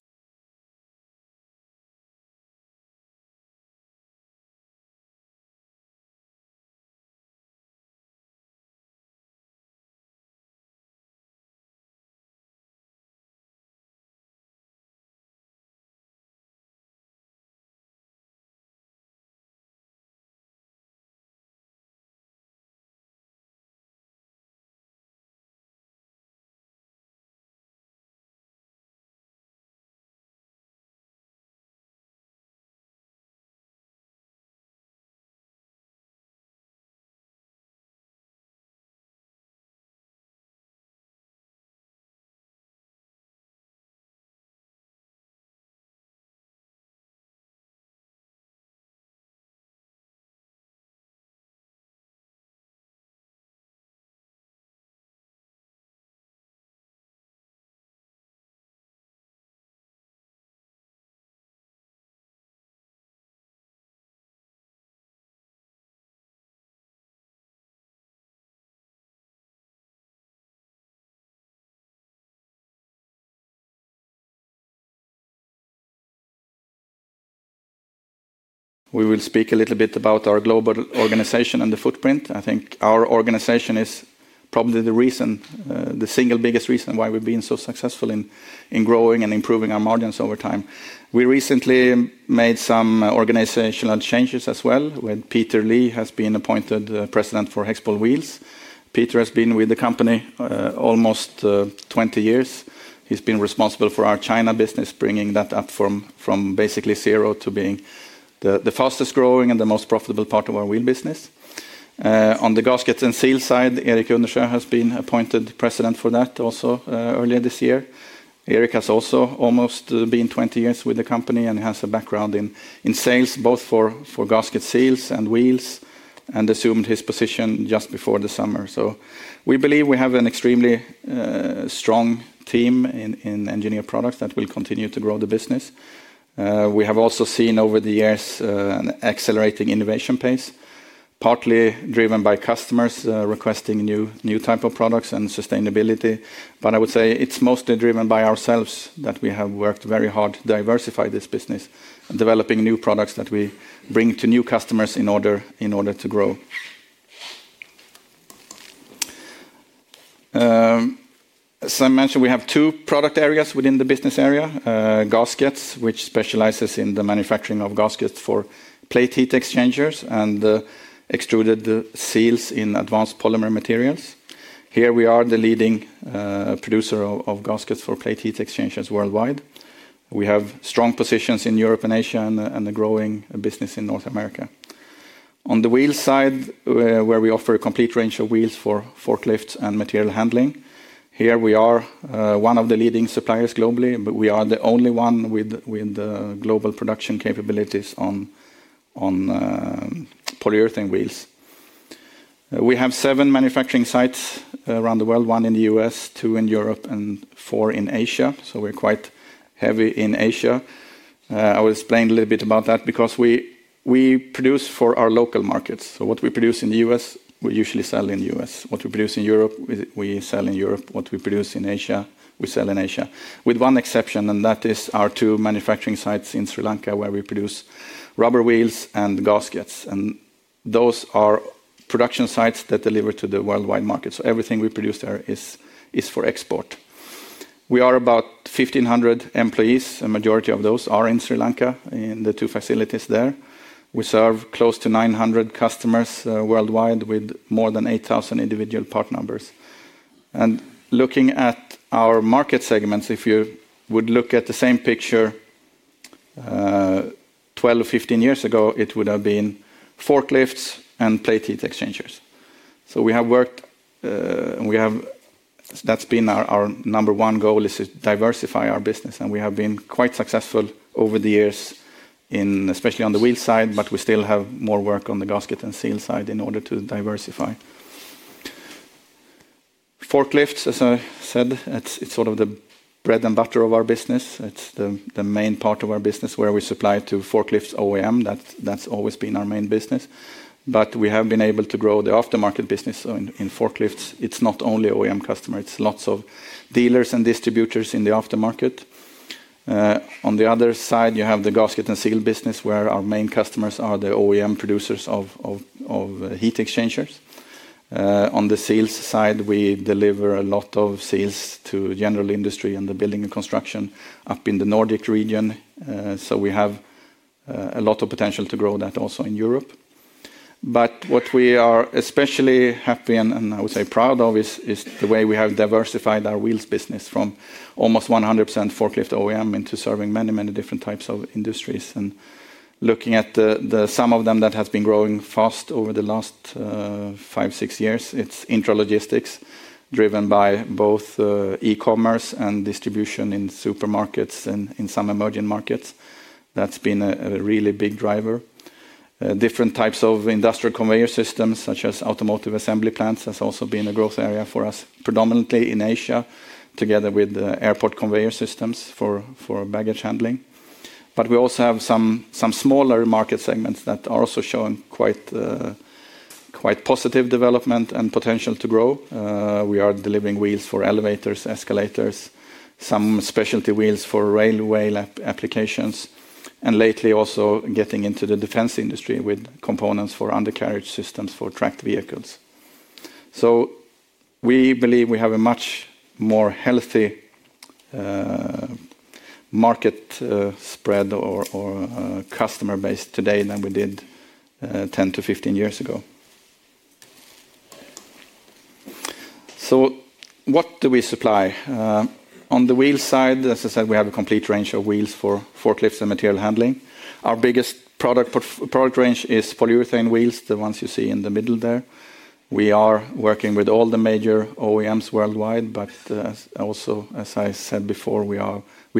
We will speak a little bit about our global organization and the footprint. I think our organization is probably the reason, the single biggest reason why we've been so successful in growing and improving our margins over time. We recently made some organizational changes as well. Peter Lee has been appointed president for HEXPOL Wheels. Peter has been with the company almost 20 years. He's been responsible for our China business, bringing that up from basically zero to being the fastest growing and the most profitable part of our wheel business. On the gaskets and seals side, Erik Unnersjö has been appointed president for that also earlier this year. Erik has also almost been 20 years with the company and has a background in sales, both for gasket seals and wheels, and assumed his position just before the summer. So, we believe we have an extremely strong team in engineered products that will continue to grow the business. We have also seen over the years an accelerating innovation pace, partly driven by customers requesting new types of products and sustainability. But I would say it's mostly driven by ourselves that we have worked very hard to diversify this business and developing new products that we bring to new customers in order to grow. As I mentioned, we have two product areas within the business area: gaskets, which specializes in the manufacturing of gaskets for plate heat exchangers, and extruded seals in advanced polymer materials. Here, we are the leading producer of gaskets for plate heat exchangers worldwide. We have strong positions in Europe and Asia and a growing business in North America. On the wheel side, where we offer a complete range of wheels for forklifts and material handling, here we are one of the leading suppliers globally, but we are the only one with global production capabilities on polyurethane wheels. We have seven manufacturing sites around the world: one in the US, two in Europe, and four in Asia. So, we're quite heavy in Asia. I will explain a little bit about that because we produce for our local markets. So, what we produce in the US, we usually sell in the US. What we produce in Europe, we sell in Europe. What we produce in Asia, we sell in Asia, with one exception, and that is our two manufacturing sites in Sri Lanka where we produce rubber wheels and gaskets. And those are production sites that deliver to the worldwide market. So, everything we produce there is for export. We are about 1,500 employees. A majority of those are in Sri Lanka in the two facilities there. We serve close to 900 customers worldwide with more than 8,000 individual part numbers. And looking at our market segments, if you would look at the same picture 12-15 years ago, it would have been forklifts and plate heat exchangers. So, we have worked. And we have, that's been our number one goal, is to diversify our business. And we have been quite successful over the years, especially on the wheel side, but we still have more work on the gasket and seal side in order to diversify. Forklifts, as I said, it's sort of the bread and butter of our business. It's the main part of our business where we supply to forklifts OEM. That's always been our main business. But we have been able to grow the aftermarket business. So, in forklifts, it's not only OEM customers. It's lots of dealers and distributors in the aftermarket. On the other side, you have the gasket and seal business where our main customers are the OEM producers of heat exchangers. On the seals side, we deliver a lot of seals to general industry and the building and construction up in the Nordic region. So, we have a lot of potential to grow that also in Europe. But what we are especially happy and I would say proud of is the way we have diversified our wheels business from almost 100% forklift OEM into serving many, many different types of industries. And looking at the sum of them that has been growing fast over the last five, six years, it's intralogistics driven by both e-commerce and distribution in supermarkets and in some emerging markets. That's been a really big driver. Different types of industrial conveyor systems, such as automotive assembly plants, has also been a growth area for us, predominantly in Asia, together with airport conveyor systems for baggage handling. But we also have some smaller market segments that are also showing quite positive development and potential to grow. We are delivering wheels for elevators, escalators, some specialty wheels for railway applications, and lately also getting into the defense industry with components for undercarriage systems for tracked vehicles. So, we believe we have a much more healthy market spread or customer base today than we did 10 to 15 years ago. So, what do we supply? On the wheel side, as I said, we have a complete range of wheels for forklifts and material handling. Our biggest product range is polyurethane wheels, the ones you see in the middle there. We are working with all the major OEMs worldwide, but also, as I said before, we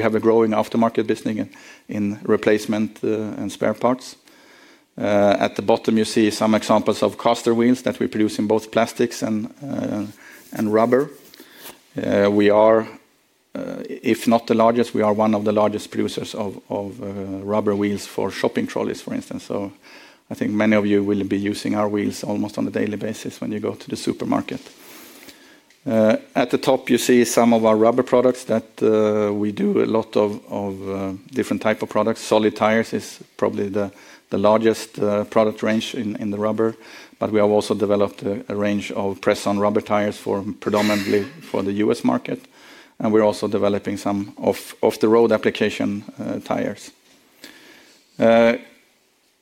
have a growing aftermarket business in replacement and spare parts. At the bottom, you see some examples of caster wheels that we produce in both plastics and rubber. We are, if not the largest, we are one of the largest producers of rubber wheels for shopping trolleys, for instance. So, I think many of you will be using our wheels almost on a daily basis when you go to the supermarket. At the top, you see some of our rubber products that we do a lot of different types of products. Solid tires is probably the largest product range in the rubber, but we have also developed a range of press-on rubber tires predominantly for the US market. And we're also developing some off-the-road application tires.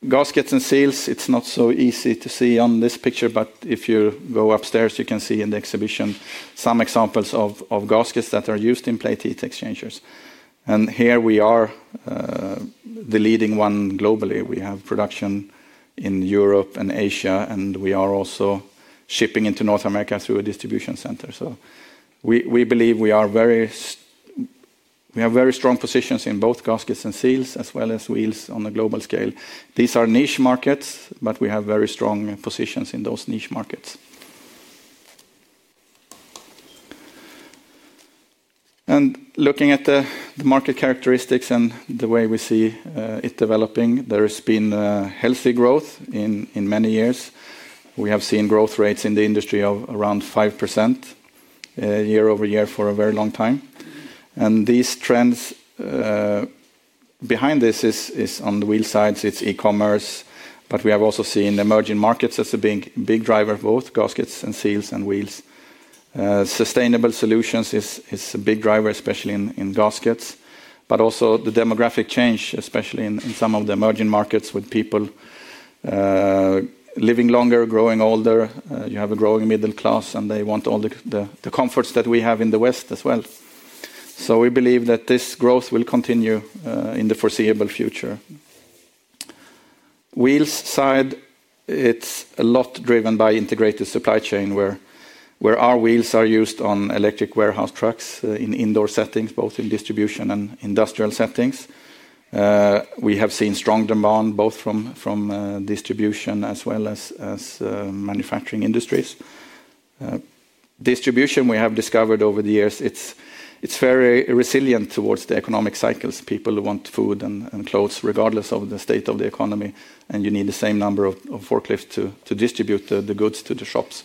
Gaskets and seals, it's not so easy to see on this picture, but if you go upstairs, you can see in the exhibition some examples of gaskets that are used in plate heat exchangers. And here we are the leading one globally. We have production in Europe and Asia, and we are also shipping into North America through a distribution center. So, we believe we have very strong positions in both gaskets and seals as well as wheels on a global scale. These are niche markets, but we have very strong positions in those niche markets. Looking at the market characteristics and the way we see it developing, there has been healthy growth in many years. We have seen growth rates in the industry of around 5% year-over-year for a very long time. These trends behind this, on the wheels side, it's e-commerce, but we have also seen emerging markets as a big driver, both gaskets and seals and wheels. Sustainable solutions is a big driver, especially in gaskets, but also the demographic change, especially in some of the emerging markets with people living longer, growing older. You have a growing middle class, and they want all the comforts that we have in the West as well. We believe that this growth will continue in the foreseeable future. Wheels side, it's a lot driven by integrated supply chain where our wheels are used on electric warehouse trucks in indoor settings, both in distribution and industrial settings. We have seen strong demand both from distribution as well as manufacturing industries. Distribution, we have discovered over the years, it's very resilient towards the economic cycles. People want food and clothes regardless of the state of the economy, and you need the same number of forklifts to distribute the goods to the shops.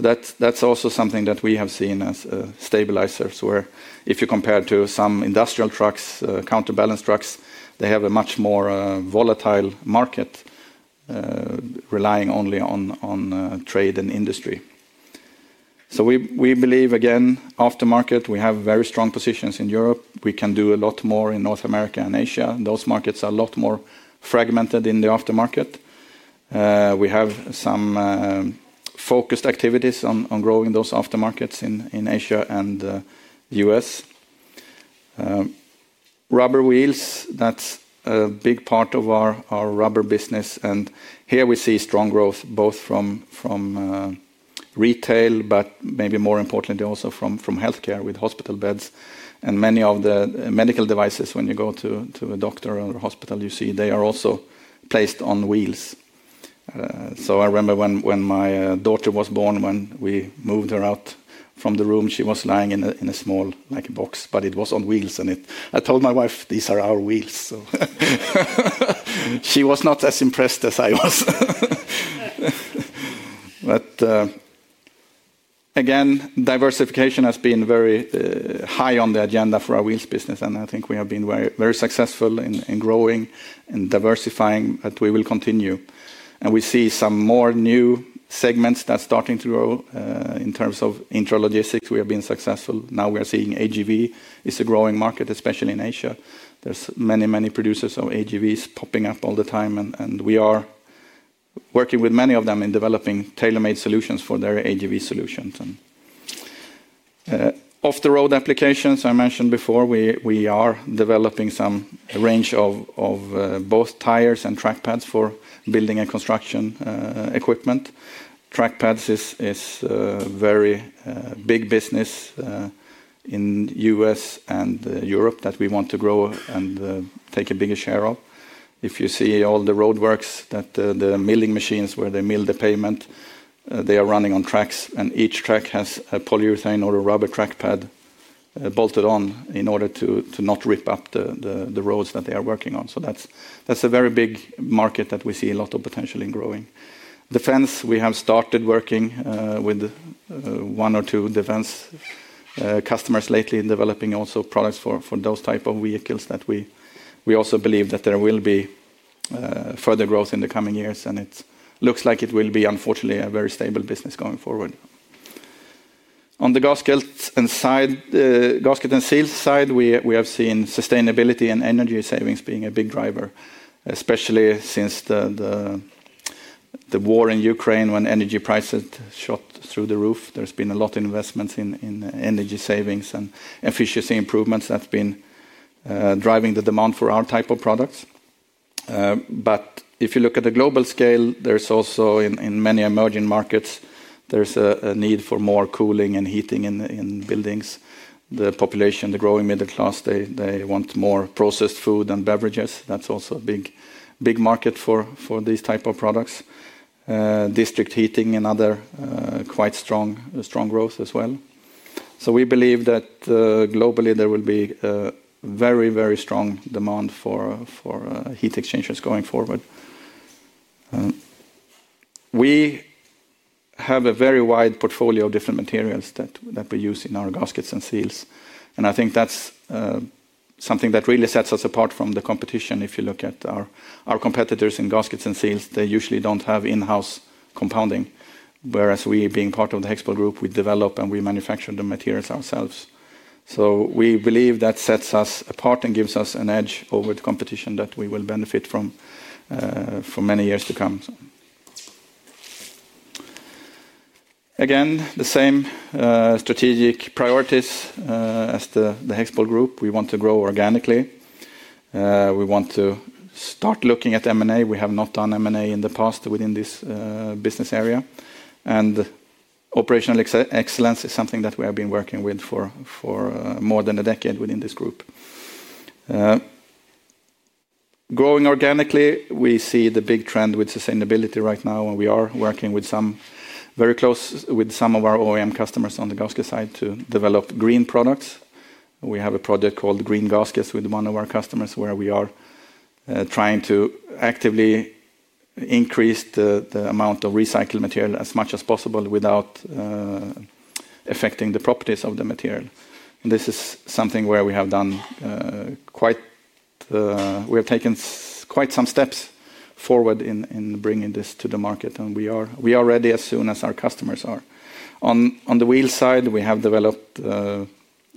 That's also something that we have seen as a stabilizer where if you compare it to some industrial trucks, counterbalance trucks, they have a much more volatile market relying only on trade and industry. We believe, again, aftermarket, we have very strong positions in Europe. We can do a lot more in North America and Asia. Those markets are a lot more fragmented in the aftermarket. We have some focused activities on growing those aftermarkets in Asia and the U.S. rubber wheels, that's a big part of our rubber business. Here we see strong growth both from retail, but maybe more importantly also from healthcare with hospital beds. Many of the medical devices, when you go to a doctor or a hospital, you see they are also placed on wheels. I remember when my daughter was born, when we moved her out from the room, she was lying in a small, like a box, but it was on wheels. I told my wife, "These are our wheels." She was not as impressed as I was. Diversification has been very high on the agenda for our wheels business, and I think we have been very successful in growing and diversifying, but we will continue. We see some more new segments that are starting to grow in terms of intralogistics. We have been successful. Now we are seeing AGV is a growing market, especially in Asia. There's many, many producers of AGVs popping up all the time, and we are working with many of them in developing tailor-made solutions for their AGV solutions. Off-the-road applications, I mentioned before, we are developing some range of both tires and track pads for building and construction equipment. Track pads is a very big business in the US and Europe that we want to grow and take a bigger share of. If you see all the roadworks, the milling machines where they mill the pavement, they are running on tracks, and each track has a polyurethane or a rubber track pad bolted on in order to not rip up the roads that they are working on. So, that's a very big market that we see a lot of potential in growing. Defense, we have started working with one or two defense customers lately in developing also products for those types of vehicles that we also believe that there will be further growth in the coming years, and it looks like it will be, unfortunately, a very stable business going forward. On the gasket and seals side, we have seen sustainability and energy savings being a big driver, especially since the war in Ukraine when energy prices shot through the roof. There's been a lot of investments in energy savings and efficiency improvements that have been driving the demand for our type of products. But if you look at the global scale, there's also in many emerging markets, there's a need for more cooling and heating in buildings. The population, the growing middle class, they want more processed food and beverages. That's also a big market for these types of products. District heating and other quite strong growth as well. So, we believe that globally there will be a very, very strong demand for heat exchangers going forward. We have a very wide portfolio of different materials that we use in our gaskets and seals. And I think that's something that really sets us apart from the competition. If you look at our competitors in gaskets and seals, they usually don't have in-house compounding, whereas we, being part of the HEXPOL Group, we develop and we manufacture the materials ourselves. So, we believe that sets us apart and gives us an edge over the competition that we will benefit from for many years to come. Again, the same strategic priorities as the HEXPOL Group. We want to grow organically. We want to start looking at M&A. We have not done M&A in the past within this business area. And operational excellence is something that we have been working with for more than a decade within this group. Growing organically, we see the big trend with sustainability right now, and we are working very closely with some of our OEM customers on the gasket side to develop green products. We have a project called Green Gaskets with one of our customers where we are trying to actively increase the amount of recycled material as much as possible without affecting the properties of the material. And this is something where we have done quite. We have taken quite some steps forward in bringing this to the market, and we are ready as soon as our customers are. On the wheel side, we have developed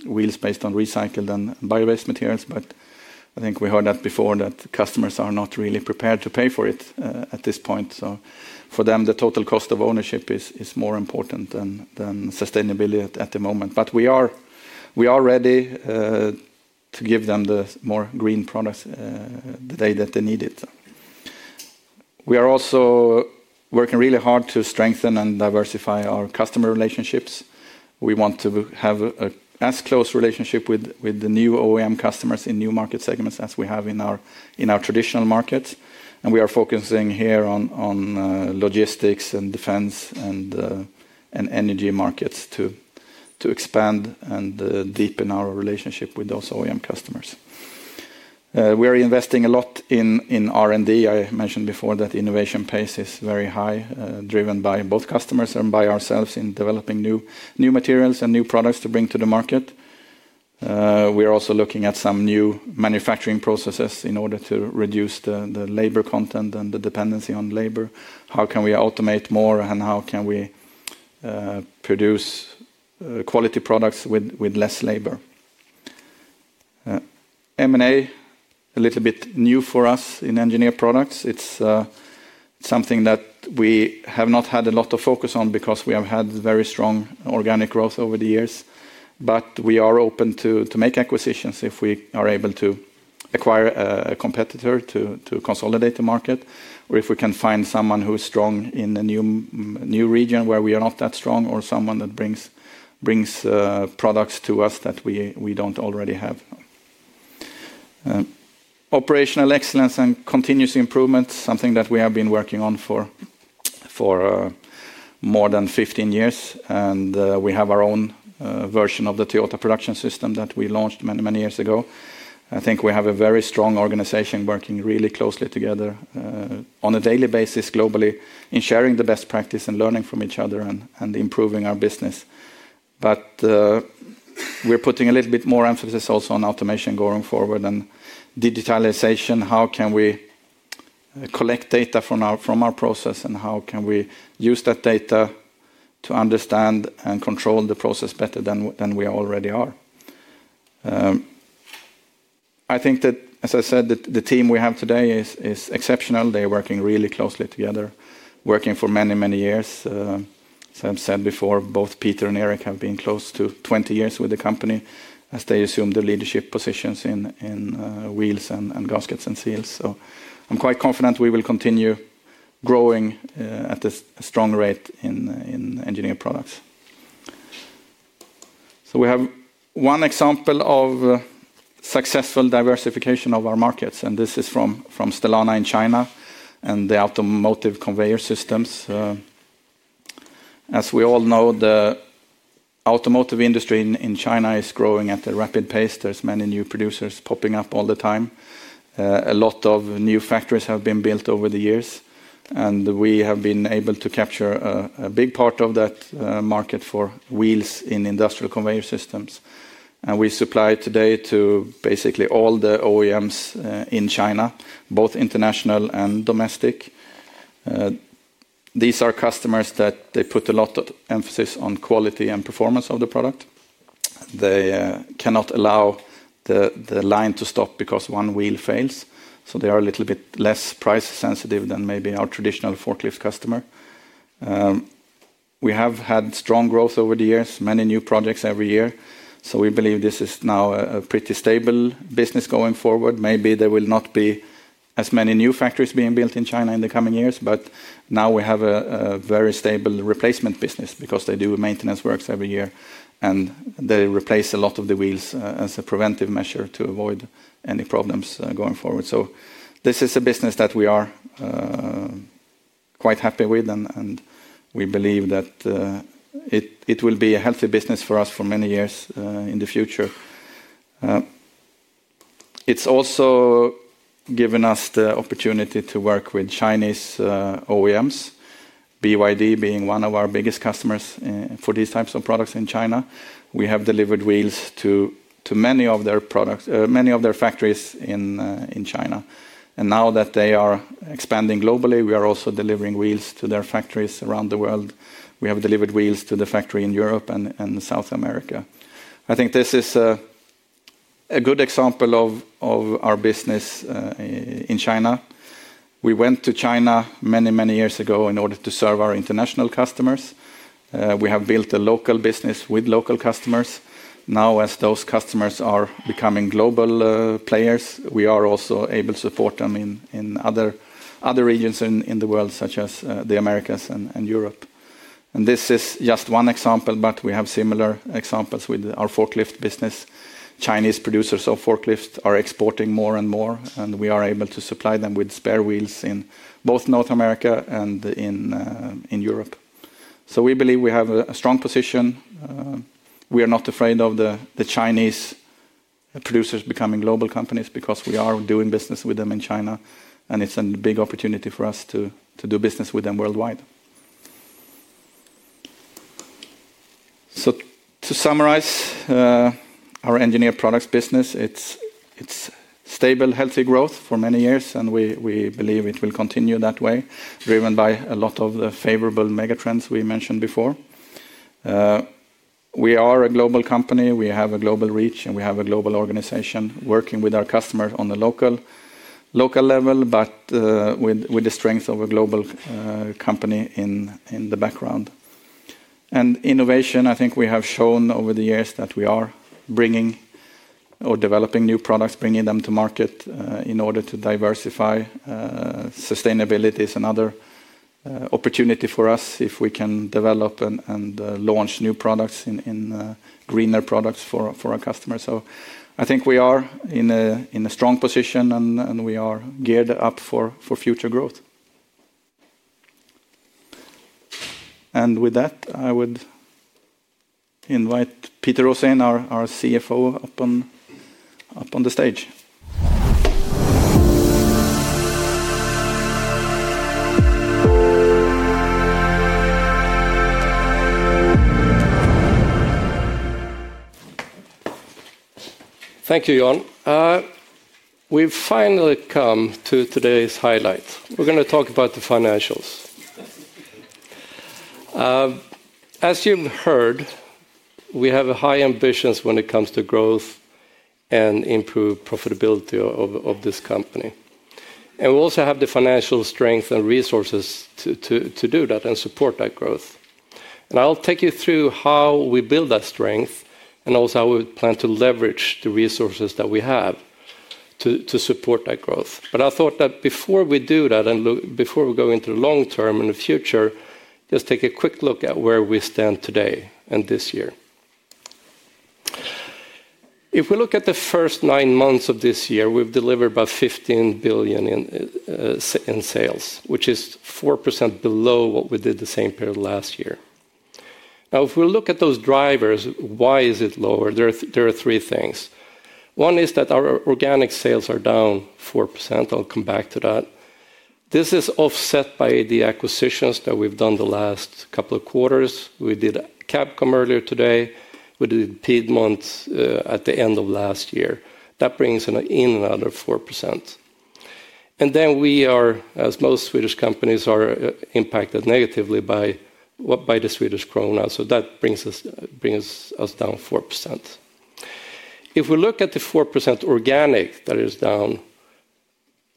wheels based on recycled and bio-based materials, but I think we heard that before, that customers are not really prepared to pay for it at this point. So, for them, the total cost of ownership is more important than sustainability at the moment. But we are ready to give them the more green products the day that they need it. We are also working really hard to strengthen and diversify our customer relationships. We want to have as close a relationship with the new OEM customers in new market segments as we have in our traditional markets. And we are focusing here on logistics and defense and energy markets to expand and deepen our relationship with those OEM customers. We are investing a lot in R&D. I mentioned before that innovation pace is very high, driven by both customers and by ourselves in developing new materials and new products to bring to the market. We are also looking at some new manufacturing processes in order to reduce the labor content and the dependency on labor. How can we automate more and how can we produce quality products with less labor? M&A, a little bit new for us in engineered products. It's something that we have not had a lot of focus on because we have had very strong organic growth over the years. But we are open to make acquisitions if we are able to acquire a competitor to consolidate the market, or if we can find someone who is strong in a new region where we are not that strong, or someone that brings products to us that we don't already have. Operational excellence and continuous improvement, something that we have been working on for more than 15 years. And we have our own version of the Toyota production system that we launched many, many years ago. I think we have a very strong organization working really closely together on a daily basis globally in sharing the best practice and learning from each other and improving our business. But we're putting a little bit more emphasis also on automation going forward and digitalization. How can we collect data from our process and how can we use that data to understand and control the process better than we already are? I think that, as I said, the team we have today is exceptional. They're working really closely together, working for many, many years. As I've said before, both Peter and Erik have been close to 20 years with the company as they assume the leadership positions in wheels and gaskets and seals. So, I'm quite confident we will continue growing at a strong rate in engineered products. So, we have one example of successful diversification of our markets, and this is from Stellana in China and the automotive conveyor systems. As we all know, the automotive industry in China is growing at a rapid pace. There's many new producers popping up all the time. A lot of new factories have been built over the years, and we have been able to capture a big part of that market for wheels in industrial conveyor systems. And we supply today to basically all the OEMs in China, both international and domestic. These are customers that they put a lot of emphasis on quality and performance of the product. They cannot allow the line to stop because one wheel fails. So, they are a little bit less price-sensitive than maybe our traditional forklift customer. We have had strong growth over the years, many new projects every year. So, we believe this is now a pretty stable business going forward. Maybe there will not be as many new factories being built in China in the coming years, but now we have a very stable replacement business because they do maintenance works every year, and they replace a lot of the wheels as a preventive measure to avoid any problems going forward. So, this is a business that we are quite happy with, and we believe that it will be a healthy business for us for many years in the future. It's also given us the opportunity to work with Chinese OEMs, BYD being one of our biggest customers for these types of products in China. We have delivered wheels to many of their factories in China. And now that they are expanding globally, we are also delivering wheels to their factories around the world. We have delivered wheels to the factory in Europe and South America. I think this is a good example of our business in China. We went to China many, many years ago in order to serve our international customers. We have built a local business with local customers. Now, as those customers are becoming global players, we are also able to support them in other regions in the world, such as the Americas and Europe. And this is just one example, but we have similar examples with our forklift business. Chinese producers of forklifts are exporting more and more, and we are able to supply them with spare wheels in both North America and in Europe. So, we believe we have a strong position. We are not afraid of the Chinese producers becoming global companies because we are doing business with them in China, and it's a big opportunity for us to do business with them worldwide. So, to summarize, our engineered products business, it's stable, healthy growth for many years, and we believe it will continue that way, driven by a lot of the favorable megatrends we mentioned before. We are a global company. We have a global reach, and we have a global organization working with our customers on the local level, but with the strength of a global company in the background. Innovation, I think we have shown over the years that we are bringing. Or developing new products, bringing them to market in order to diversify. Sustainability is another opportunity for us if we can develop and launch new products in greener products for our customers. So, I think we are in a strong position, and we are geared up for future growth. With that, I would invite Peter Rosén, our CFO, up on the stage. Thank you, Jan. We've finally come to today's highlight. We're going to talk about the financials. As you've heard, we have high ambitions when it comes to growth and improved profitability of this company. We also have the financial strength and resources to do that and support that growth. I'll take you through how we build that strength and also how we plan to leverage the resources that we have to support that growth. I thought that before we do that and before we go into the long term and the future, just take a quick look at where we stand today and this year. If we look at the first nine months of this year, we've delivered about 15 billion in sales, which is 4% below what we did the same period last year. Now, if we look at those drivers, why is it lower? There are three things. One is that our organic sales are down 4%. I'll come back to that. This is offset by the acquisitions that we've done the last couple of quarters. We did Kabkom earlier today. We did Piedmont at the end of last year. That brings in another 4%. Then we are, as most Swedish companies are, impacted negatively by the Swedish krona, so that brings us down 4%. If we look at the 4% organic that is down,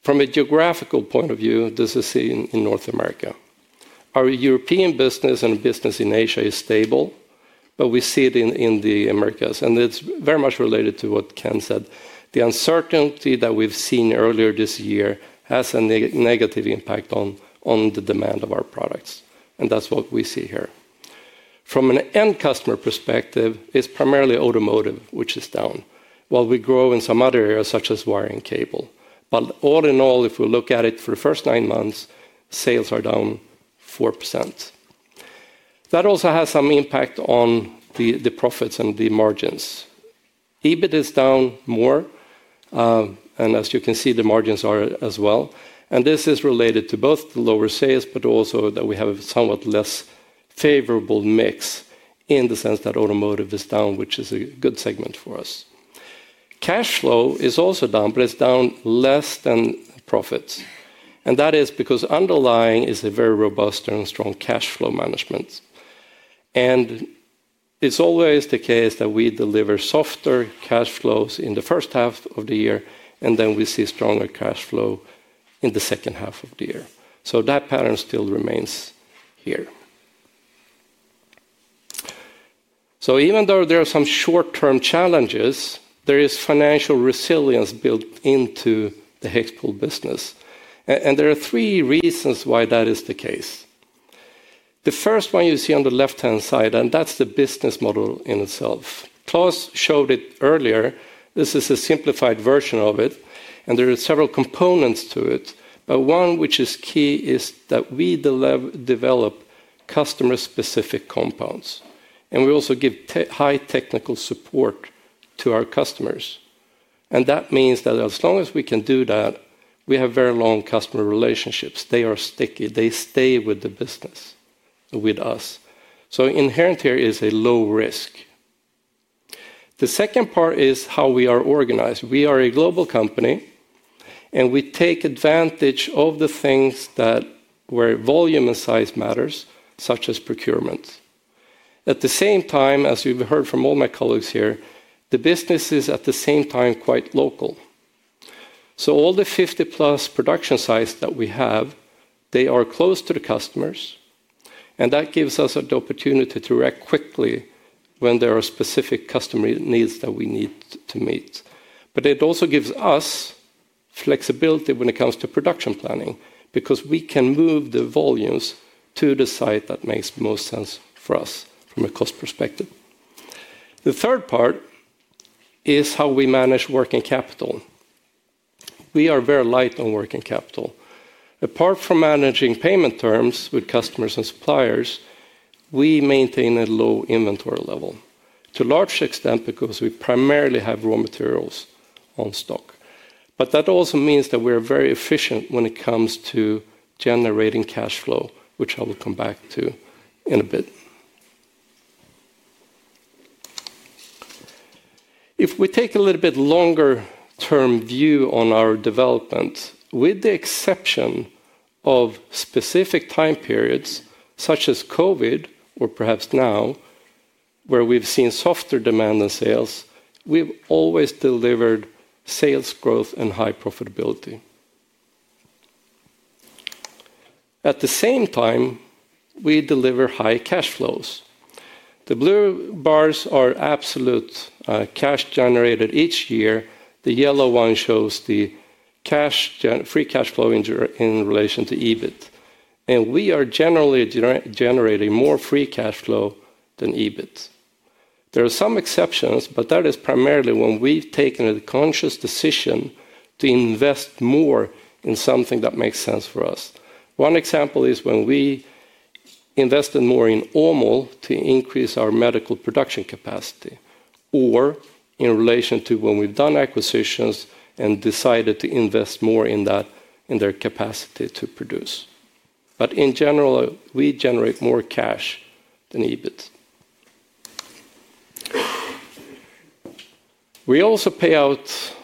from a geographical point of view, this is seen in North America. Our European business and business in Asia is stable, but we see it in the Americas. It's very much related to what Ken said. The uncertainty that we've seen earlier this year has a negative impact on the demand of our products. That's what we see here. From an end customer perspective, it's primarily automotive, which is down, while we grow in some other areas such as wiring cable. All in all, if we look at it for the first nine months, sales are down 4%. That also has some impact on the profits and the margins. EBIT is down more. As you can see, the margins are as well. This is related to both the lower sales, but also that we have a somewhat less favorable mix in the sense that automotive is down, which is a good segment for us. Cash flow is also down, but it's down less than profits. That is because underlying is a very robust and strong cash flow management. It's always the case that we deliver softer cash flows in the first half of the year, and then we see stronger cash flow in the second half of the year. So that pattern still remains here. So even though there are some short-term challenges, there is financial resilience built into the HEXPOL business, and there are three reasons why that is the case. The first one you see on the left-hand side, and that's the business model in itself. Klas showed it earlier. This is a simplified version of it, and there are several components to it. But one which is key is that we develop customer-specific compounds. And we also give high technical support to our customers. And that means that as long as we can do that, we have very long customer relationships. They are sticky. They stay with the business with us. So inherent here is a low risk. The second part is how we are organized. We are a global company, and we take advantage of the things where volume and size matter, such as procurement. At the same time, as you've heard from all my colleagues here, the business is at the same time quite local. So all the 50-plus production sites that we have, they are close to the customers. And that gives us the opportunity to react quickly when there are specific customer needs that we need to meet. But it also gives us flexibility when it comes to production planning because we can move the volumes to the site that makes most sense for us from a cost perspective. The third part is how we manage working capital. We are very light on working capital. Apart from managing payment terms with customers and suppliers, we maintain a low inventory level to a large extent because we primarily have raw materials on stock. But that also means that we are very efficient when it comes to generating cash flow, which I will come back to in a bit. If we take a little bit longer-term view on our development, with the exception of specific time periods such as COVID or perhaps now where we've seen softer demand and sales, we've always delivered sales growth and high profitability. At the same time, we deliver high cash flows. The blue bars are absolute cash generated each year. The yellow one shows the free cash flow in relation to EBIT. And we are generally generating more free cash flow than EBIT. There are some exceptions, but that is primarily when we've taken a conscious decision to invest more in something that makes sense for us. One example is when we invested more in Malmö to increase our medical production capacity or in relation to when we've done acquisitions and decided to invest more in their capacity to produce. But in general, we generate more cash than EBIT. We also pay out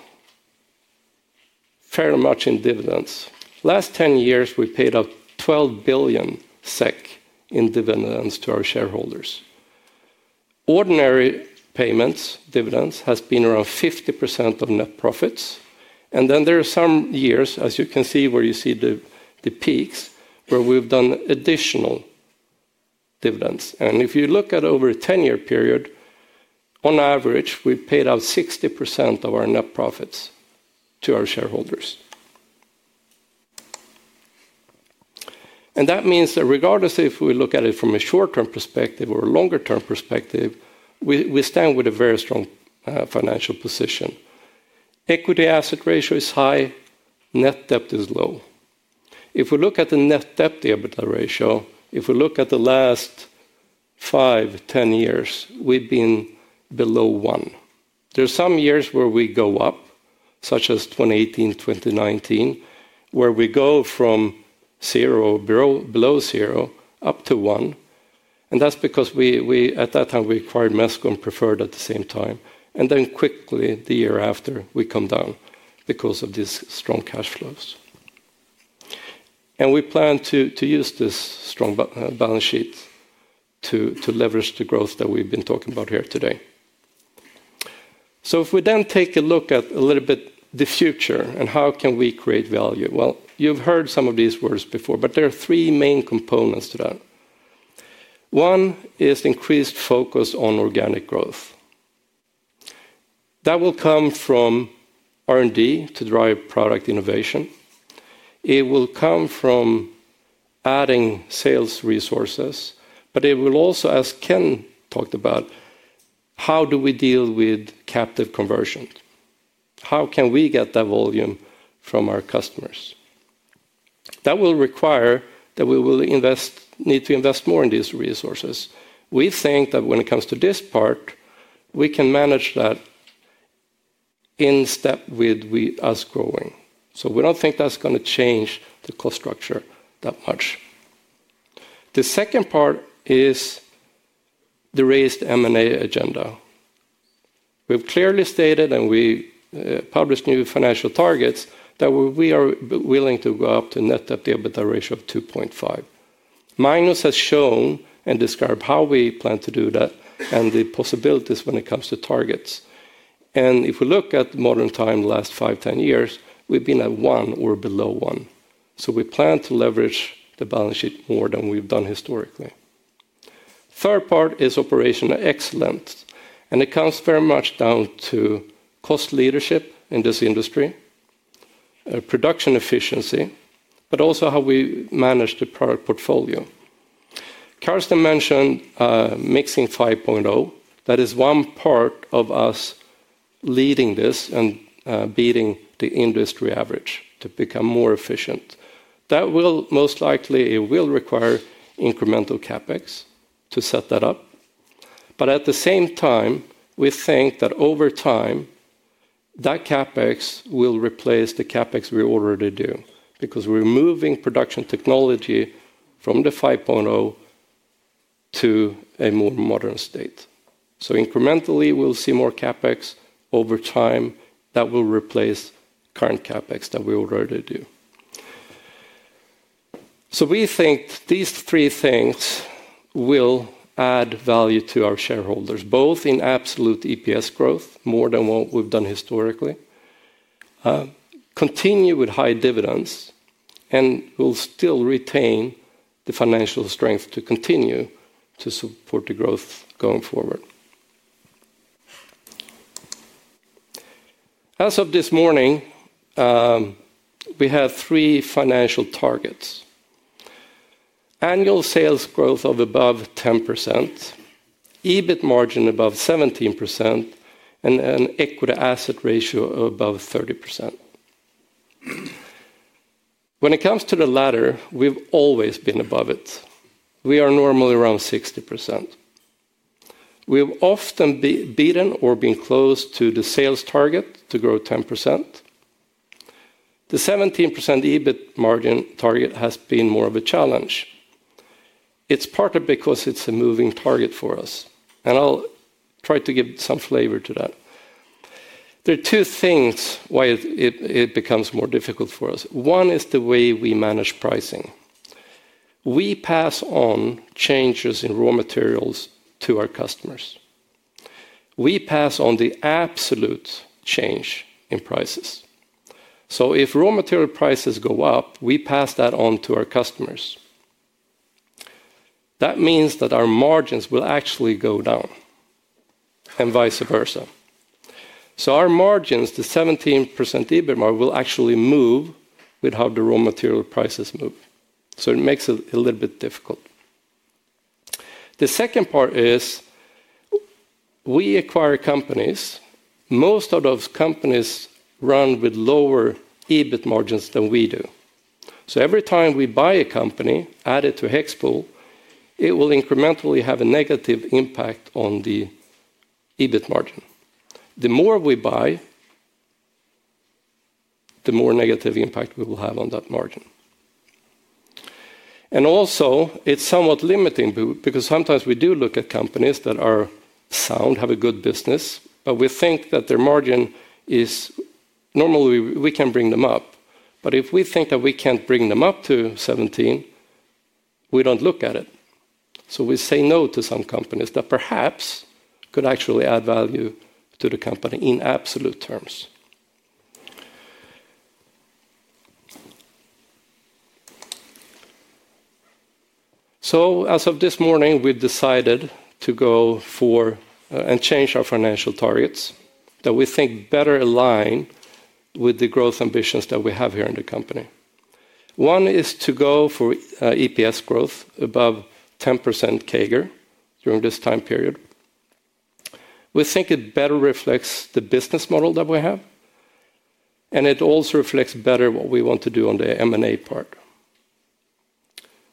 fairly much in dividends. Last 10 years, we paid out 12 billion SEK in dividends to our shareholders. Ordinary payments, dividends, have been around 50% of net profits. And then there are some years, as you can see, where you see the peaks, where we've done additional dividends. And if you look at over a 10-year period, on average, we paid out 60% of our net profits to our shareholders. And that means that regardless if we look at it from a short-term perspective or a longer-term perspective, we stand with a very strong financial position. Equity-asset ratio is high. Net debt is low. If we look at the net debt-to-equity ratio, if we look at the last 5, 10 years, we've been below one. There are some years where we go up, such as 2018, 2019, where we go from zero, below zero, up to one. And that's because at that time, we acquired Preferred Compounding at the same time. And then quickly, the year after, we come down because of these strong cash flows. And we plan to use this strong balance sheet to leverage the growth that we've been talking about here today. So if we then take a look at a little bit the future and how can we create value, well, you've heard some of these words before, but there are three main components to that. One is increased focus on organic growth. That will come from R&D to drive product innovation. It will come from adding sales resources, but it will also, as Ken talked about, how do we deal with captive conversion? How can we get that volume from our customers? That will require that we will need to invest more in these resources. We think that when it comes to this part, we can manage that in step with us growing, so we don't think that's going to change the cost structure that much. The second part is the raised M&A agenda. We've clearly stated, and we published new financial targets, that we are willing to go up to net debt-to-equity ratio of 2.5. Magnus has shown and described how we plan to do that and the possibilities when it comes to targets. And if we look at modern time, the last 5, 10 years, we've been at one or below one. So we plan to leverage the balance sheet more than we've done historically. Third part is operational excellence. And it comes very much down to cost leadership in this industry. Production efficiency, but also how we manage the product portfolio. Carsten mentioned Mixing 5.0. That is one part of us leading this and beating the industry average to become more efficient. That will most likely require incremental CapEx to set that up. But at the same time, we think that over time, that CapEx will replace the CapEx we already do because we're moving production technology from the 5.0 to a more modern state. So incrementally, we'll see more CapEx over time that will replace current CapEx that we already do. So we think these three things will add value to our shareholders, both in absolute EPS growth, more than what we've done historically, continue with high dividends, and we'll still retain the financial strength to continue to support the growth going forward. As of this morning, we have three financial targets. Annual sales growth of above 10%. EBIT margin above 17%. And an equity-asset ratio of above 30%. When it comes to the latter, we've always been above it. We are normally around 60%. We've often beaten or been close to the sales target to grow 10%. The 17% EBIT margin target has been more of a challenge. It's partly because it's a moving target for us. And I'll try to give some flavor to that. There are two things why it becomes more difficult for us. One is the way we manage pricing. We pass on changes in raw materials to our customers. We pass on the absolute change in prices. So if raw material prices go up, we pass that on to our customers. That means that our margins will actually go down. And vice versa. So our margins, the 17% EBIT margin, will actually move with how the raw material prices move. So it makes it a little bit difficult. The second part is. We acquire companies. Most of those companies run with lower EBIT margins than we do. So every time we buy a company added to HEXPOL, it will incrementally have a negative impact on the. EBIT margin. The more we buy. The more negative impact we will have on that margin. And also, it's somewhat limiting because sometimes we do look at companies that are sound, have a good business, but we think that their margin is. Normally we can bring them up. But if we think that we can't bring them up to 17%. We don't look at it. So we say no to some companies that perhaps could actually add value to the company in absolute terms. So as of this morning, we decided to go for. And change our financial targets that we think better align with the growth ambitions that we have here in the company. One is to go for EPS growth above 10% CAGR during this time period. We think it better reflects the business model that we have. And it also reflects better what we want to do on the M&A part.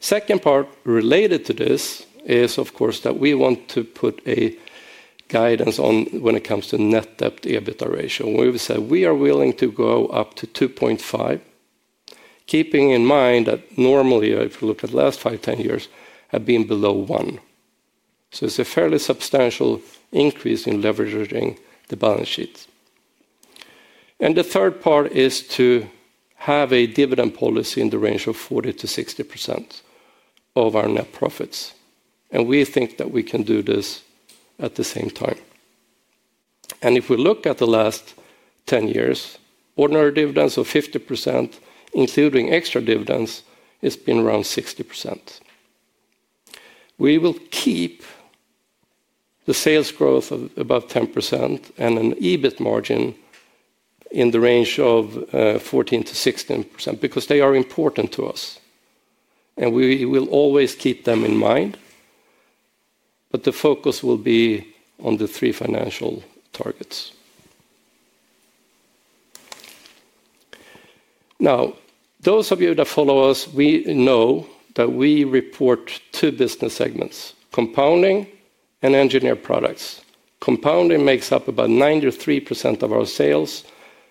The second part related to this is, of course, that we want to put a. Guidance on when it comes to net debt-to-equity ratio. We said we are willing to go up to 2.5. Keeping in mind that normally, if you look at the last 5, 10 years, have been below one. So it's a fairly substantial increase in leveraging the balance sheet. And the third part is to. We have a dividend policy in the range of 40%-60% of our net profits. And we think that we can do this at the same time. And if we look at the last 10 years, ordinary dividends of 50%, including extra dividends, it's been around 60%. We will keep the sales growth of above 10% and an EBIT margin in the range of 14%-16% because they are important to us. And we will always keep them in mind. But the focus will be on the three financial targets. Now, those of you that follow us, we know that we report two business segments: compounding and engineered products. Compounding makes up about 93% of our sales.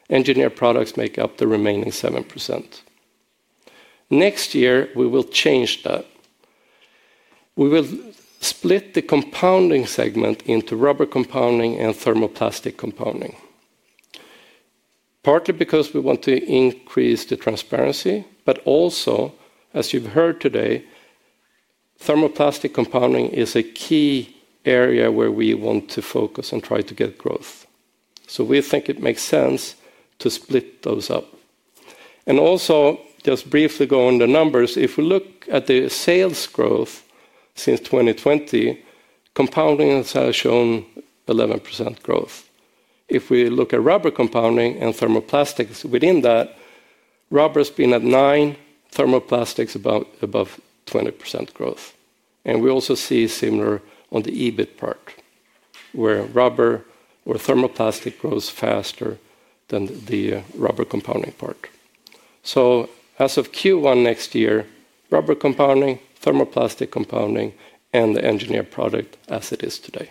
Engineered products make up the remaining 7%. Next year, we will change that. We will split the compounding segment into rubber compounding and thermoplastic compounding. Partly because we want to increase the transparency, but also, as you've heard today, thermoplastic compounding is a key area where we want to focus and try to get growth. So we think it makes sense to split those up. And also, just briefly going on the numbers, if we look at the sales growth since 2020, compounding has shown 11% growth. If we look at rubber compounding and thermoplastics within that, rubber has been at 9%, thermoplastics above 20% growth. And we also see similar on the EBIT part, where rubber or thermoplastic grows faster than the rubber compounding part. So as of Q1 next year, rubber compounding, thermoplastic compounding, and the engineered product as it is today.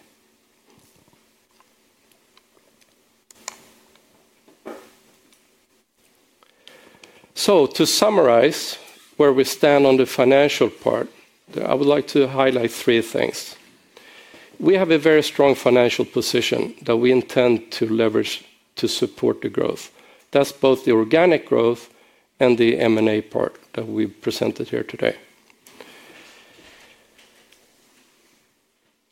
So to summarize where we stand on the financial part, I would like to highlight three things. We have a very strong financial position that we intend to leverage to support the growth. That's both the organic growth and the M&A part that we presented here today.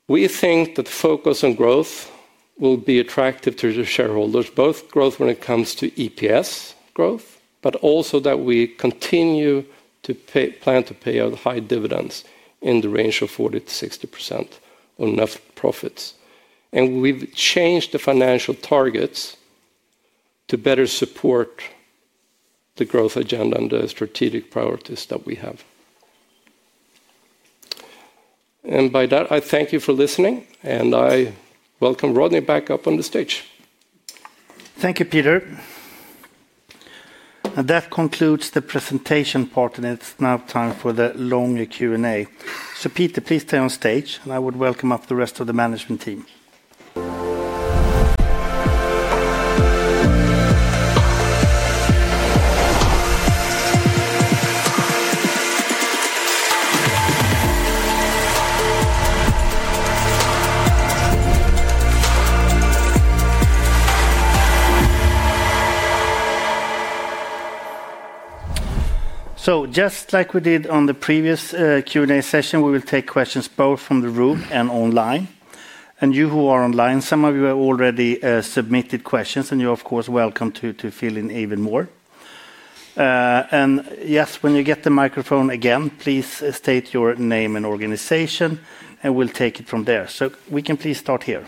We think that focus on growth will be attractive to the shareholders, both growth when it comes to EPS growth, but also that we continue to plan to pay out high dividends in the range of 40%-60% on net profits. And we've changed the financial targets to better support the growth agenda and the strategic priorities that we have. And by that, I thank you for listening, and I welcome Rodney back up on the stage. Thank you, Peter. And that concludes the presentation part, and it's now time for the longer Q&A. So Peter, please stay on stage, and I would welcome up the rest of the management team. So just like we did on the previous Q&A session, we will take questions both from the room and online. And you who are online, some of you have already submitted questions, and you're, of course, welcome to fill in even more. And yes, when you get the microphone again, please state your name and organization, and we'll take it from there. So we can please start here.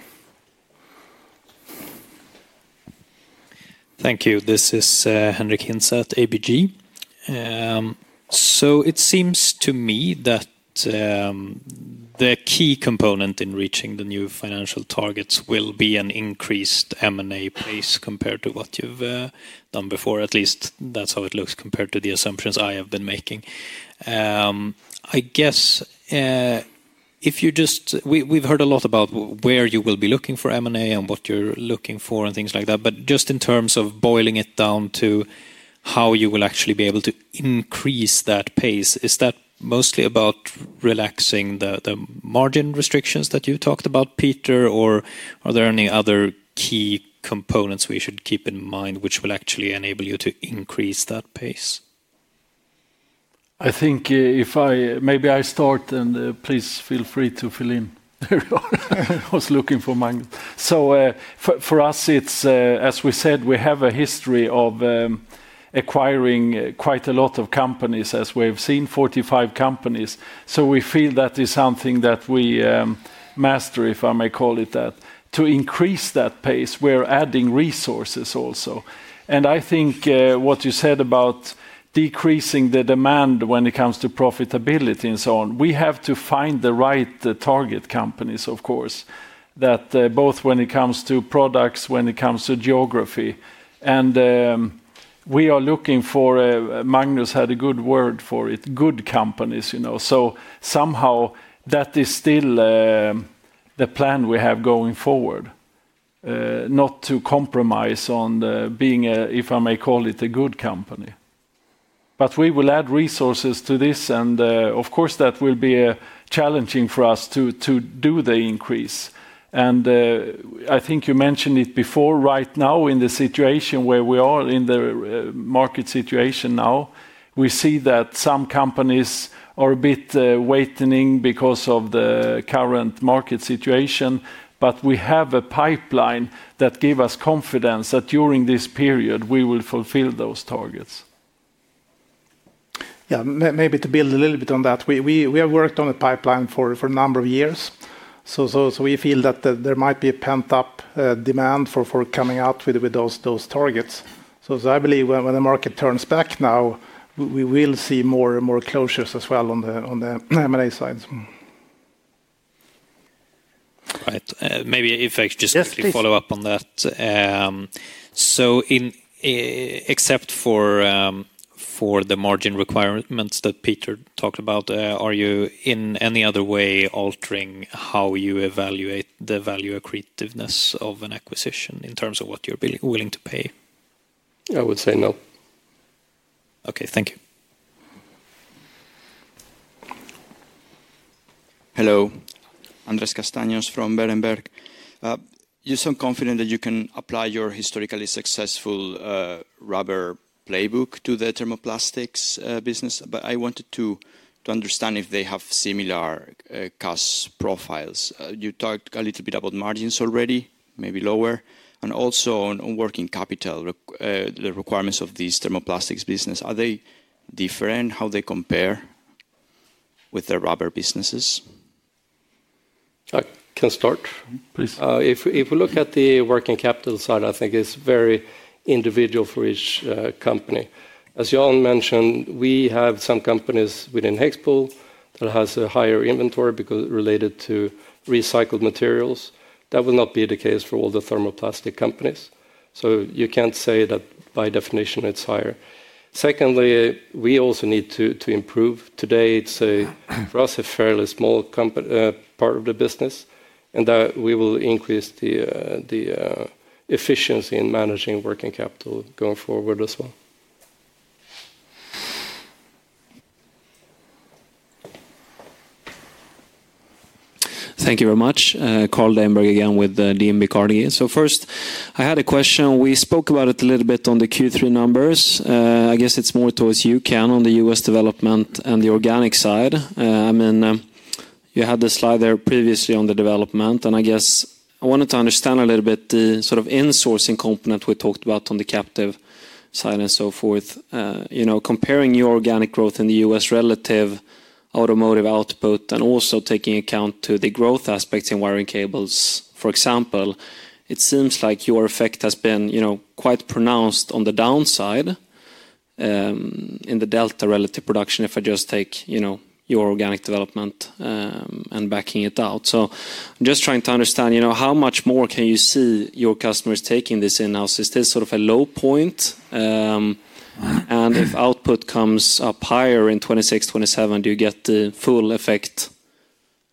Thank you. This is Henric Hintze at ABG. So it seems to me that the key component in reaching the new financial targets will be an increased M&A pace compared to what you've done before. At least that's how it looks compared to the assumptions I have been making, I guess. If you just, we've heard a lot about where you will be looking for M&A and what you're looking for and things like that, but just in terms of boiling it down to how you will actually be able to increase that pace, is that mostly about relaxing the margin restrictions that you talked about, Peter, or are there any other key components we should keep in mind which will actually enable you to increase that pace? I think if I, maybe I start, and please feel free to fill in. I was looking for. So for us, it's, as we said, we have a history of acquiring quite a lot of companies, as we've seen, 45 companies. So we feel that is something that we master, if I may call it that. To increase that pace, we're adding resources also. And I think what you said about decreasing the demand when it comes to profitability and so on, we have to find the right target companies, of course, that both when it comes to products, when it comes to geography. And we are looking for, Magnus had a good word for it, good companies. So somehow that is still the plan we have going forward. Not to compromise on being, if I may call it, a good company. But we will add resources to this, and of course, that will be challenging for us to do the increase. And I think you mentioned it before, right now in the situation where we are in the market situation now, we see that some companies are a bit weakening because of the current market situation, but we have a pipeline that gives us confidence that during this period, we will fulfill those targets. Yeah, maybe to build a little bit on that, we have worked on a pipeline for a number of years. So we feel that there might be a pent-up demand for coming out with those targets. So I believe when the market turns back now, we will see more closures as well on the M&A side. Right. Maybe if I just quickly follow up on that. So except for the margin requirements that Peter talked about, are you in any other way altering how you evaluate the value accretiveness of an acquisition in terms of what you're willing to pay? I would say no. Okay, thank you. Hello, Andres Castaños from Berenberg. You sound confident that you can apply your historically successful rubber playbook to the thermoplastics business, but I wanted to understand if they have similar cost profiles. You talked a little bit about margins already, maybe lower, and also on working capital, the requirements of these thermoplastics businesses. Are they different? How do they compare with their rubber businesses? I can start. Please. If we look at the working capital side, I think it's very individual for each company. As Jan mentioned, we have some companies within HEXPOL that have a higher inventory related to recycled materials. That will not be the case for all the thermoplastic companies. So you can't say that by definition it's higher. Secondly, we also need to improve. Today, it's for us a fairly small part of the business, and that we will increase the efficiency in managing working capital going forward as well. Thank you very much. Carl Deijenberg again with DNB Carnegie. So first, I had a question. We spoke about it a little bit on the Q3 numbers. I guess it's more towards you, Ken, on the U.S. development and the organic side. I mean, you had the slide there previously on the development, and I guess I wanted to understand a little bit the sort of insourcing component we talked about on the captive side and so forth. Comparing your organic growth in the U.S. relative to automotive output and also taking account of the growth aspects in wiring cables, for example, it seems like your effect has been quite pronounced on the downside. In the delta relative production, if I just take your organic development and backing it out So I'm just trying to understand how much more can you see your customers taking this in now? So is this sort of a low point? And if output comes up higher in 2026, 2027, do you get the full effect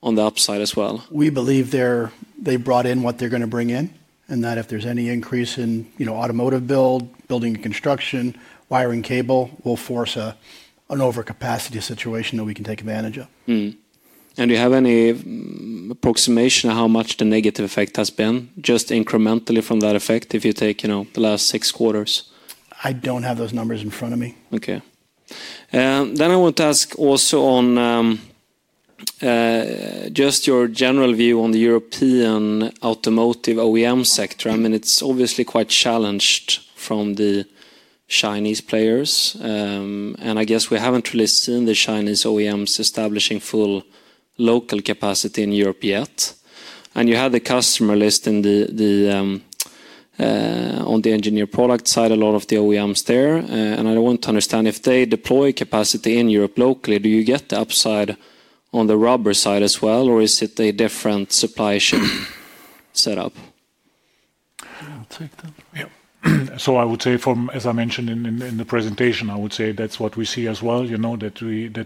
on the upside as well? We believe they brought in what they're going to bring in, and that if there's any increase in automotive build, building construction, wiring cable, we'll force an overcapacity situation that we can take advantage of. And do you have any approximation of how much the negative effect has been, just incrementally from that effect, if you take the last six quarters? I don't have those numbers in front of me. Okay. Then I want to ask also on just your general view on the European automotive OEM sector. I mean, it's obviously quite challenged from the Chinese players. And I guess we haven't really seen the Chinese OEMs establishing full local capacity in Europe yet. And you had the customer list in the engineered product side, a lot of the OEMs there. And I want to understand if they deploy capacity in Europe locally, do you get the upside on the rubber side as well, or is it a different supply chain setup? So I would say, as I mentioned in the presentation, I would say that's what we see as well, that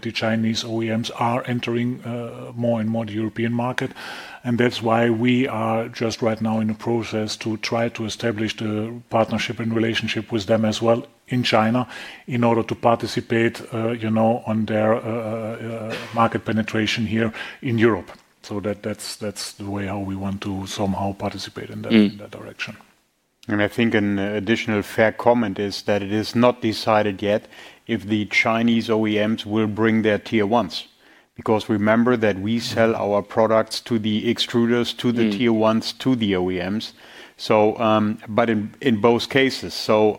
the Chinese OEMs are entering more and more the European market. And that's why we are just right now in the process to try to establish the partnership and relationship with them as well in China in order to participate on their. Market penetration here in Europe. So that's the way how we want to somehow participate in that direction. And I think an additional fair comment is that it is not decided yet if the Chinese OEMs will bring their Tier 1s because remember that we sell our products to the extruders, to the Tier 1s, to the OEMs. But in both cases, so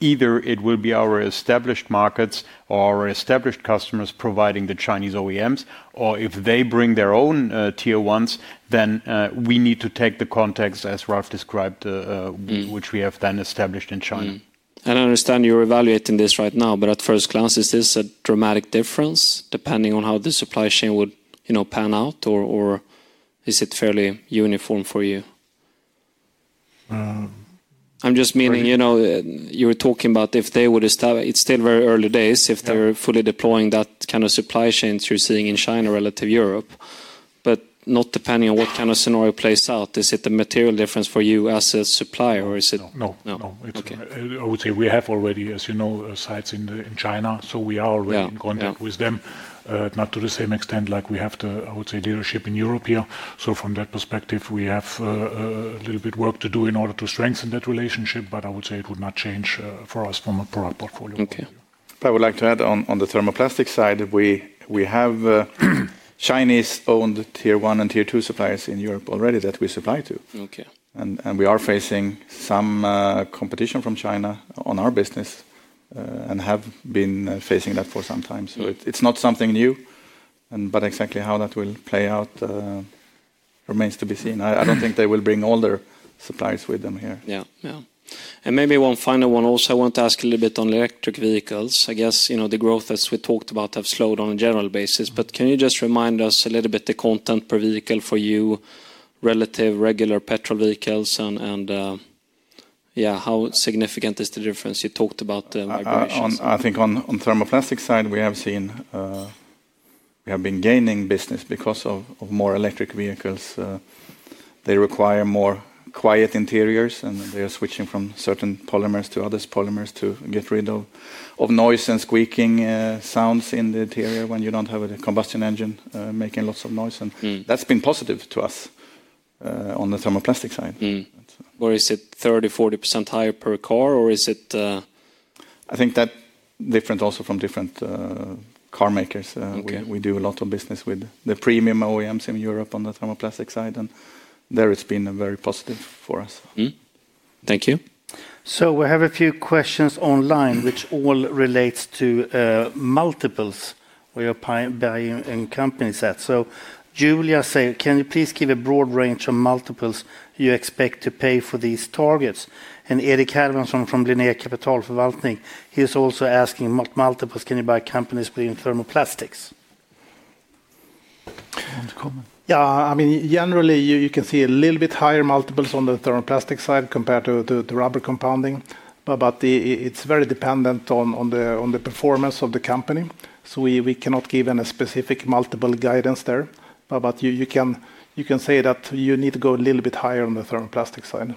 either it will be our established markets or our established customers providing the Chinese OEMs, or if they bring their own Tier 1s, then we need to take the context, as Ralf described, which we have then established in China. And I understand you're evaluating this right now, but at first glance, is this a dramatic difference depending on how the supply chain would pan out, or is it fairly uniform for you? I'm just meaning. You were talking about if they would establish, it's still very early days if they're fully deploying that kind of supply chains you're seeing in China relative to Europe, but not depending on what kind of scenario plays out. Is it a material difference for you as a supplier, or is it? No, no. I would say we have already, as you know, sites in China, so we are already in contact with them, not to the same extent like we have the, I would say, leadership in Europe here. So from that perspective, we have a little bit of work to do in order to strengthen that relationship, but I would say it would not change for us from a product portfolio. Okay. I would like to add on the thermoplastic side, we have Chinese-owned Tier 1 and Tier 2 suppliers in Europe already that we supply to. And we are facing some competition from China on our business. And have been facing that for some time. So it's not something new. But exactly how that will play out. Remains to be seen. I don't think they will bring older suppliers with them here. Yeah, yeah. And maybe one final one also, I want to ask a little bit on electric vehicles. I guess the growth as we talked about have slowed on a general basis, but can you just remind us a little bit the content per vehicle for you. Relative to regular petrol vehicles and. Yeah, how significant is the difference you talked about? I think on the thermoplastic side, we have seen. We have been gaining business because of more electric vehicles. They require more quiet interiors, and they are switching from certain polymers to other polymers to get rid of noise and squeaking sounds in the interior when you don't have a combustion engine making lots of noise. And that's been positive to us. On the thermoplastic side. Or is it 30%-40% higher per car, or is it? I think that's different also from different. Car makers. We do a lot of business with the premium OEMs in Europe on the thermoplastic side, and there it's been very positive for us. Thank you. So we have a few questions online, which all relate to multiples where you're buying companies at. So Julia said, can you please give a broad range of multiples you expect to pay for these targets? And Erik Hermansson from Linné Kapitalförvaltning, he's also asking what multiples can you buy companies within thermoplastics? Yeah, I mean, generally, you can see a little bit higher multiples on the thermoplastic side compared to rubber compounding, but it's very dependent on the performance of the company. So we cannot give any specific multiple guidance there, but you can say that you need to go a little bit higher on the thermoplastic side.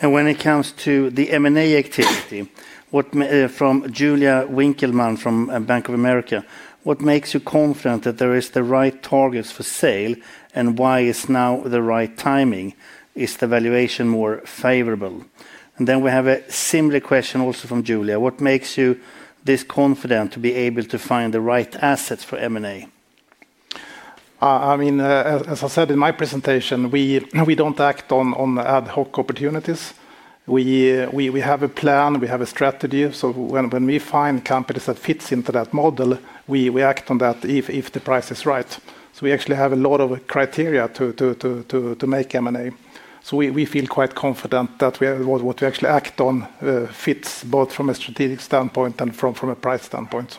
And when it comes to the M&A activity, from Julia Winckelmann from Bank of America, what makes you confident that there are the right targets for sale and why is now the right timing? Is the valuation more favorable? And then we have a similar question also from Julia. What makes you this confident to be able to find the right assets for M&A? I mean, as I said in my presentation, we don't act on ad hoc opportunities. We have a plan, we have a strategy. So when we find companies that fit into that model, we act on that if the price is right. So we actually have a lot of criteria to make M&A. So we feel quite confident that what we actually act on fits both from a strategic standpoint and from a price standpoint.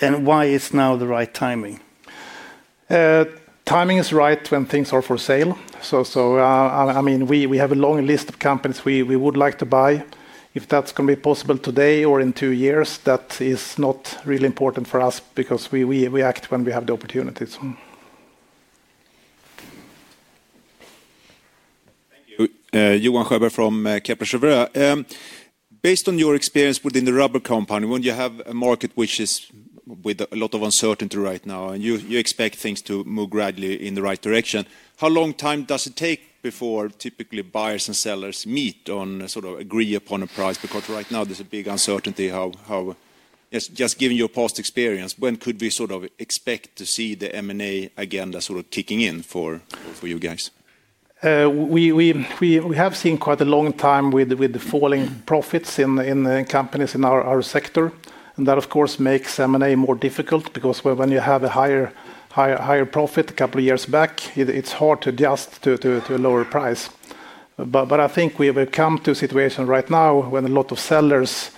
And why is now the right timing? Timing is right when things are for sale. So I mean, we have a long list of companies we would like to buy. If that's going to be possible today or in two years, that is not really important for us because we act when we have the opportunity. Thank you. Johan Sjöberg from Kepler Cheuvreux. Based on your experience within the rubber company, when you have a market which is with a lot of uncertainty right now and you expect things to move gradually in the right direction, how long time does it take before typically buyers and sellers meet on sort of agree upon a price? Because right now there's a big uncertainty. Just given your past experience, when could we sort of expect to see the M&A agenda sort of kicking in for you guys? We have seen quite a long time with the falling profits in companies in our sector. And that, of course, makes M&A more difficult because when you have a higher profit a couple of years back, it's hard to adjust to a lower price. But I think we have come to a situation right now when a lot of sellers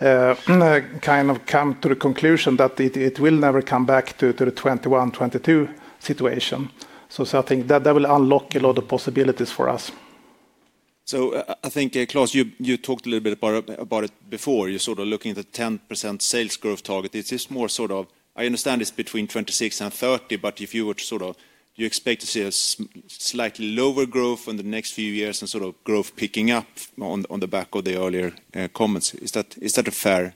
kind of come to the conclusion that it will never come back to the 2021, 2022 situation. So I think that will unlock a lot of possibilities for us. So I think, Klas, you talked a little bit about it before. You're sort of looking at a 10% sales growth target. It's just more sort of, I understand it's between 26%-30%, but if you were to sort of, you expect to see a slightly lower growth in the next few years and sort of growth picking up on the back of the earlier comments. Is that a fair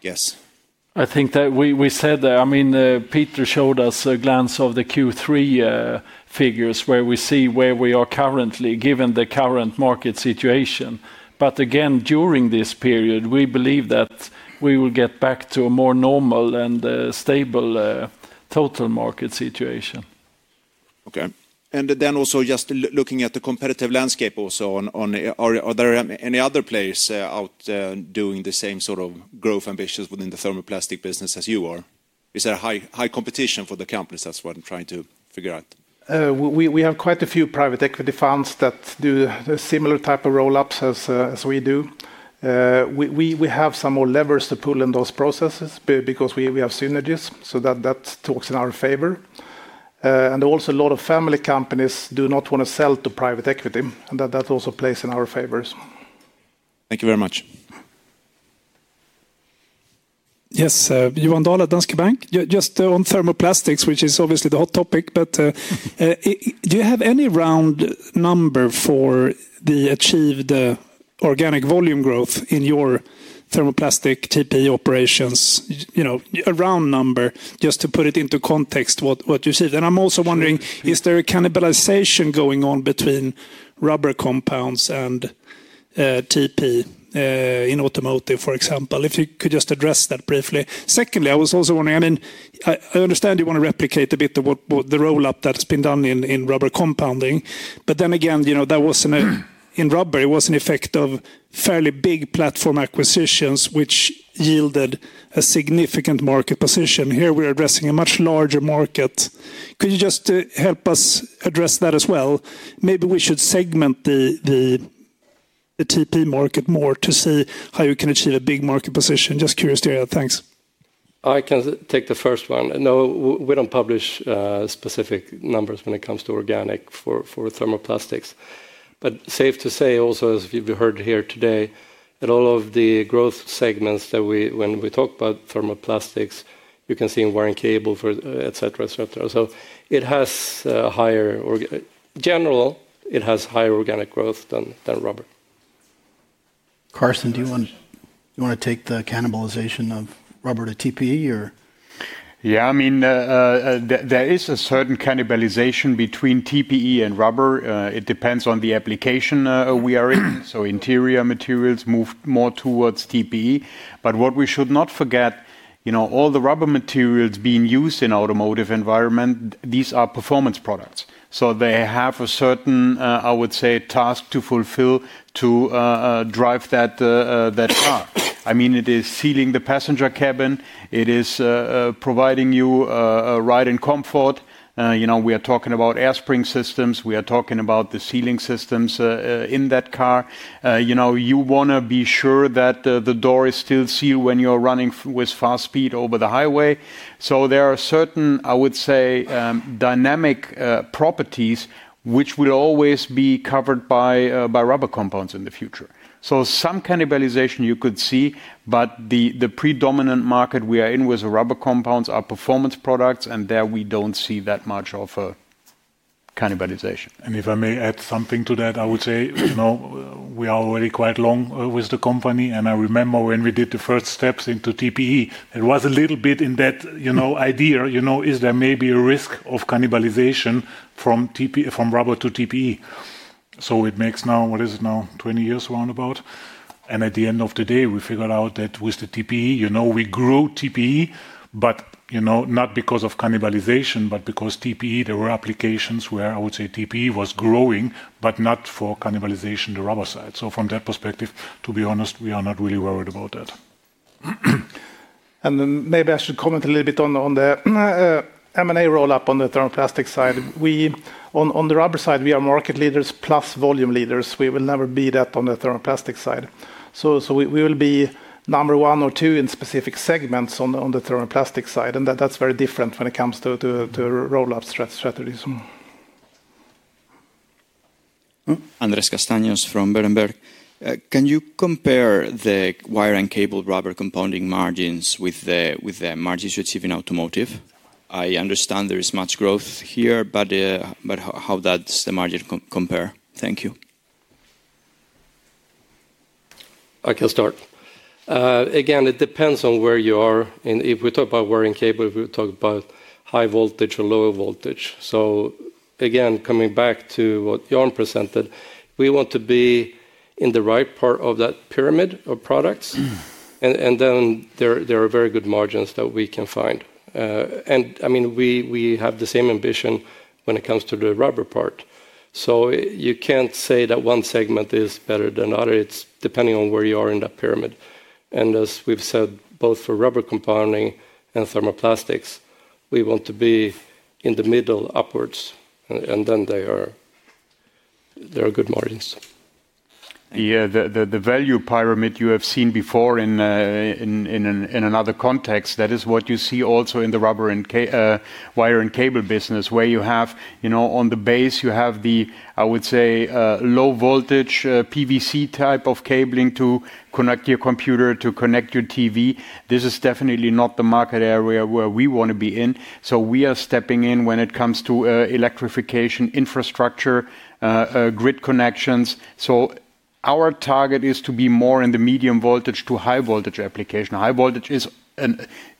guess? I think that we said that. I mean, Peter showed us a glance of the Q3 figures where we see where we are currently given the current market situation. But again, during this period, we believe that we will get back to a more normal and stable total market situation. Okay. And then also just looking at the competitive landscape also, are there any other players out doing the same sort of growth ambitions within the thermoplastic business as you are? Is there high competition for the companies? That's what I'm trying to figure out. We have quite a few private equity funds that do a similar type of roll-ups as we do. We have some more levers to pull in those processes because we have synergies. So that talks in our favor. And also a lot of family companies do not want to sell to private equity. And that also plays in our favors. Thank you very much. Yes, Johan Dahl, Danske Bank. Just on thermoplastics, which is obviously the hot topic, but do you have any round number for the achieved organic volume growth in your thermoplastic TPE operations? A round number just to put it into context what you see. And I'm also wondering, is there a cannibalization going on between rubber compounds and TPE in automotive, for example? If you could just address that briefly. Secondly, I was also wondering, I mean, I understand you want to replicate a bit of the roll-up that's been done in rubber compounding, but then again, that wasn't in rubber, it was an effect of fairly big platform acquisitions which yielded a significant market position. Here we're addressing a much larger market. Could you just help us address that as well? Maybe we should segment the TPE market more to see how you can achieve a big market position. Just curious to hear that. Thanks. I can take the first one. No, we don't publish specific numbers when it comes to organic for thermoplastics. But safe to say also, as we've heard here today, that all of the growth segments that when we talk about thermoplastics, you can see in wiring cable, etc., etc. So it has a higher general, it has higher organic growth than rubber. Carsten, do you want to take the cannibalization of rubber to TPE or? Yeah, I mean. There is a certain cannibalization between TPE and rubber. It depends on the application we are in. So interior materials move more towards TPE. But what we should not forget, all the rubber materials being used in the automotive environment, these are performance products. So they have a certain, I would say, task to fulfill to drive that car. I mean, it is sealing the passenger cabin. It is providing you a ride in comfort. We are talking about air spring systems. We are talking about the sealing systems in that car. You want to be sure that the door is still sealed when you're running with fast speed over the highway. So there are certain, I would say, dynamic properties which will always be covered by rubber compounds in the future. So some cannibalization you could see, but the predominant market we are in with rubber compounds are performance products, and there we don't see that much of a cannibalization. And if I may add something to that, I would say, we are already quite long with the company, and I remember when we did the first steps into TPE, there was a little bit in that idea, is there maybe a risk of cannibalization from rubber to TPE? So it makes now, what is it now, 20 years roundabout? And at the end of the day, we figured out that with the TPE, we grew TPE, but not because of cannibalization, but because TPE, there were applications where I would say TPE was growing, but not for cannibalization on the rubber side. So from that perspective, to be honest, we are not really worried about that. And maybe I should comment a little bit on the M&A roll-up on the thermoplastic side. On the rubber side, we are market leaders plus volume leaders. We will never be that on the thermoplastic side. So we will be number one or two in specific segments on the thermoplastic side, and that's very different when it comes to roll-up strategies. Andrés Castaños from Berenberg. Can you compare the wire and cable rubber compounding margins with the margins you achieve in automotive? I understand there is much growth here, but how does the margin compare? Thank you. I can start. Again, it depends on where you are. If we talk about wiring cable, we talk about high voltage or lower voltage. So again, coming back to what Jan presented, we want to be in the right part of that pyramid of products, and then there are very good margins that we can find. And I mean, we have the same ambition when it comes to the rubber part. So you can't say that one segment is better than the other. It's depending on where you are in that pyramid. And as we've said, both for rubber compounding and thermoplastics, we want to be in the middle upwards, and then there are good margins. Yeah, the value pyramid you have seen before in another context, that is what you see also in the rubber and wire and cable business, where you have on the base, you have the, I would say, low voltage PVC type of cabling to connect your computer to connect your TV. This is definitely not the market area where we want to be in. So we are stepping in when it comes to electrification infrastructure, grid connections. So our target is to be more in the medium voltage to high voltage application. High voltage is.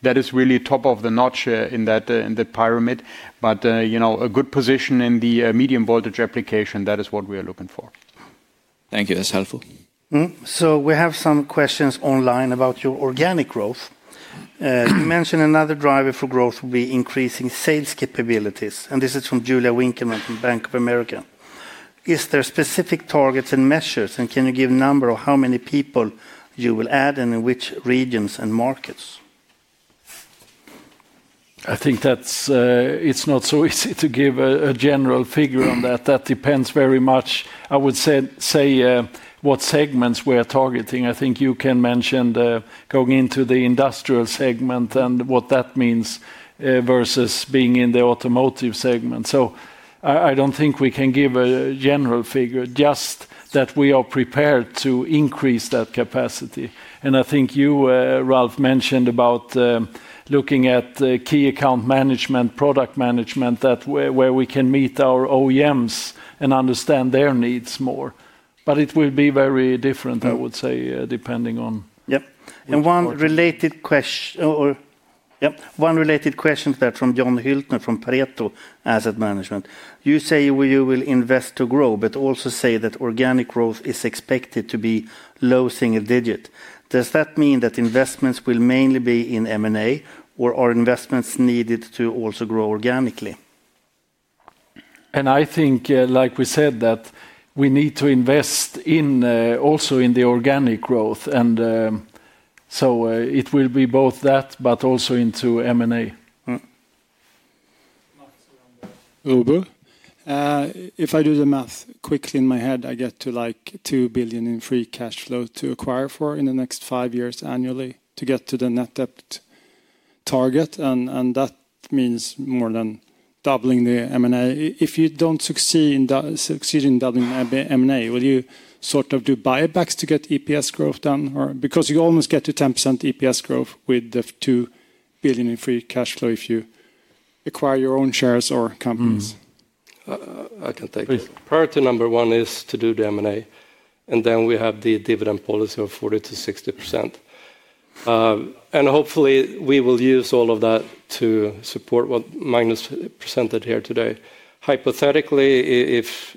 That is really top of the notch in that pyramid, but a good position in the medium voltage application, that is what we are looking for. Thank you. That's helpful. We have some questions online about your organic growth. You mentioned another driver for growth would be increasing sales capabilities. And this is from Julia Winckelmann from Bank of America. Is there specific targets and measures, and can you give a number of how many people you will add and in which regions and markets? I think it's not so easy to give a general figure on that. That depends very much, I would say, what segments we are targeting. I think you can mention going into the industrial segment and what that means. Versus being in the automotive segment. So I don't think we can give a general figure, just that we are prepared to increase that capacity. And I think you, Ralf, mentioned about. Looking at key account management, product management, where we can meet our OEMs and understand their needs more. But it will be very different, I would say, depending on. Yep. One related question to that from John Hiltner from Pareto Asset Management. You say you will invest to grow, but also say that organic growth is expected to be low single-digit. Does that mean that investments will mainly be in M&A or are investments needed to also grow organically? And I think, like we said, that we need to invest also in the organic growth. So it will be both that, but also into M&A. If I do the math quickly in my head, I get to like 2 billion in free cash flow to acquire for in the next five years annually to get to the net debt target. And that means more than doubling the M&A. If you don't succeed in doubling M&A, will you sort of do buybacks to get EPS growth done? Because you almost get to 10% EPS growth with the 2 billion in free cash flow if you acquire your own shares or companies. I can take that. Priority number one is to do the M&A. Then we have the dividend policy of 40%-60%. And hopefully we will use all of that to support what Magnus presented here today. Hypothetically, if.